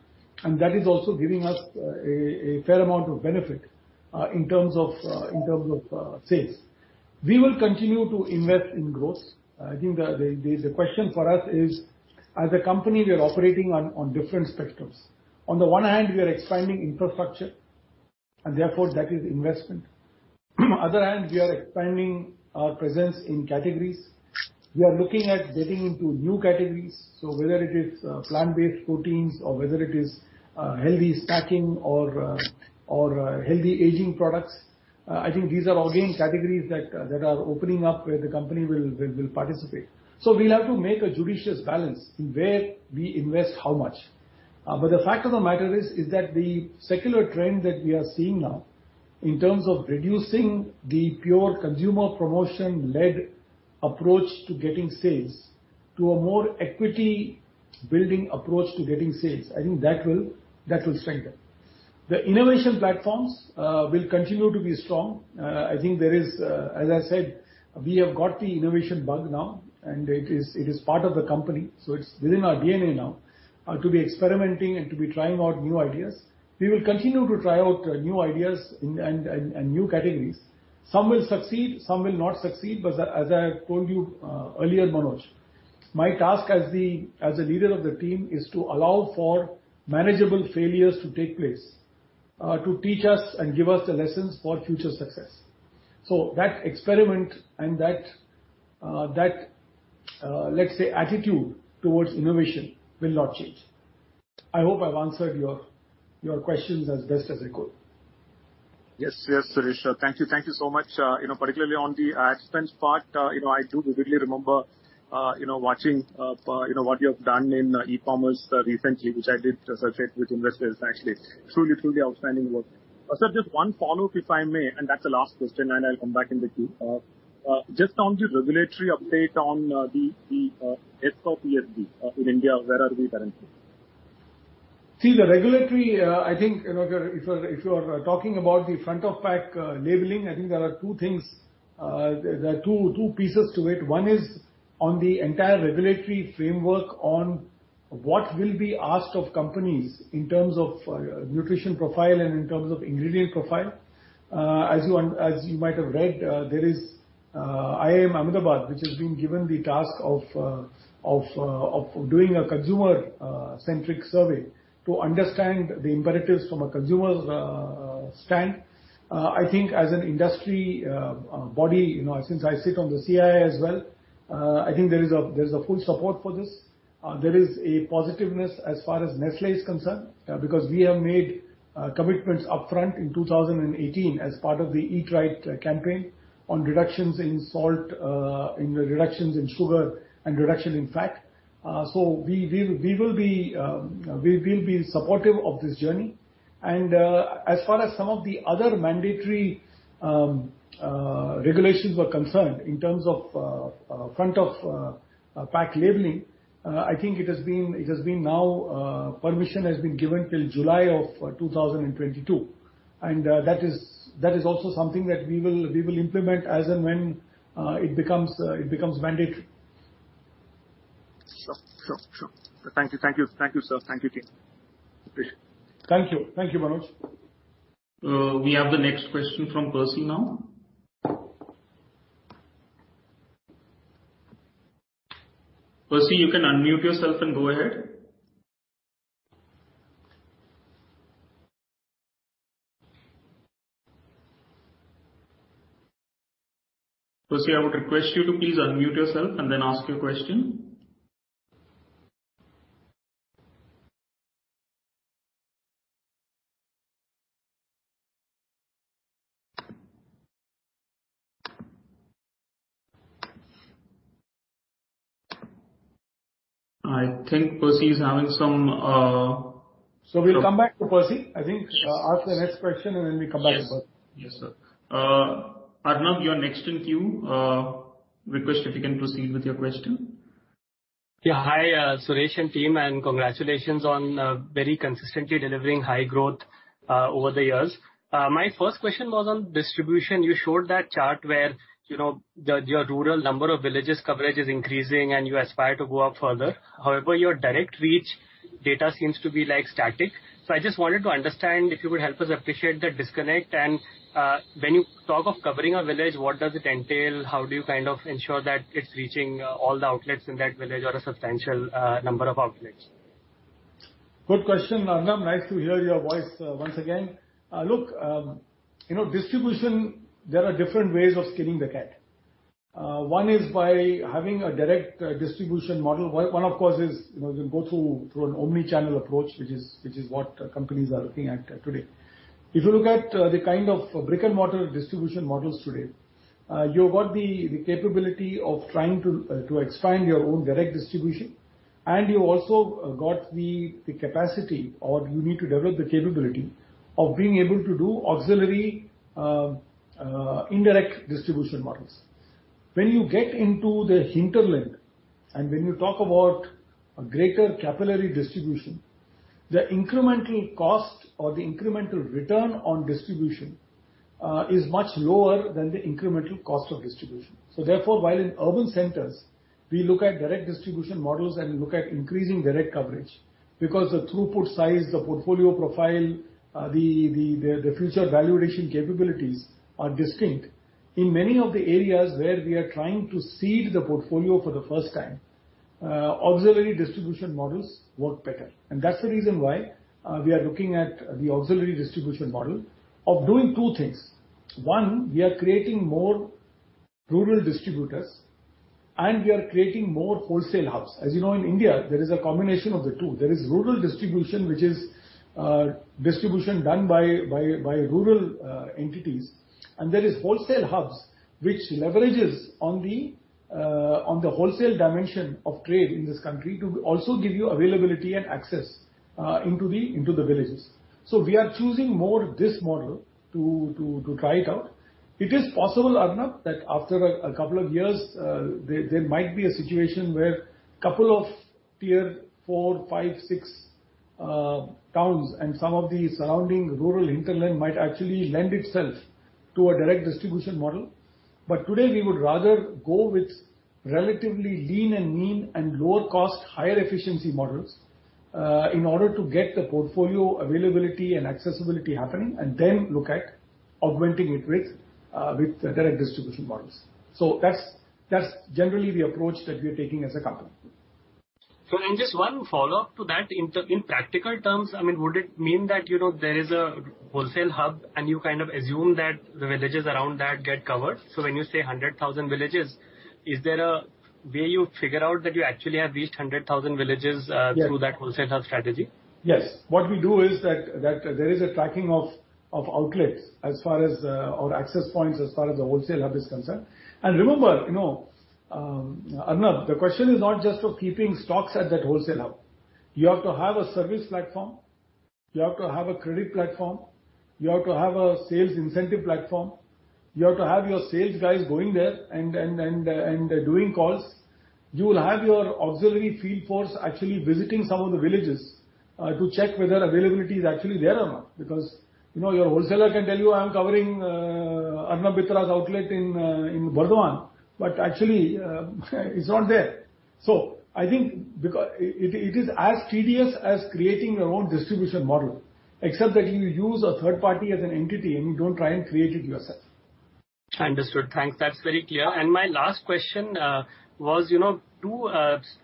S2: and that is also giving us a fair amount of benefit in terms of sales. We will continue to invest in growth. I think the question for us is, as a company, we are operating on different spectrums. On the one hand, we are expanding infrastructure, and therefore that is investment. Other hand, we are expanding our presence in categories. We are looking at getting into new categories, so whether it is plant-based proteins or whether it is healthy snacking or healthy aging products, I think these are all again, categories that are opening up, where the company will participate. We'll have to make a judicious balance in where we invest how much. The fact of the matter is that the secular trend that we are seeing now in terms of reducing the pure consumer promotion-led approach to getting sales, to a more equity building approach to getting sales, I think that will strengthen. The innovation platforms will continue to be strong. I think there is. As I said, we have got the innovation bug now, and it is part of the company, so it's within our DNA now to be experimenting and to be trying out new ideas. We will continue to try out new ideas and new categories. Some will succeed, some will not succeed, but as I told you, earlier, Manoj, my task as the leader of the team, is to allow for manageable failures to take place, to teach us and give us the lessons for future success. That experiment and that, let's say, attitude towards innovation will not change. I hope I've answered your questions as best as I could.
S8: Yes, Suresh. Thank you. Thank you so much. You know, particularly on the ad spend part, you know, I do vividly remember, you know, watching, you know, what you have done in e-commerce recently, which I did circulate with investors, actually. Truly outstanding work. Sir, just one follow-up, if I may, and that's the last question, and I'll come back in the queue. Just on the regulatory update on the FOPL in India, where are we currently?
S2: See, the regulatory, I think, you know, if you are talking about the Front-of-Pack Labelling, I think there are two things, there are two pieces to it. One is on the entire regulatory framework on what will be asked of companies in terms of nutrition profile and in terms of ingredient profile. As you might have read, there is IIM Ahmedabad, which has been given the task of doing a consumer-centric survey to understand the imperatives from a consumer's stand. I think as an industry body, you know, since I sit on the CII as well, I think there is a full support for this. iveness as far as Nestlé is concerned because we have made commitments upfront in 2018 as part of the Eat Right campaign on reductions in salt, in reductions in sugar and reduction in fat. We will be supportive of this journey. As far as some of the other mandatory regulations were concerned in terms of front-of-pack labeling, I think it has been now, permission has been given till July of 2022. That is also something that we will implement as and when it becomes mandatory.
S8: Sure. Sure. Thank you. Thank you, sir. Thank you, team. Appreciate.
S2: Thank you. Thank you, Manoj.
S1: We have the next question from Percy now. Percy, you can unmute yourself and go ahead. Percy, I would request you to please unmute yourself and then ask your question. I think Percy is having some.
S2: We'll come back to Percy. I think, ask the next question, and then we come back to Percy.
S1: Yes. Yes, sir. Arnab, you're next in queue. Request if you can proceed with your question.
S9: Yeah. Hi, Suresh and team, and congratulations on very consistently delivering high growth over the years. My first question was on distribution. You showed that chart where, you know, the, your rural number of villages coverage is increasing and you aspire to go up further. However, your direct reach data seems to be, like, static. I just wanted to understand, if you would help us appreciate that disconnect, and, when you talk of covering a village, what does it entail? How do you kind of ensure that it's reaching, all the outlets in that village or a substantial, number of outlets?
S2: Good question, Arnab. Nice to hear your voice, once again. Look, you know, distribution, there are different ways of skinning the cat. One is by having a direct, distribution model. One, of course, is, you know, you go through an omni-channel approach, which is what companies are looking at today. If you look at, the kind of brick-and-mortar distribution models today, you've got the capability of trying to expand your own direct distribution, and you also got the capacity, or you need to develop the capability, of being able to do auxiliary, indirect distribution models. When you get into the hinterland, and when you talk about a greater capillary distribution, the incremental cost or the incremental return on distribution, is much lower than the incremental cost of distribution. Therefore, while in urban centers, we look at direct distribution models and look at increasing direct coverage, because the throughput size, the portfolio profile, the future value addition capabilities are distinct. In many of the areas where we are trying to seed the portfolio for the first time, auxiliary distribution models work better. That's the reason why we are looking at the auxiliary distribution model of doing two things. One, we are creating more rural distributors, and we are creating more wholesale hubs. As you know, in India, there is a combination of the two. There is rural distribution, which is distribution done by rural entities, and there is wholesale hubs, which leverages on the wholesale dimension of trade in this country to also give you availability and access into the villages. We are choosing more this model to try it out. It is possible, Arnab, that after a couple of years, there might be a situation where couple of Tier 4, 5, 6 towns and some of the surrounding rural hinterland might actually lend itself to a direct distribution model. Today we would rather go with relatively lean and mean and lower cost, higher efficiency models in order to get the portfolio availability and accessibility happening, and then look at augmenting it with direct distribution models. That's generally the approach that we are taking as a company.
S9: Just one follow-up to that. In, in practical terms, I mean, would it mean that, you know, there is a wholesale hub and you kind of assume that the villages around that get covered? When you say 100,000 villages, is there a way you figure out that you actually have reached 100,000 villages?
S2: Yes.
S9: through that wholesale hub strategy?
S2: Yes. What we do is that there is a tracking of outlets as far as, or access points, as far as the wholesale hub is concerned. Remember, you know, Arnab, the question is not just of keeping stocks at that wholesale hub. You have to have a service platform, you have to have a credit platform, you have to have a sales incentive platform, you have to have your sales guys going there and doing calls. You will have your auxiliary field force actually visiting some of the villages to check whether availability is actually there or not. You know, your wholesaler can tell you, "I'm covering Arnab Mitra's outlet in Barddhaman," but actually, it's not there. I think. It is as tedious as creating your own distribution model, except that you use a third party as an entity, and you don't try and create it yourself.
S9: Understood. Thanks. That's very clear. My last question was, you know, two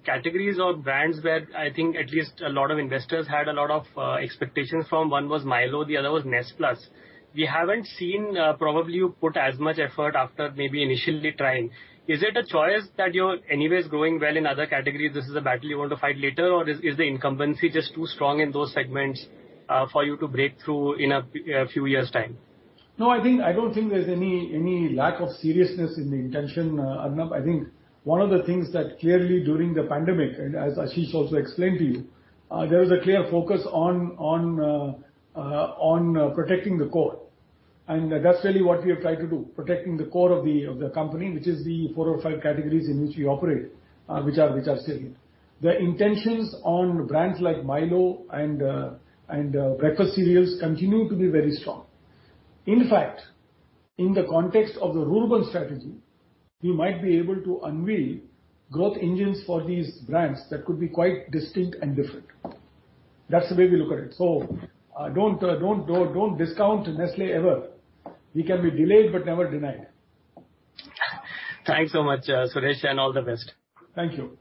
S9: categories or brands where I think at least a lot of investors had a lot of expectations from. One was Milo, the other was NESPLUS. We haven't seen probably you put as much effort after maybe initially trying. Is it a choice that you're anyways growing well in other categories, this is a battle you want to fight later, or is the incumbency just too strong in those segments for you to break through in a few years' time?
S2: No, I think, I don't think there's any lack of seriousness in the intention, Arnab. I think one of the things that clearly during the pandemic, as Ashish also explained to you, there is a clear focus on protecting the core. That's really what we have tried to do, protecting the core of the company, which is the four or five categories in which we operate, which are stable. The intentions on brands like Milo and breakfast cereals continue to be very strong. In fact, in the context of the rural strategy, we might be able to unveil growth engines for these brands that could be quite distinct and different. That's the way we look at it. Don't discount Nestlé ever. We can be delayed, but never denied.
S9: Thanks so much, Suresh, and all the best.
S2: Thank you.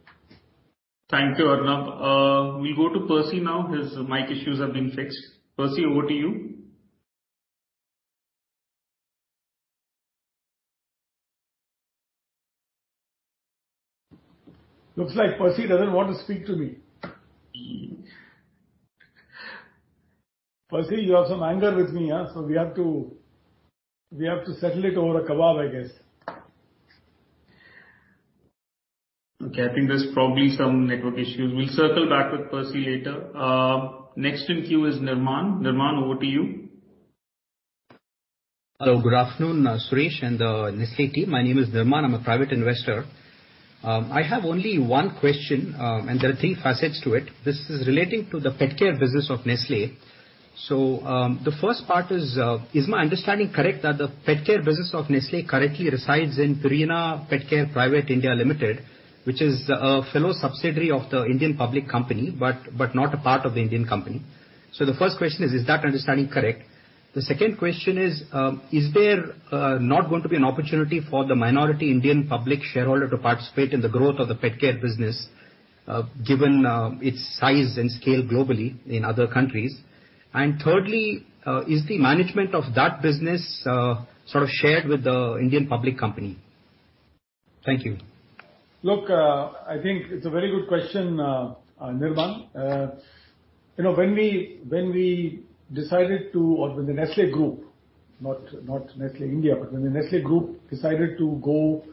S1: Thank you, Arnab. We'll go to Percy now. His mic issues have been fixed. Percy, over to you.
S2: Looks like Percy doesn't want to speak to me. Percy, you have some anger with me, huh? We have to settle it over a kebab, I guess.
S1: Okay, I think there's probably some network issues. We'll circle back with Percy later. Next in queue is Nirman. Nirman, over to you....
S10: Hello, good afternoon, Suresh and the Nestlé team. My name is Nirman, I'm a private investor. I have only one question, and there are three facets to it. This is relating to the pet care business of Nestlé. The first part is my understanding correct, that the pet care business of Nestlé currently resides in Purina Petcare India Private Limited, which is a fellow subsidiary of the Indian public company, but not a part of the Indian company. The first question is: Is that understanding correct? The second question is: Is there not going to be an opportunity for the minority Indian public shareholder to participate in the growth of the pet care business, given its size and scale globally in other countries? Thirdly, is the management of that business, sort of shared with the Indian public company? Thank you.
S2: Look, I think it's a very good question, Nirman. You know, when we decided to, or when the Nestlé group, not Nestlé India, but when the Nestlé group decided to go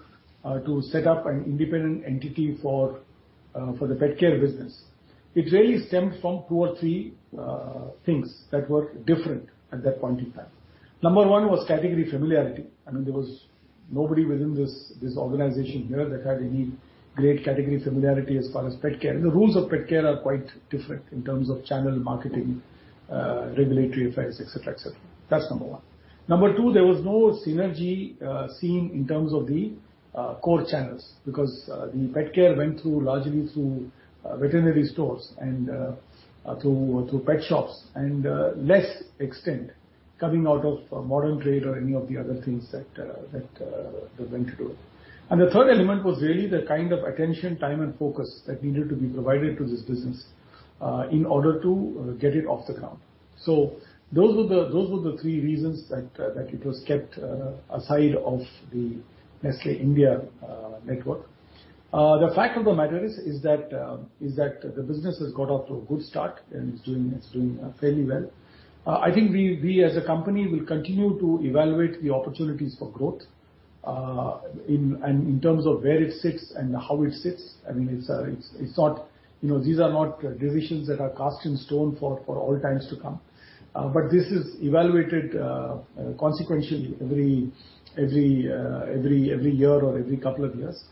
S2: to set up an independent entity for the pet care business, it really stemmed from two or three things that were different at that point in time. Number one was category familiarity. I mean, there was nobody within this organization here that had any great category familiarity as far as pet care. The rules of pet care are quite different in terms of channel marketing, regulatory affairs, et cetera, et cetera. That's Number one. Number two, there was no synergy seen in terms of the core channels, because the pet care went through, largely through veterinary stores and through pet shops, and less extent coming out of modern trade or any of the other things that they went through. The third element was really the kind of attention, time and focus that needed to be provided to this business in order to get it off the ground. Those were the three reasons that it was kept aside of the Nestlé India network. The fact of the matter is that the business has got off to a good start, and it's doing fairly well. I think we, as a company, will continue to evaluate the opportunities for growth, and in terms of where it sits and how it sits. I mean, it's not, you know, these are not decisions that are cast in stone for all times to come, but this is evaluated, consequentially, every year or every couple of years.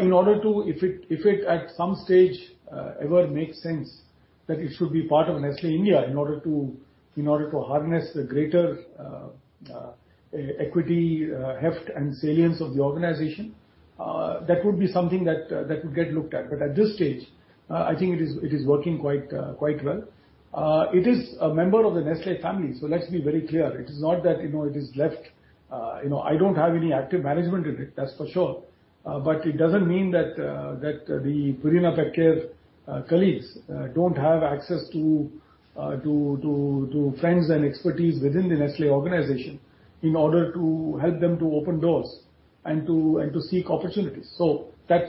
S2: In order to, if it, at some stage, ever makes sense, that it should be part of Nestlé India, in order to harness the greater equity, heft and salience of the organization, that would be something that would get looked at. At this stage, I think it is working quite well. It is a member of the Nestlé family, let's be very clear. It is not that, you know, it is left, you know, I don't have any active management in it, that's for sure. It doesn't mean that the Purina Petcare colleagues don't have access to friends and expertise within the Nestlé organization in order to help them to open doors and to, and to seek opportunities. That,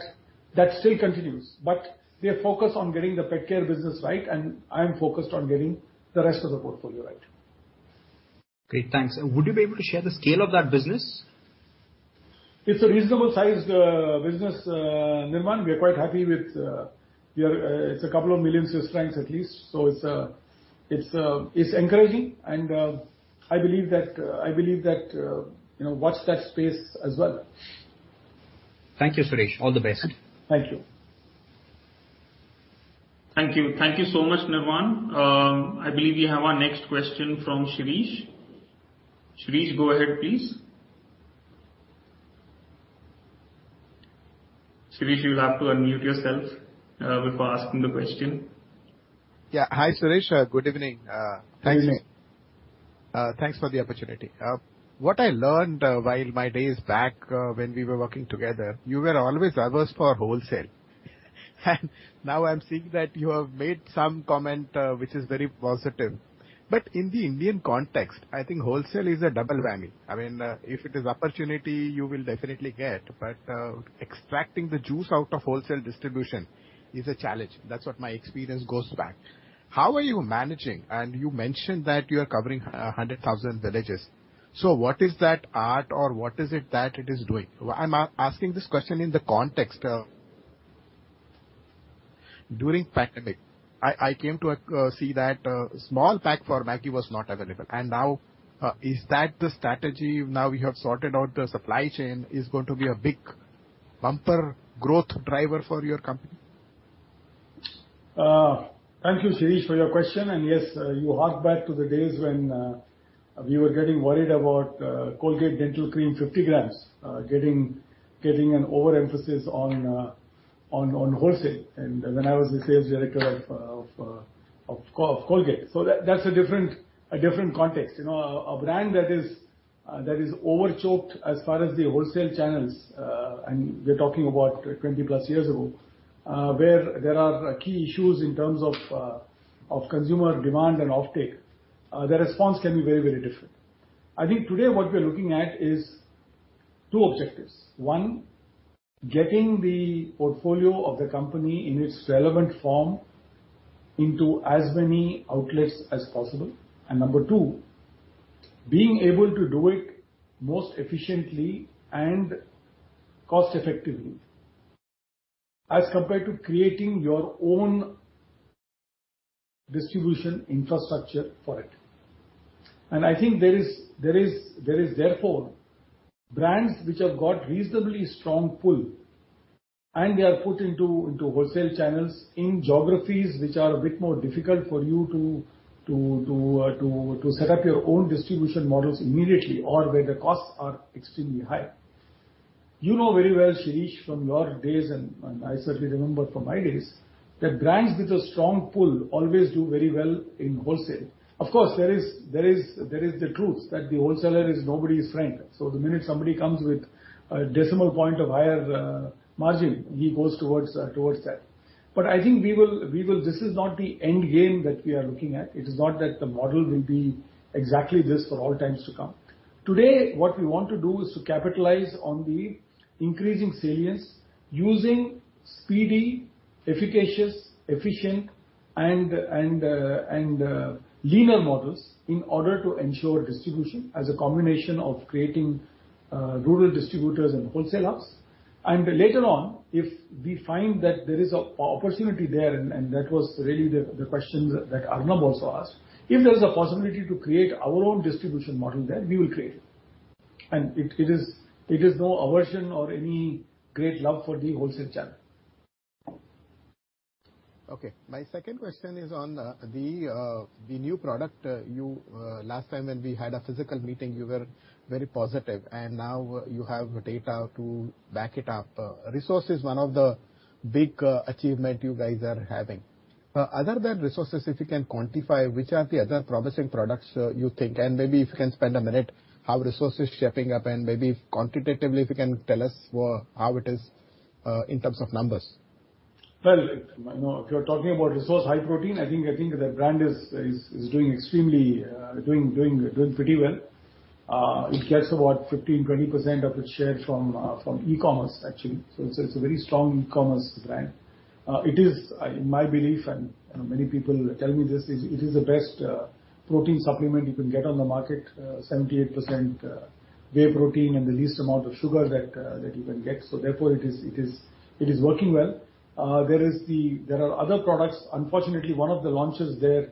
S2: that still continues. We are focused on getting the pet care business right, and I am focused on getting the rest of the portfolio right.
S10: Great, thanks. Would you be able to share the scale of that business?
S2: It's a reasonable sized business, Nirman. We are quite happy with. It's a couple of million Swiss francs at least. It's encouraging, and I believe that, you know, watch that space as well.
S10: Thank you, Suresh. All the best.
S2: Thank you.
S1: Thank you. Thank you so much, Nirman. I believe we have our next question from Shirish. Shirish, go ahead, please. Shirish, you'll have to unmute yourself, before asking the question.
S11: Yeah. Hi, Suresh. Good evening.
S2: Good evening.
S11: Thanks for the opportunity. What I learned while my days back when we were working together, you were always averse for wholesale. Now I'm seeing that you have made some comment which is very positive. In the Indian context, I think wholesale is a double-edged bunny. I mean, if it is opportunity, you will definitely get, but extracting the juice out of wholesale distribution is a challenge. That's what my experience goes back. How are you managing? You mentioned that you are covering 100,000 villages. What is that art or what is it that it is doing? I'm asking this question in the context during pandemic. I came to see that small pack for MAGGI was not available, and now is that the strategy now we have sorted out the supply chain is going to be a big bumper growth driver for your company?
S2: Thank you, Shirish, for your question. Yes, you hark back to the days when we were getting worried about Colgate Dental Cream 50 grams, getting an overemphasis on, on wholesale, and when I was the sales director of Colgate. That's a different, a different context. You know, a brand that is, that is overchoked as far as the wholesale channels, and we're talking about 20+ years ago, where there are key issues in terms of consumer demand and offtake, the response can be very, very different. I think today what we're looking at is two objectives: One, getting the portfolio of the company in its relevant form into as many outlets as possible. Number two, being able to do it most efficiently and cost-effectively, as compared to creating your own distribution infrastructure for it. I think there is therefore, brands which have got reasonably strong pull, and they are put into wholesale channels in geographies which are a bit more difficult for you to set up your own distribution models immediately or where the costs are extremely high. You know very well, Shirish, from your days, and I certainly remember from my days, that brands with a strong pull always do very well in wholesale. Of course, there is the truth that the wholesaler is nobody's friend, so the minute somebody comes with a decimal point of higher margin, he goes towards that. I think we will. This is not the end game that we are looking at. It is not that the model will be exactly this for all times to come. Today, what we want to do is to capitalize on the increasing salience, using speedy, efficacious, efficient and linear models in order to ensure distribution as a combination of creating rural distributors and wholesale hubs. Later on, if we find that there is a opportunity there, and that was really the question that Arnab also asked, if there is a possibility to create our own distribution model there, we will create it. It is no aversion or any great love for the wholesale channel.
S11: Okay. My second question is on the new product. You last time when we had a physical meeting, you were very positive, and now you have data to back it up. Resource is one of the big achievement you guys are having. Other than Resource, if you can quantify, which are the other promising products, you think? Maybe if you can spend a minute, how Resource is shaping up, and maybe quantitatively, if you can tell us how it is in terms of numbers.
S2: You know, if you're talking about Resource High Protein, I think the brand is doing extremely pretty well. It gets about 15%-20% of its share from e-commerce, actually. It's a very strong e-commerce brand. It is in my belief, and many people tell me this, it is the best protein supplement you can get on the market, 78% whey protein and the least amount of sugar that you can get. Therefore, it is working well. There are other products. Unfortunately, one of the launches there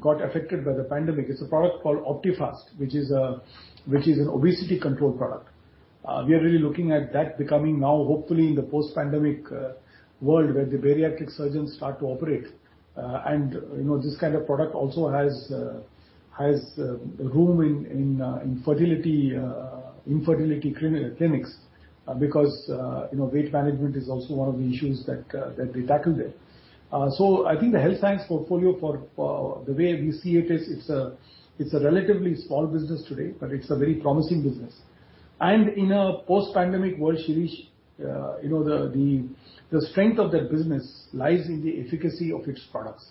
S2: got affected by the pandemic. It's a product called Optifast, which is an obesity control product. We are really looking at that becoming now, hopefully in the post-pandemic world, where the bariatric surgeons start to operate. You know, this kind of product also has room in fertility, infertility clinics, because, you know, weight management is also one of the issues that they tackle there. I think the health science portfolio for the way we see it, is it's a relatively small business today, but it's a very promising business. In a post-pandemic world, Shirish, you know, the strength of that business lies in the efficacy of its products.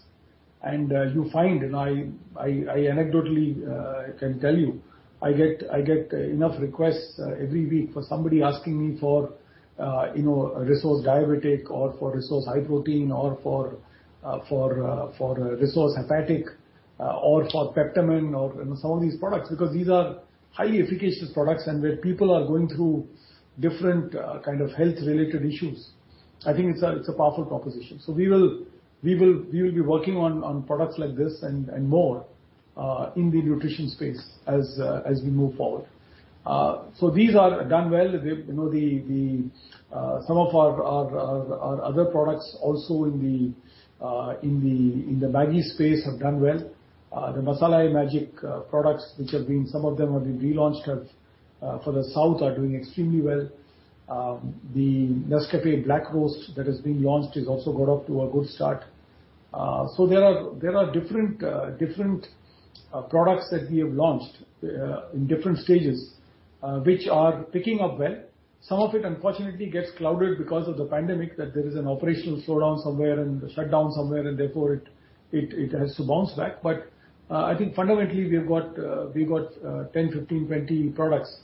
S2: You find, and I anecdotally can tell you, I get enough requests every week for somebody asking me for, you know, Resource Diabetic or for Resource High Protein or for Resource Hepatic or for Peptamen or, you know, some of these products, because these are highly efficacious products, and where people are going through different kind of health-related issues, I think it's a powerful proposition. We will be working on products like this and more in the nutrition space as we move forward. These are done well. You know, some of our other products also in the MAGGI space have done well. The Masala-ae-Magic products, which have been, some of them have been relaunched as for the South, are doing extremely well. The Nescafé Black Roast that has been launched has also got off to a good start. There are different products that we have launched in different stages, which are picking up well. Some of it, unfortunately, gets clouded because of the pandemic, that there is an operational slowdown somewhere and a shutdown somewhere, and therefore it has to bounce back. I think fundamentally, we've got 10, 15, 20 products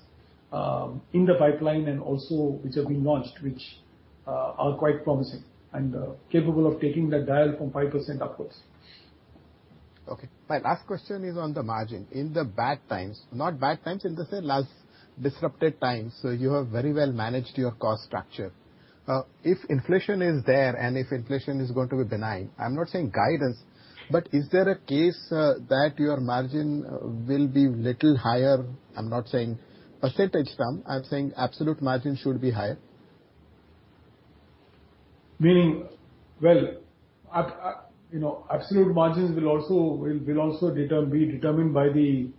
S2: in the pipeline and also which have been launched, which are quite promising and capable of taking that dial from 5% upwards.
S11: Okay. My last question is on the margin. In the bad times, not bad times, in the say, last disrupted times, you have very well managed your cost structure. If inflation is there and if inflation is going to be benign, I'm not saying guidance, but is there a case that your margin will be little higher? I'm not saying % term, I'm saying absolute margin should be higher.
S2: Meaning, well, you know, absolute margins will also be determined by the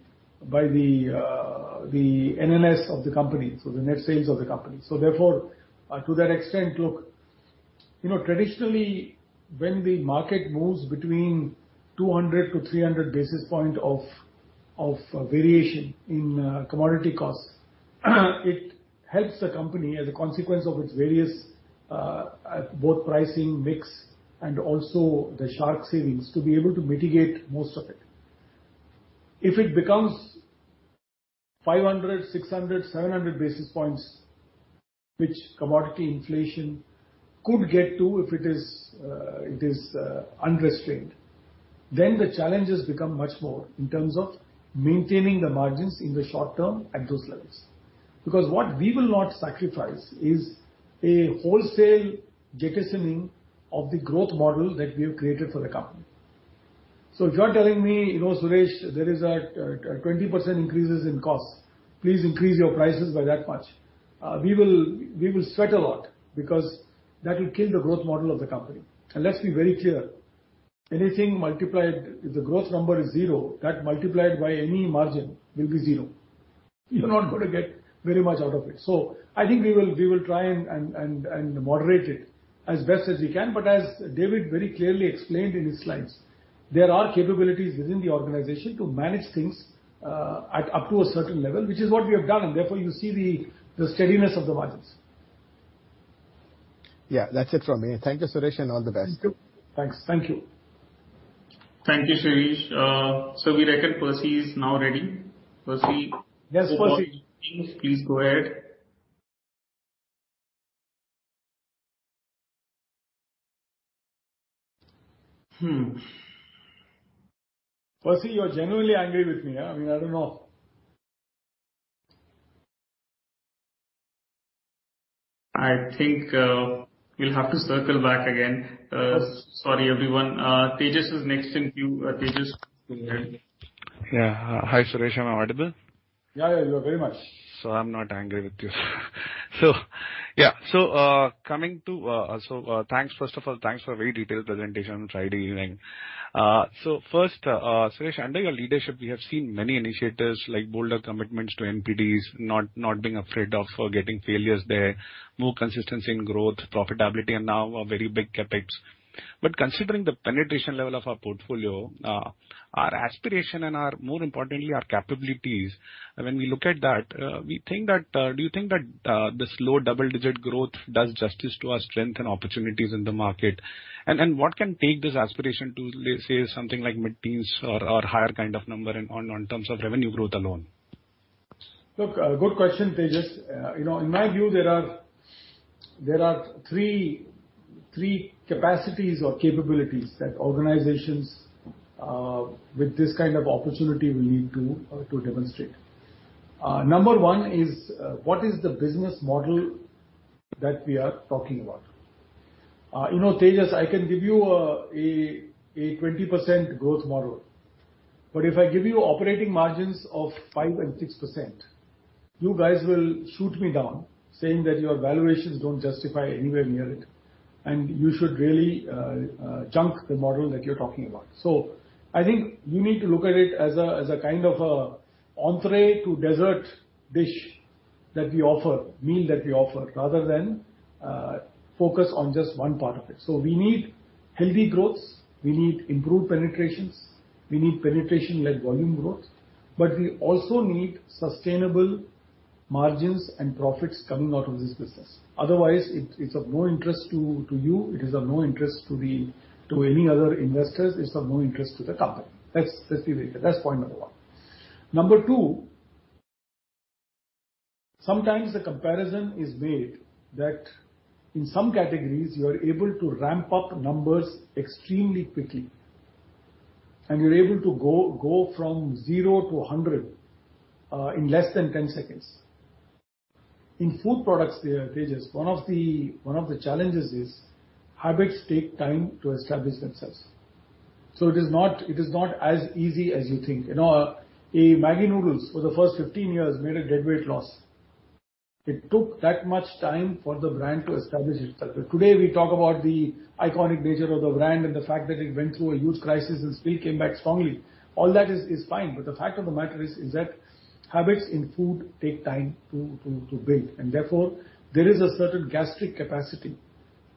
S2: NNS of the company, so the net sales of the company. Therefore, to that extent, look, you know, traditionally, when the market moves between 200 to 300 basis points of variation in commodity costs, it helps the company as a consequence of its various, both pricing, mix, and also the sharp savings, to be able to mitigate most of it. If it becomes 500, 600, 700 basis points, which commodity inflation could get to if it is unrestrained, then the challenges become much more in terms of maintaining the margins in the short term at those levels. What we will not sacrifice is a wholesale jettisoning of the growth model that we have created for the company. If you're telling me, you know, Suresh, there is a 20% increases in costs, please increase your prices by that much. We will sweat a lot because that will kill the growth model of the company. Let's be very clear, anything multiplied if the growth number is zero, that multiplied by any margin will be zero. You're not going to get very much out of it. I think we will try and moderate it as best as we can. As David very clearly explained in his slides, there are capabilities within the organization to manage things at up to a certain level, which is what we have done, and therefore, you see the steadiness of the margins.
S11: Yeah, that's it from me. Thank you, Suresh, and all the best.
S2: Thank you. Thanks. Thank you.
S1: Thank you, Suresh. We reckon Percy is now ready.
S2: Yes, Percy.
S1: Please go ahead.
S2: Percy, you're genuinely angry with me, huh? I mean, I don't know.
S1: I think, we'll have to circle back again. Sorry, everyone. Tejas is next in queue. Tejas, go ahead.
S12: Yeah. Hi, Suresh. Am I audible?
S2: Yeah, yeah, you are very much.
S12: I'm not angry with you. Yeah. Coming to, thanks, first of all, thanks for a very detailed presentation on Friday evening. First, Suresh, under your leadership, we have seen many initiatives like bolder commitments to NPDs, not being afraid of getting failures there, more consistency in growth, profitability, and now a very big CapEx. Considering the penetration level of our portfolio, our aspiration and our, more importantly, our capabilities, when we look at that, we think that, do you think that the slow double-digit growth does justice to our strength and opportunities in the market? What can take this aspiration to, let's say, something like mid-teens or higher kind of number on terms of revenue growth alone?
S2: Look, good question, Tejas. You know, in my view, there are three capacities or capabilities that organizations with this kind of opportunity will need to demonstrate. Number one is what is the business model that we are talking about? You know, Tejas, I can give you a 20% growth model, but if I give you operating margins of 5% and 6%, you guys will shoot me down saying that your valuations don't justify anywhere near it, and you should really junk the model that you're talking about. I think you need to look at it as a kind of a entrée to dessert dish that we offer, meal that we offer, rather than focus on just one part of it. We need healthy growths, we need improved penetrations, we need penetration-led volume growth, but we also need sustainable margins and profits coming out of this business. Otherwise, it's of no interest to you, it is of no interest to any other investors, it's of no interest to the company. That's the way, that's point number one. Number two, sometimes the comparison is made that in some categories, you are able to ramp up numbers extremely quickly, and you're able to go from zero to 100 in less than 10 seconds. In food products, Tejas, one of the challenges is habits take time to establish themselves. It is not as easy as you think. You know, a MAGGI Noodles for the first 15 years made a deadweight loss. It took that much time for the brand to establish itself. Today, we talk about the iconic nature of the brand and the fact that it went through a huge crisis and still came back strongly. All that is fine. The fact of the matter is that habits in food take time to build. Therefore, there is a certain gastric capacity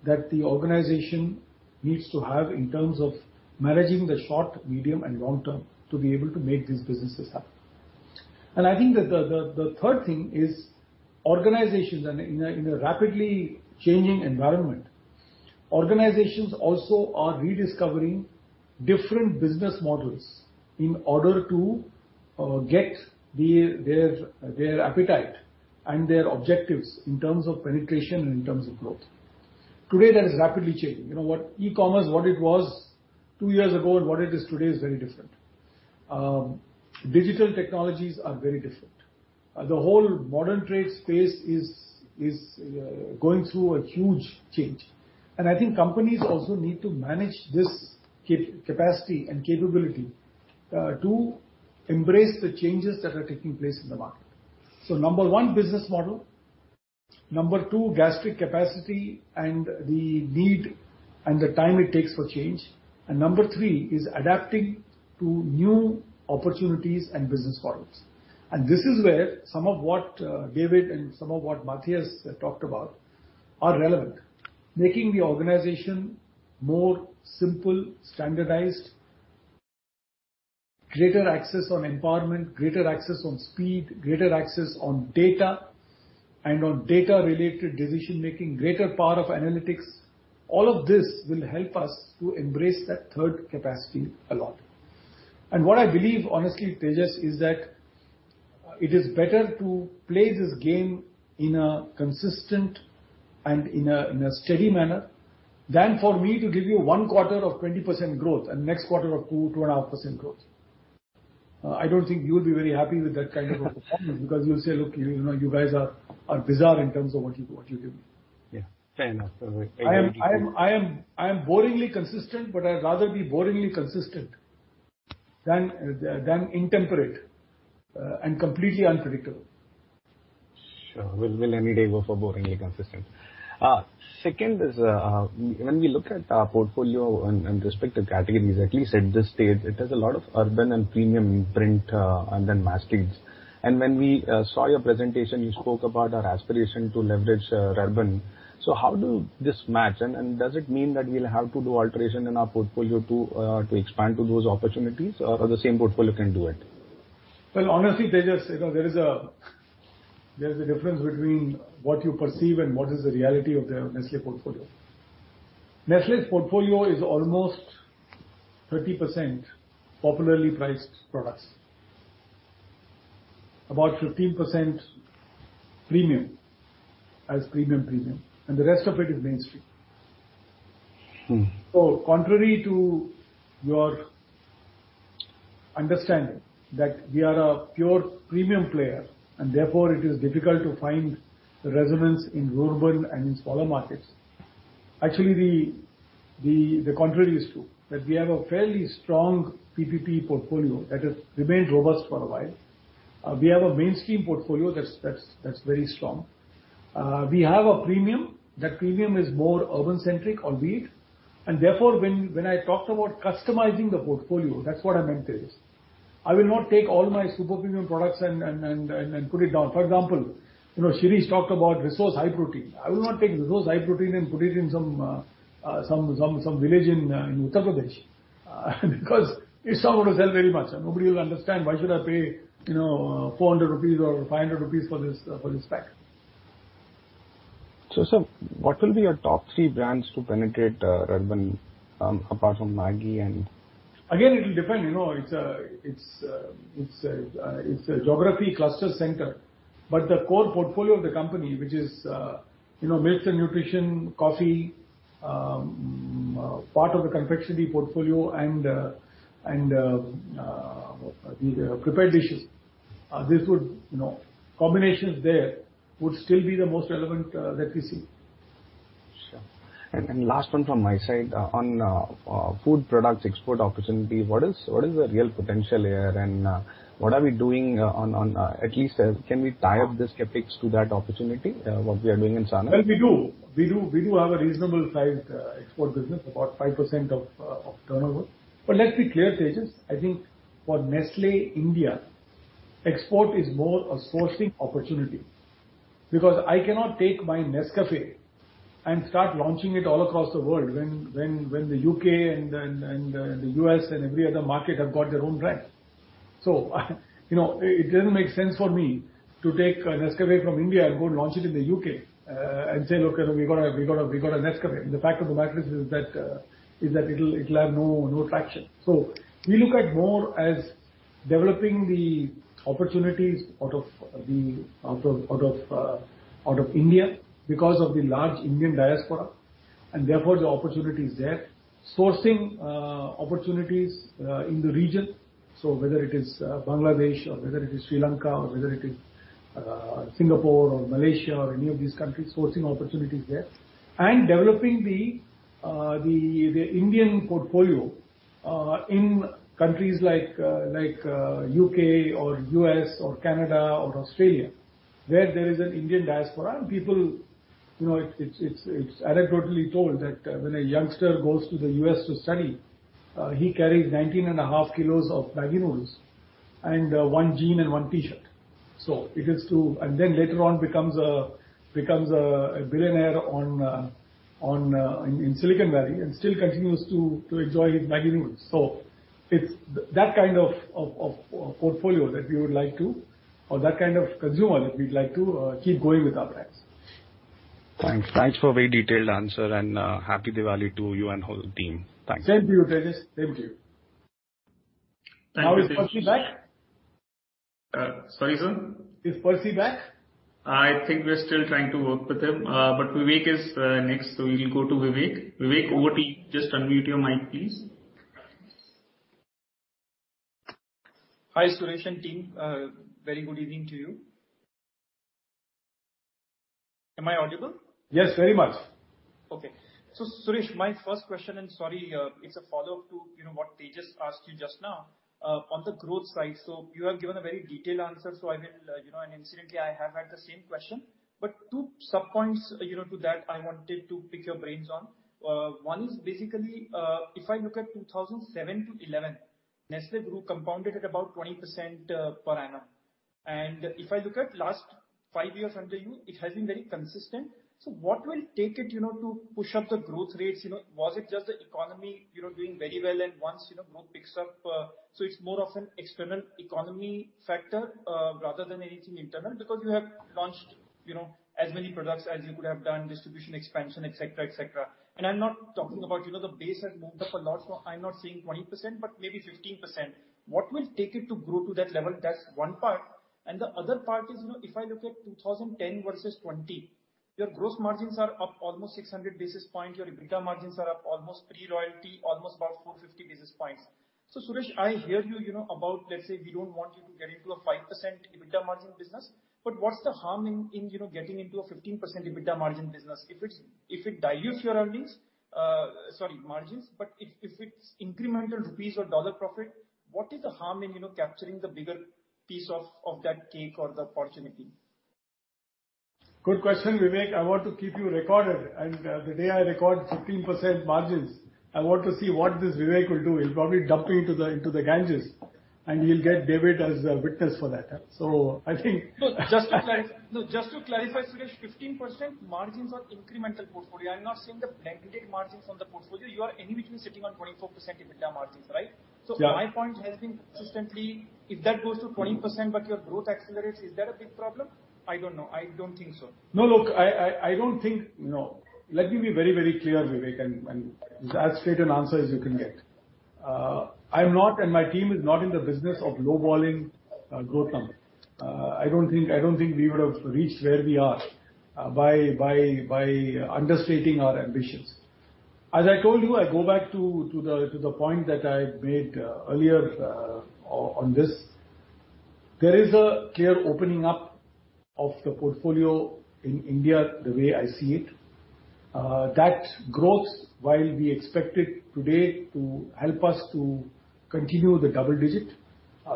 S2: that the organization needs to have in terms of managing the short, medium, and long term to be able to make these businesses happen. I think that the third thing is organizations in a rapidly changing environment, organizations also are rediscovering different business models in order to get their appetite and their objectives in terms of penetration and in terms of growth. Today, that is rapidly changing. You know what? E-commerce, what it was two years ago and what it is today is very different. Digital technologies are very different. The whole modern trade space is going through a huge change. I think companies also need to manage this capacity and capability to embrace the changes that are taking place in the market. Number one, business model. Number two, gastric capacity and the need and the time it takes for change. Number three is adapting to new opportunities and business models. This is where some of what David and some of what Matthias talked about are relevant. Making the organization more simple, standardized, greater access on empowerment, greater access on speed, greater access on data and on data-related decision-making, greater power of analytics. All of this will help us to embrace that third capacity a lot. What I believe, honestly, Tejas, is that it is better to play this game in a consistent and in a steady manner, than for me to give you one quarter of 20% growth and next quarter of 2.5% growth. I don't think you would be very happy with that kind of a performance, because you'll say: "Look, you know, you guys are bizarre in terms of what you, what you do.
S12: Yeah, fair enough.
S2: I am boringly consistent, but I'd rather be boringly consistent than intemperate, and completely unpredictable.
S12: Sure. We'll any day go for boringly consistent. Second is when we look at our portfolio and respective categories, at least at this stage, it has a lot of urban and premium print and then mastheads. When we saw your presentation, you spoke about our aspiration to leverage urban. How do this match? Does it mean that we'll have to do alteration in our portfolio to expand to those opportunities, or the same portfolio can do it?
S2: Well, honestly, Tejas, you know, there is a difference between what you perceive and what is the reality of the Nestlé portfolio. Nestlé's portfolio is almost 30% popularly priced products. About 15% premium, as premium, and the rest of it is mainstream.
S12: Mm.
S2: Contrary to your understanding that we are a pure premium player, and therefore it is difficult to find resonance in RURBAN and in smaller markets, actually, the contrary is true, that we have a fairly strong PPP portfolio that has remained robust for a while. We have a mainstream portfolio that's very strong. We have a premium. That premium is more urban-centric, albeit, and therefore, when I talked about customizing the portfolio, that's what I meant is, I will not take all my super premium products and put it down. For example, you know, Shirish talked about Resource High Protein. I will not take Resource High Protein and put it in some village in Uttar Pradesh, because it's not going to sell very much and nobody will understand why should I pay, you know, 400 rupees or 500 rupees for this for this pack.
S12: Sir, what will be your top three brands to penetrate urban apart from MAGGI and...
S2: Again, it'll depend. You know, it's a geography cluster center, but the core portfolio of the company, which is, you know, milks and nutrition, coffee, part of the confectionery portfolio and, the prepared dishes. You know, combinations there would still be the most relevant, that we see.
S12: Sure. last one from my side. On food products export opportunity, what is the real potential here? What are we doing on at least can we tie up the skeptics to that opportunity, what we are doing in Sana?
S2: Well, we do. We do have a reasonable sized export business, about 5% of turnover. Let's be clear, Tejas, I think for Nestlé India, export is more a sourcing opportunity, because I cannot take my Nescafé and start launching it all across the world when the U.K. and the U.S. and every other market have got their own brand. You know, it doesn't make sense for me to take a Nescafé from India and go launch it in the U.K. and say: "Look, we got a Nescafé." The fact of the matter is that it'll have no traction. We look at more as developing the opportunities out of India because of the large Indian diaspora, and therefore, the opportunity is there. Sourcing opportunities in the region, whether it is Bangladesh or whether it is Sri Lanka or whether it is Singapore or Malaysia or any of these countries, sourcing opportunities there. Developing the Indian portfolio in countries like U.K. or U.S. or Canada or Australia, where there is an Indian diaspora and people. You know, it's anecdotally told that when a youngster goes to the U.S. to study, he carries 19.5 kilos of MAGGI noodles and one jean and one T-shirt. It is to... Later on becomes a billionaire in Silicon Valley and still continues to enjoy his MAGGI Noodles. It's that kind of portfolio that we would like to, or that kind of consumer that we'd like to keep going with our brands.
S12: Thanks. Thanks for a very detailed answer. Happy Diwali to you and whole team. Thanks.
S2: Same to you, Tejas. Same to you.
S1: Thank you.
S2: Is Percy back?
S1: Sorry, sir?
S2: Is Percy back?
S1: I think we're still trying to work with him, but Vivek is next, so we will go to Vivek. Vivek, just unmute your mic, please.
S13: Hi, Suresh and team. Very good evening to you. Am I audible?
S2: Yes, very much.
S13: Okay. Suresh, my first question, and sorry, it's a follow-up to, you know, what Tejas asked you just now, on the growth side. You have given a very detailed answer, so I will, you know, and incidentally, I have had the same question, but two sub points, you know, to that I wanted to pick your brains on. One is basically, if I look at 2007-2011, Nestlé Group compounded at about 20%, per annum. If I look at last five years under you, it has been very consistent. What will take it, you know, to push up the growth rates? You know, was it just the economy, you know, doing very well and once, you know, growth picks up... It's more of an external economy factor, rather than anything internal, because you have launched, you know, as many products as you could have done, distribution, expansion, et cetera, et cetera. I'm not talking about, you know, the base has moved up a lot, so I'm not saying 20%, but maybe 15%. What will take it to grow to that level? That's one part. The other part is, you know, if I look at 2010 versus 2020, your gross margins are up almost 600 basis points. Your EBITDA margins are up almost, pre-royalty, almost about 450 basis points. Suresh, I hear you know about, let's say, we don't want you to get into a 5% EBITDA margin business, but what's the harm in, you know, getting into a 15% EBITDA margin business? If it dilutes your earnings, sorry, margins, if it's incremental rupees or dollar profit, what is the harm in, you know, capturing the bigger piece of that cake or the opportunity?
S2: Good question, Vivek. I want to keep you recorded. The day I record 15% margins, I want to see what this Vivek will do. He'll probably dump into the Ganges, and he'll get David as a witness for that. I think.
S13: No, just to clarify, Suresh, 15% margins on incremental portfolio. I'm not saying the blanket margins on the portfolio. You are anyway sitting on 24% EBITDA margins, right?
S2: Yeah.
S13: My point has been consistently, if that goes to 20%, but your growth accelerates, is that a big problem? I don't know. I don't think so.
S2: No, look, I don't think... No. Let me be very, very clear, Vivek, and it's as straight an answer as you can get. I'm not, and my team is not in the business of low-balling growth numbers. I don't think we would have reached where we are by understating our ambitions. As I told you, I go back to the point that I made earlier, on this. There is a clear opening up of the portfolio in India, the way I see it. That growth, while we expect it today to help us to continue the double-digit,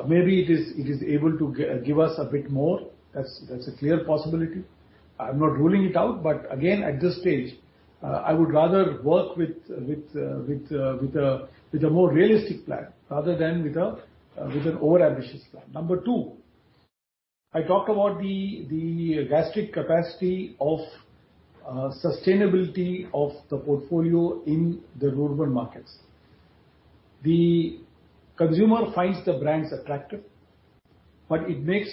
S2: maybe it is able to give us a bit more. That's a clear possibility. I'm not ruling it out, but again, at this stage, I would rather work with a more realistic plan rather than with an overambitious plan. Number two, I talked about the gastric capacity of sustainability of the portfolio in the rural markets. The consumer finds the brands attractive, but it makes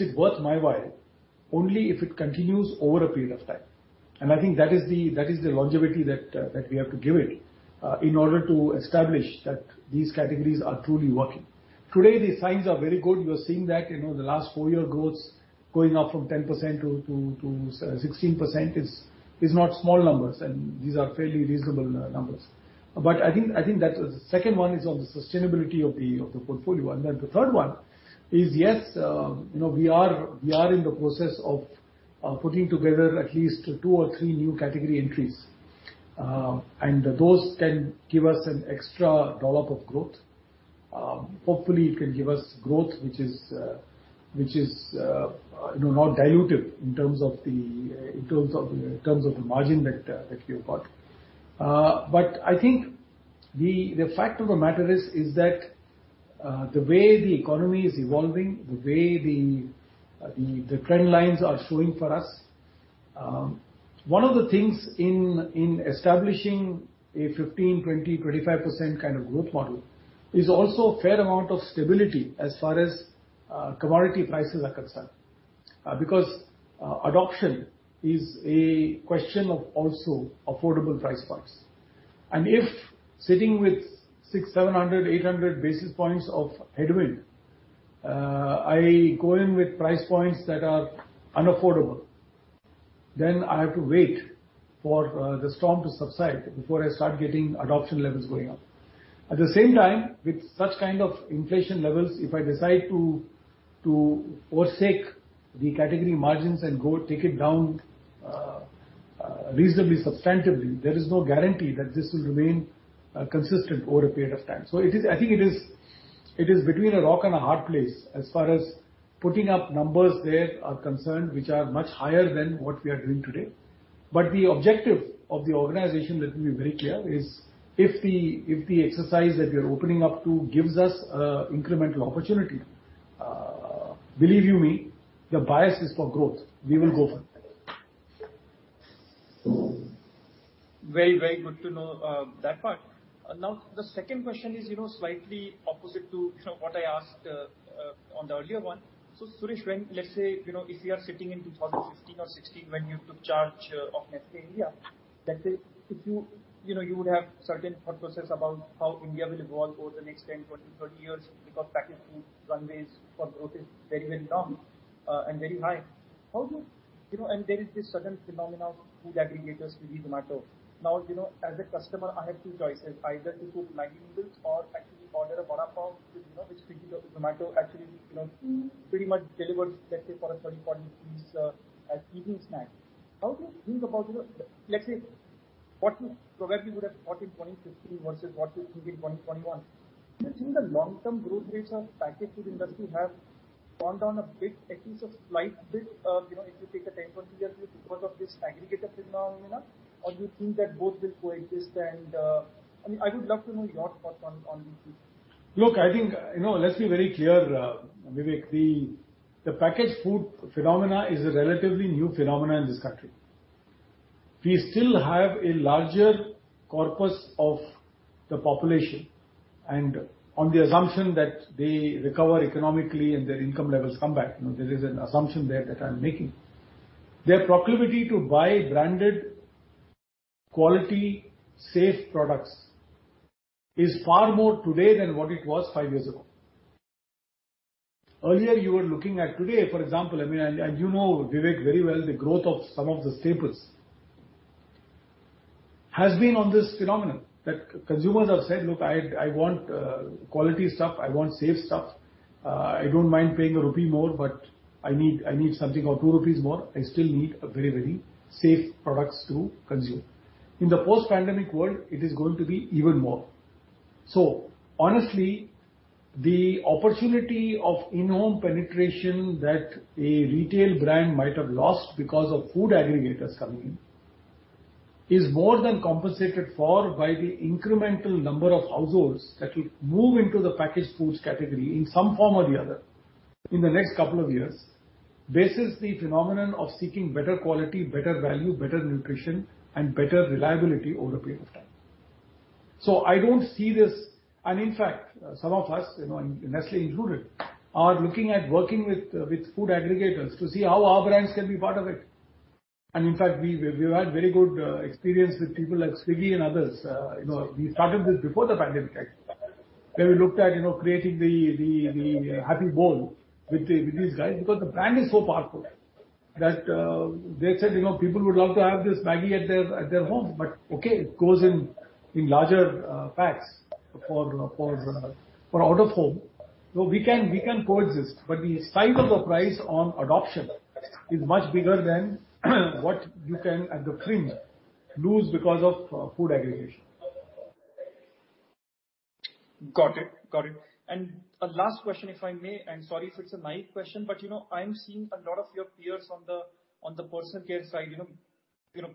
S2: it worth my while only if it continues over a period of time. I think that is the longevity that we have to give it in order to establish that these categories are truly working. Today, the signs are very good. You are seeing that, you know, the last four-year growth going up from 10%-16% is not small numbers, and these are fairly reasonable numbers. I think that's the second one is on the sustainability of the portfolio. The third one is, yes, you know, we are in the process of putting together at least two or three new category entries. Those can give us an extra dollop of growth. Hopefully, it can give us growth which is, which is, you know, not diluted in terms of the margin that we have got. I think the fact of the matter is that the way the economy is evolving, the way the trend lines are showing for us, one of the things in establishing a 15%, 20%, 25% kind of growth model is also a fair amount of stability as far as commodity prices are concerned. Because adoption is a question of also affordable price points. If sitting with 600, 700, 800 basis points of headwind, I go in with price points that are unaffordable, then I have to wait for the storm to subside before I start getting adoption levels going up. At the same time, with such kind of inflation levels, if I decide to forsake the category margins and go take it down reasonably, substantively, there is no guarantee that this will remain consistent over a period of time. I think it is between a rock and a hard place as far as putting up numbers there are concerned, which are much higher than what we are doing today. The objective of the organization, let me be very clear, is if the exercise that we are opening up to gives us a incremental opportunity, believe you me, the bias is for growth. We will go for it.
S13: Very, very good to know that part. Now, the second question is, you know, slightly opposite to, you know, what I asked on the earlier one. Suresh, when, let's say, you know, if you are sitting in 2015 or 2016, when you took charge of Nestlé India, let's say if you know, you would have certain thought process about how India will evolve over the next 10, 20, 30 years, because packaged food runways for growth is very, very long and very high. How do you... You know, there is this sudden phenomena of food aggregators, Swiggy, Zomato. As a customer, I have two choices: either to cook MAGGI Noodles or actually order a vada pav, which, you know, which Swiggy or Zomato actually, you know, pretty much delivers, let's say, for 30-40 evening snack. How do you think about, you know, let's say, what you probably would have thought in 2016 versus what you think in 2021? Do you think the long-term growth rates of packaged food industry have gone down a bit, at least a slight bit, you know, if you take a 10-20 years view because of this aggregator phenomena? Do you think that both will coexist and... I mean, I would love to know your thoughts on these things.
S2: Look, I think, you know, let's be very clear, Vivek, the packaged food phenomena is a relatively new phenomena in this country. We still have a larger corpus of the population, and on the assumption that they recover economically and their income levels come back, you know, there is an assumption there that I'm making. Their proclivity to buy branded quality, safe products is far more today than what it was five years ago. Earlier, you were looking at today, for example, I mean, and you know, Vivek, very well, the growth of some of the staples has been on this phenomenon, that consumers have said: "Look, I want quality stuff, I want safe stuff. I don't mind paying one rupee more, but I need something or two rupees more. I still need a very, very safe products to consume. In the post-pandemic world, it is going to be even more. Honestly, the opportunity of in-home penetration that a retail brand might have lost because of food aggregators coming in, is more than compensated for by the incremental number of households that will move into the packaged foods category in some form or the other in the next couple of years, versus the phenomenon of seeking better quality, better value, better nutrition, and better reliability over a period of time. I don't see this... In fact, some of us, you know, and Nestlé included, are looking at working with food aggregators to see how our brands can be part of it. In fact, we've had very good experience with people like Swiggy and others. You know, we started this before the pandemic actually, where we looked at, you know, creating the Happy Bowl with these guys, because the brand is so powerful that, they said, "You know, people would love to have this MAGGI at their home." Okay, it goes in larger, packs for out-of-home. We can coexist, but the size of the price on adoption is much bigger than what you can, at the fringe, lose because of, food aggregation.
S13: Got it. Got it. A last question, if I may, and sorry if it's a naive question, but, you know, I'm seeing a lot of your peers on the personal care side, you know,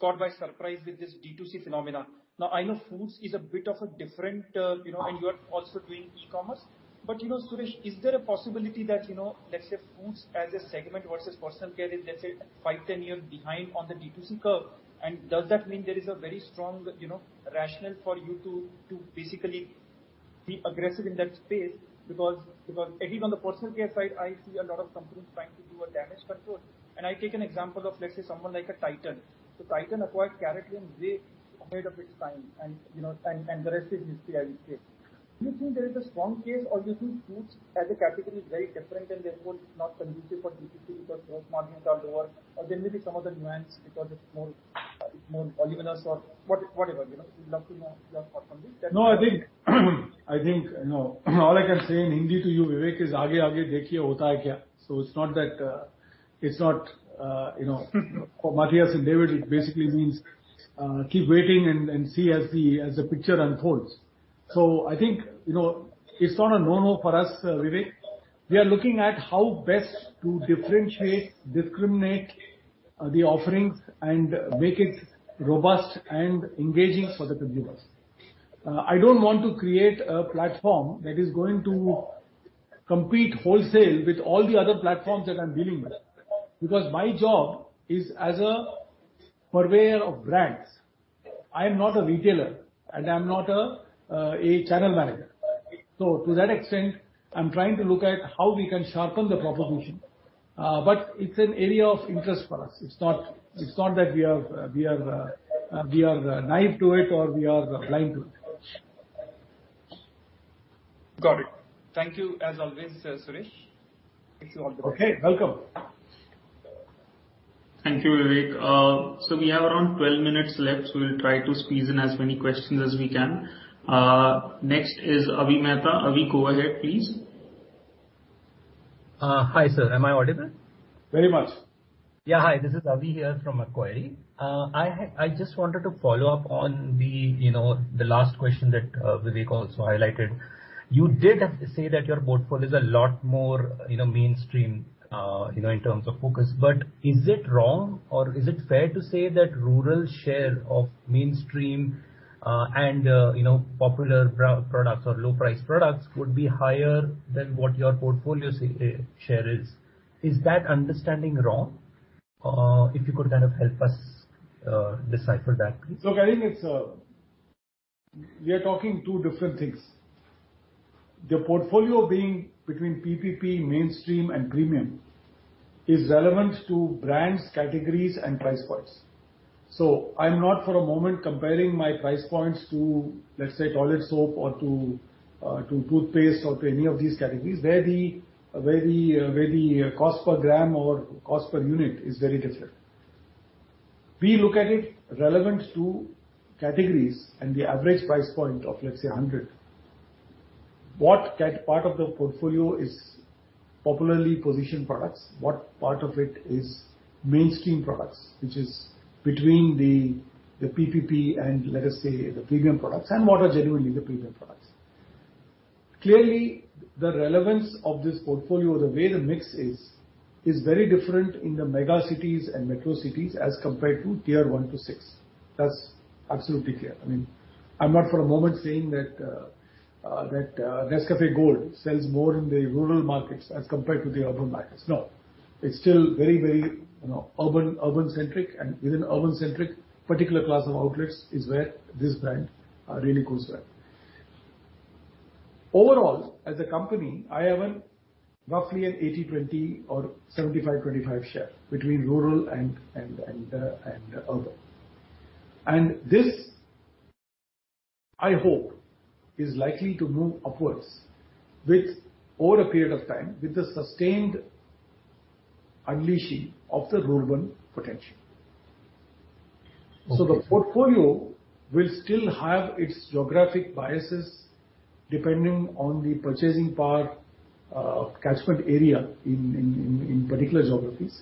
S13: caught by surprise with this D2C phenomenon. I know foods is a bit of a different, you know, and you are also doing e-commerce. You know, Suresh, is there a possibility that, you know, let's say, foods as a segment versus personal care, is, let's say, five to 10 years behind on the D2C curve? Does that mean there is a very strong, you know, rationale for you to basically be aggressive in that space? Because at least on the personal care side, I see a lot of companies trying to do a damage control. I take an example of, let's say, someone like a Titan. Titan acquired CaratLane way ahead of its time, and, you know, and the rest is history, as you say. Do you think there is a strong case, or you think foods as a category is very different and therefore not conducive for D2C because growth margins are lower? There may be some other nuance because it's more, it's more oligamous or whatever, you know? We'd love to know your thoughts on this.
S2: I think, you know, all I can say in Hindi to you, Vivek, is..., it's not that it's not for Matthias and David, it basically means keep waiting and see as the picture unfolds. I think, you know, it's not a no-no for us, Vivek. We are looking at how best to differentiate, discriminate, the offerings and make it robust and engaging for the consumers. I don't want to create a platform that is going to compete wholesale with all the other platforms that I'm dealing with, because my job is as a purveyor of brands. I am not a retailer, and I'm not a channel manager. To that extent, I'm trying to look at how we can sharpen the proposition. It's an area of interest for us. It's not that we are naive to it or we are blind to it.
S13: Got it. Thank you, as always, Suresh. Thank you all.
S2: Okay, welcome.
S1: Thank you, Vivek. We have around 12 minutes left, so we'll try to squeeze in as many questions as we can. Next is Avi Mehta. Avi, go ahead, please.
S14: Hi, sir. Am I audible?
S2: Very much.
S14: Yeah. Hi, this is Avi here from Macquarie. I just wanted to follow up on the, you know, the last question that Vivek also highlighted. You did have to say that your portfolio is a lot more, you know, mainstream, you know, in terms of focus. Is it wrong, or is it fair to say that rural share of mainstream, and, you know, popular products or low-priced products would be higher than what your portfolio share is? Is that understanding wrong? If you could kind of help us decipher that, please.
S2: We are talking two different things. The portfolio being between PPP, mainstream, and premium is relevant to brands, categories, and price points. I'm not for a moment comparing my price points to, let's say, toilet soap or to toothpaste or to any of these categories, where the cost per gram or cost per unit is very different. We look at it relevant to categories and the average price point of, let's say, 100. What part of the portfolio is popularly positioned products, what part of it is mainstream products, which is between the PPP and, let us say, the premium products, and what are genuinely the premium products? Clearly, the relevance of this portfolio, the way the mix is very different in the mega cities and metro cities as compared to Tier 1 to 6. That's absolutely clear. I mean, I'm not for a moment saying that Nescafé Gold sells more in the rural markets as compared to the urban markets. No, it's still very, you know, urban-centric, and within urban-centric, particular class of outlets is where this brand really goes well. Overall, as a company, I have a roughly an 80/20 or 75/25 share between rural and urban. This, I hope, is likely to move upwards with over a period of time, with the sustained unleashing of the rural potential.
S14: Okay.
S2: The portfolio will still have its geographic biases, depending on the purchasing power, catchment area in particular geographies.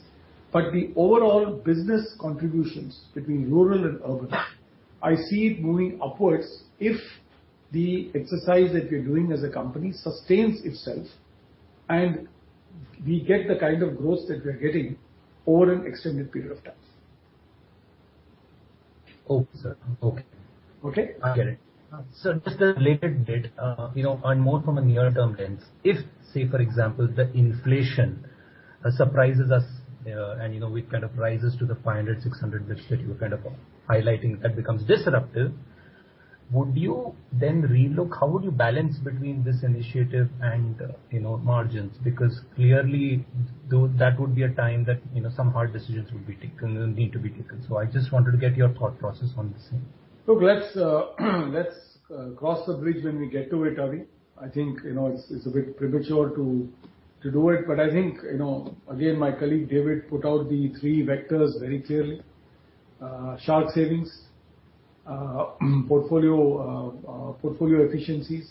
S2: The overall business contributions between rural and urban, I see it moving upwards if the exercise that we're doing as a company sustains itself, and we get the kind of growth that we're getting over an extended period of time.
S14: Okay, sir. Okay.
S2: Okay?
S14: I get it. Just a related bit, you know, and more from a near-term lens. If, say, for example, the inflation, surprises us, and, you know, it kind of rises to the 500, 600 bits that you were kind of highlighting, that becomes disruptive, would you then relook? How would you balance between this initiative and, you know, margins? Because clearly, though, that would be a time that, you know, some hard decisions would be taken, need to be taken. I just wanted to get your thought process on the same.
S2: Look, let's cross the bridge when we get to it, Avi. I think, you know, it's a bit premature to do it, but I think, you know, again, my colleague, David, put out the three vectors very clearly. Sharp savings, portfolio efficiencies,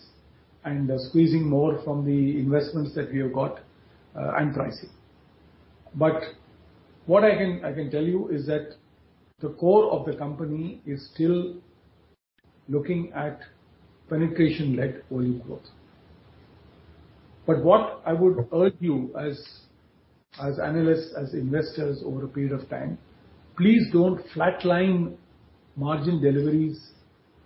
S2: and squeezing more from the investments that we have got, and pricing. What I can tell you is that the core of the company is still looking at penetration-led volume growth. What I would urge you as analysts, as investors over a period of time, please don't flatline margin deliveries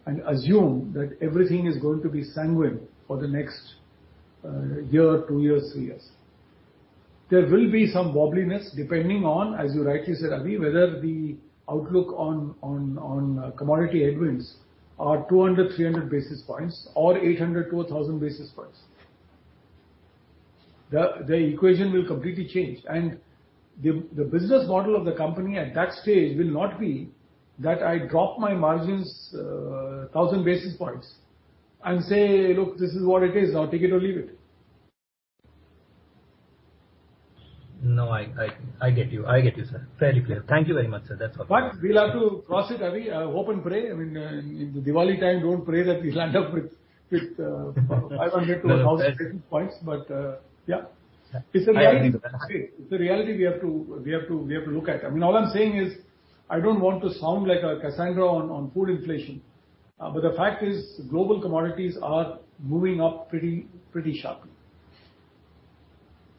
S2: and assume that everything is going to be sanguine for the next year, two years, three years. There will be some wobbliness, depending on, as you rightly said, Avi, whether the outlook on commodity headwinds are 200, 300 basis points or 800-1,000 basis points. The equation will completely change, and the business model of the company at that stage will not be that I drop my margins, 1,000 basis points and say: Look, this is what it is. Now, take it or leave it.
S14: No, I get you. I get you, sir. Fairly clear. Thank you very much, sir. That's all.
S2: We'll have to cross it, Avi, hope and pray. I mean, in the Diwali time, don't pray that we land up with 500 to 1,000 basis points. Yeah.
S14: I understand.
S2: It's a reality we have to look at. I mean, all I'm saying is, I don't want to sound like a Cassandra on food inflation, the fact is global commodities are moving up pretty sharply.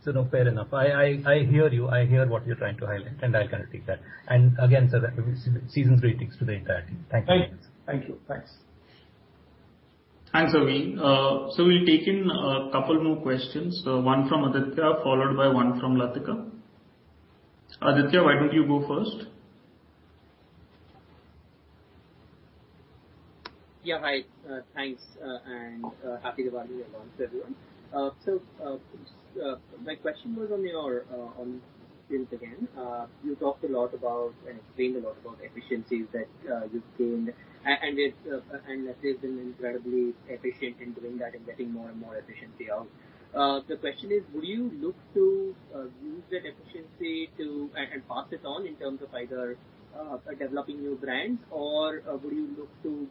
S14: No, fair enough. I hear you. I hear what you're trying to highlight, and I kind of take that. Again, sir, seasons greetings to the entire team. Thank you.
S2: Thank you. Thanks.
S1: Thanks, Avi. We'll take in a couple more questions, one from Aditya, followed by one from Latika. Aditya, why don't you go first?
S15: Yeah, hi. Thanks, happy Diwali everyone. My question was on your on Prince again. You talked a lot about and explained a lot about efficiencies that you've gained, and that there's been incredibly efficient in doing that and getting more and more efficiency out. The question is: would you look to use that efficiency to and pass it on in terms of either developing new brands, or would you look to say,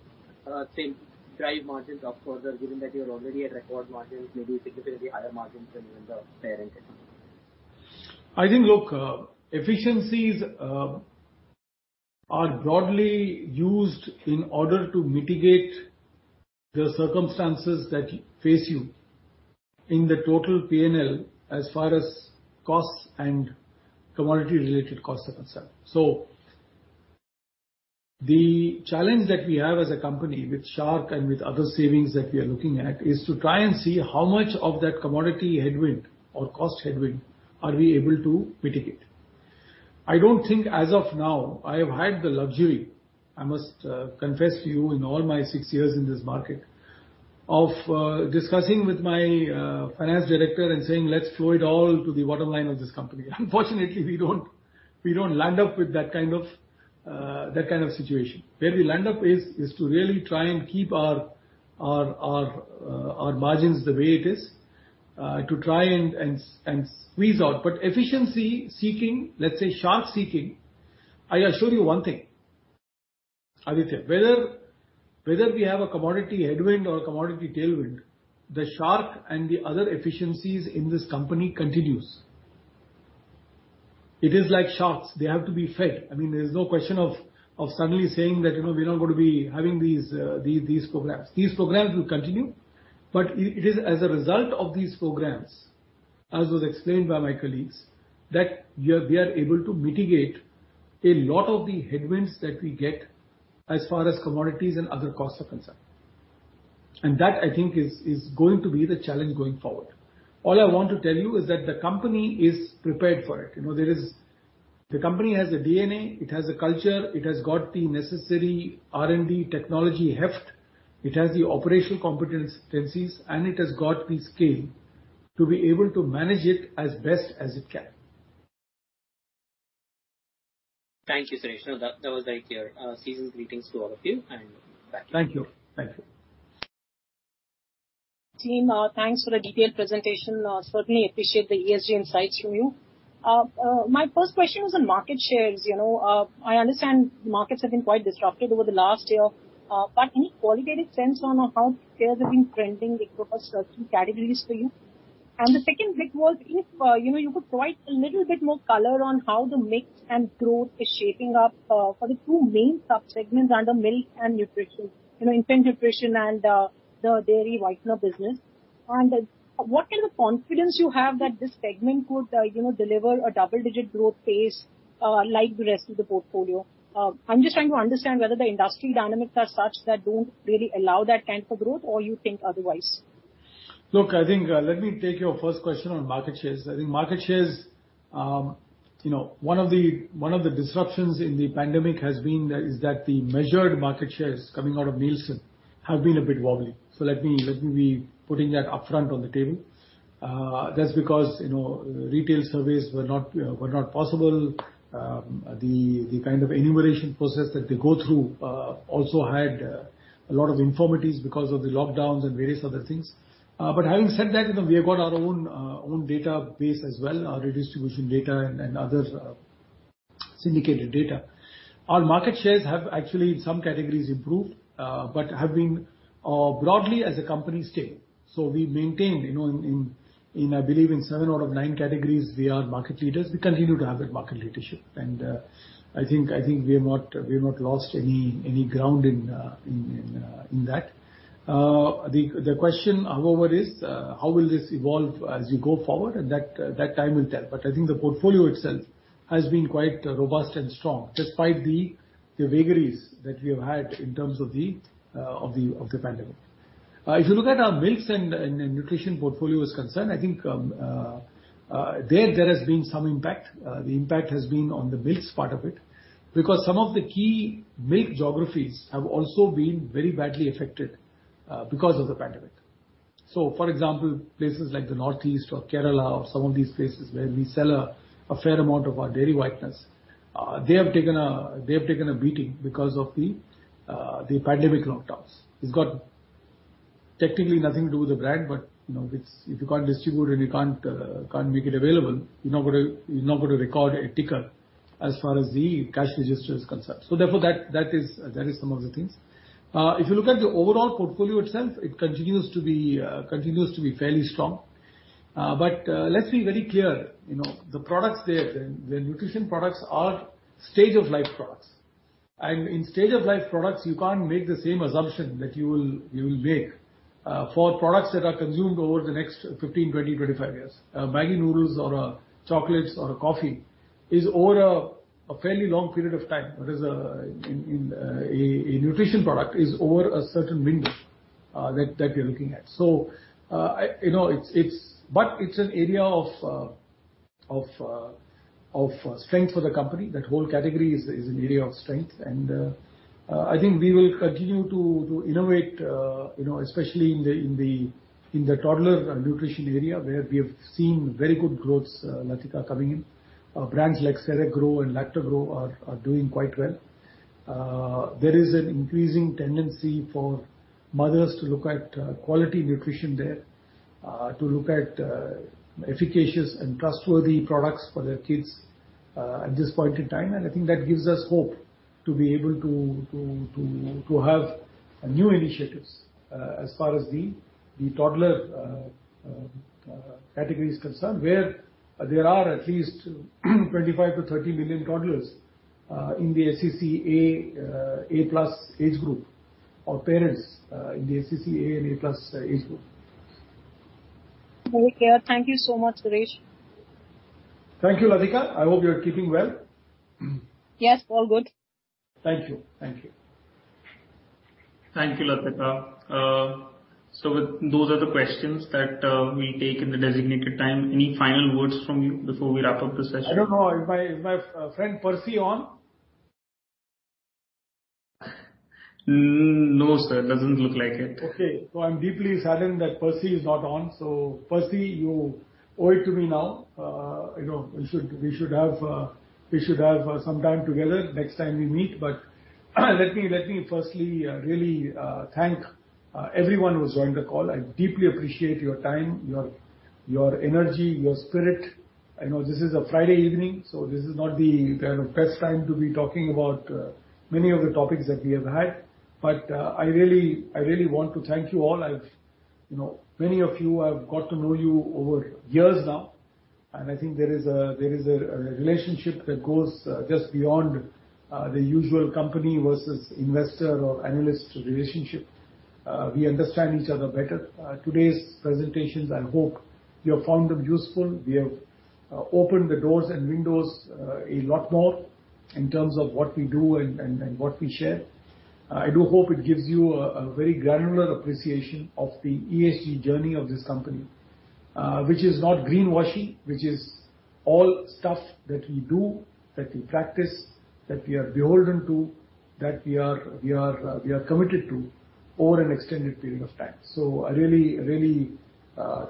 S15: drive margins up further, given that you're already at record margins, maybe significantly higher margins than even the parent company?
S2: I think, look, efficiencies are broadly used in order to mitigate the circumstances that face you in the total P&L as far as costs and commodity-related costs are concerned. The challenge that we have as a company, with Shark and with other savings that we are looking at, is to try and see how much of that commodity headwind or cost headwind are we able to mitigate. I don't think as of now I have had the luxury, I must confess to you in all my six years in this market, of discussing with my finance director and saying: Let's flow it all to the waterline of this company. Unfortunately, we don't land up with that kind of situation. Where we land up is to really try and keep our margins the way it is to try and squeeze out. Efficiency seeking, let's say, Project Shark seeking, I assure you one thing, Aditya, whether we have a commodity headwind or a commodity tailwind, Project Shark and the other efficiencies in this company continues. It is like sharks, they have to be fed. I mean, there is no question of suddenly saying that, you know, we're not going to be having these programs. These programs will continue, but it is as a result of these programs, as was explained by my colleagues, that we are able to mitigate a lot of the headwinds that we get as far as commodities and other costs are concerned. That, I think, is going to be the challenge going forward. All I want to tell you is that the company is prepared for it. You know, The company has a DNA, it has a culture, it has got the necessary R&D technology heft, it has the operational competencies, and it has got the scale to be able to manage it as best as it can.
S15: Thank you, Suresh. No, that was very clear. Season's greetings to all of you, and thank you.
S2: Thank you. Thank you.
S16: Team, thanks for the detailed presentation. Certainly appreciate the ESG insights from you. My first question was on market shares. You know, I understand markets have been quite disrupted over the last year, but any qualitative sense on how shares have been trending across key categories for you? The second bit was if, you know, you could provide a little bit more color on how the mix and growth is shaping up for the two main subsegments under milk and nutrition, you know, infant nutrition and the dairy whitener business. What kind of confidence you have that this segment could, you know, deliver a double-digit growth pace like the rest of the portfolio? I'm just trying to understand whether the industry dynamics are such that don't really allow that kind of growth, or you think otherwise.
S2: Look, I think, let me take your first question on market shares. I think market shares, you know, one of the, one of the disruptions in the pandemic has been, is that the measured market shares coming out of Nielsen have been a bit wobbly. Let me be putting that upfront on the table. That's because, you know, retail surveys were not possible. The kind of enumeration process that they go through also had a lot of infirmities because of the lockdowns and various other things. Having said that, you know, we have got our own database as well, our redistribution data and other syndicated data. Our market shares have actually in some categories improved, but have been broadly as a company stable. We maintained, you know, in I believe in seven out of nine categories, we are market leaders. We continue to have that market leadership. I think we have not lost any ground in in that. The question, however, is how will this evolve as you go forward? That time will tell. I think the portfolio itself has been quite robust and strong, despite the vagaries that we have had in terms of the of the pandemic. If you look at our milks and nutrition portfolio is concerned, I think there has been some impact. The impact has been on the milks part of it, because some of the key milk geographies have also been very badly affected because of the pandemic. For example, places like the Northeast or Kerala or some of these places where we sell a fair amount of our dairy whiteners, they have taken a beating because of the pandemic lockdowns. It's got technically nothing to do with the brand, but, you know, it's, if you can't distribute and you can't make it available, you're not gonna, you're not gonna record a ticker as far as the cash register is concerned. Therefore, that is some of the things. If you look at the overall portfolio itself, it continues to be fairly strong. Let's be very clear, you know, the products there, the nutrition products are stage of life products. And in stage of life products, you can't make the same assumption that you will, you will make for products that are consumed over the next 15, 20, 25 years. MAGGI Noodles or chocolates or a coffee is over a fairly long period of time. Whereas, in a nutrition product is over a certain window that you're looking at. So, I, you know, it's... But it's an area of strength for the company. That whole category is an area of strength, I think we will continue to innovate, you know, especially in the toddler nutrition area, where we have seen very good growth, Latika, coming in. Brands like Ceregrow and LACTOGROW are doing quite well. There is an increasing tendency for mothers to look at quality nutrition there, to look at efficacious and trustworthy products for their kids at this point in time. I think that gives us hope to be able to have new initiatives as far as the toddler category is concerned, where there are at least 25 million-30 million toddlers in the SEC A+ age group, or parents in the SEC A and A+ age group.
S16: Very clear. Thank you so much, Suresh.
S2: Thank you, Latika. I hope you're keeping well.
S16: Yes, all good.
S2: Thank you. Thank you.
S1: Thank you, Latika. With those are the questions that we'll take in the designated time. Any final words from you before we wrap up the session?
S2: I don't know. Is my friend Percy on?
S1: No, sir, doesn't look like it.
S2: Okay. I'm deeply saddened that Percy is not on. Percy, you owe it to me now. you know, we should have some time together next time we meet. let me firstly really thank everyone who's joined the call. I deeply appreciate your time, your energy, your spirit. I know this is a Friday evening, so this is not the best time to be talking about many of the topics that we have had. I really want to thank you all. I've, you know, many of you, I've got to know you over years now, and I think there is a relationship that goes just beyond the usual company versus investor or analyst relationship. We understand each other better. Today's presentations, I hope you have found them useful. We have opened the doors and windows, a lot more in terms of what we do and what we share. I do hope it gives you a very granular appreciation of the ESG journey of this company, which is not greenwashing, which is all stuff that we do, that we practice, that we are beholden to, that we are committed to over an extended period of time. I really, really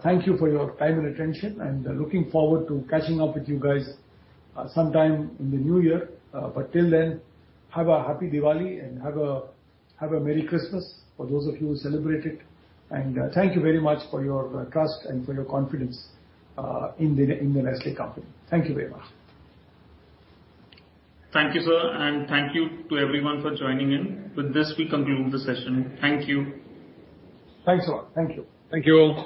S2: thank you for your time and attention, and looking forward to catching up with you guys, sometime in the new year. Till then, have a happy Diwali, and have a merry Christmas for those of you who celebrate it. Thank you very much for your trust and for your confidence in the Nestlé company. Thank you very much.
S1: Thanok you, sir, and thank you to everyone for joining in. With this, we conclude the session. Thank you.
S2: Thanks a lot. Thank you. Thank you all.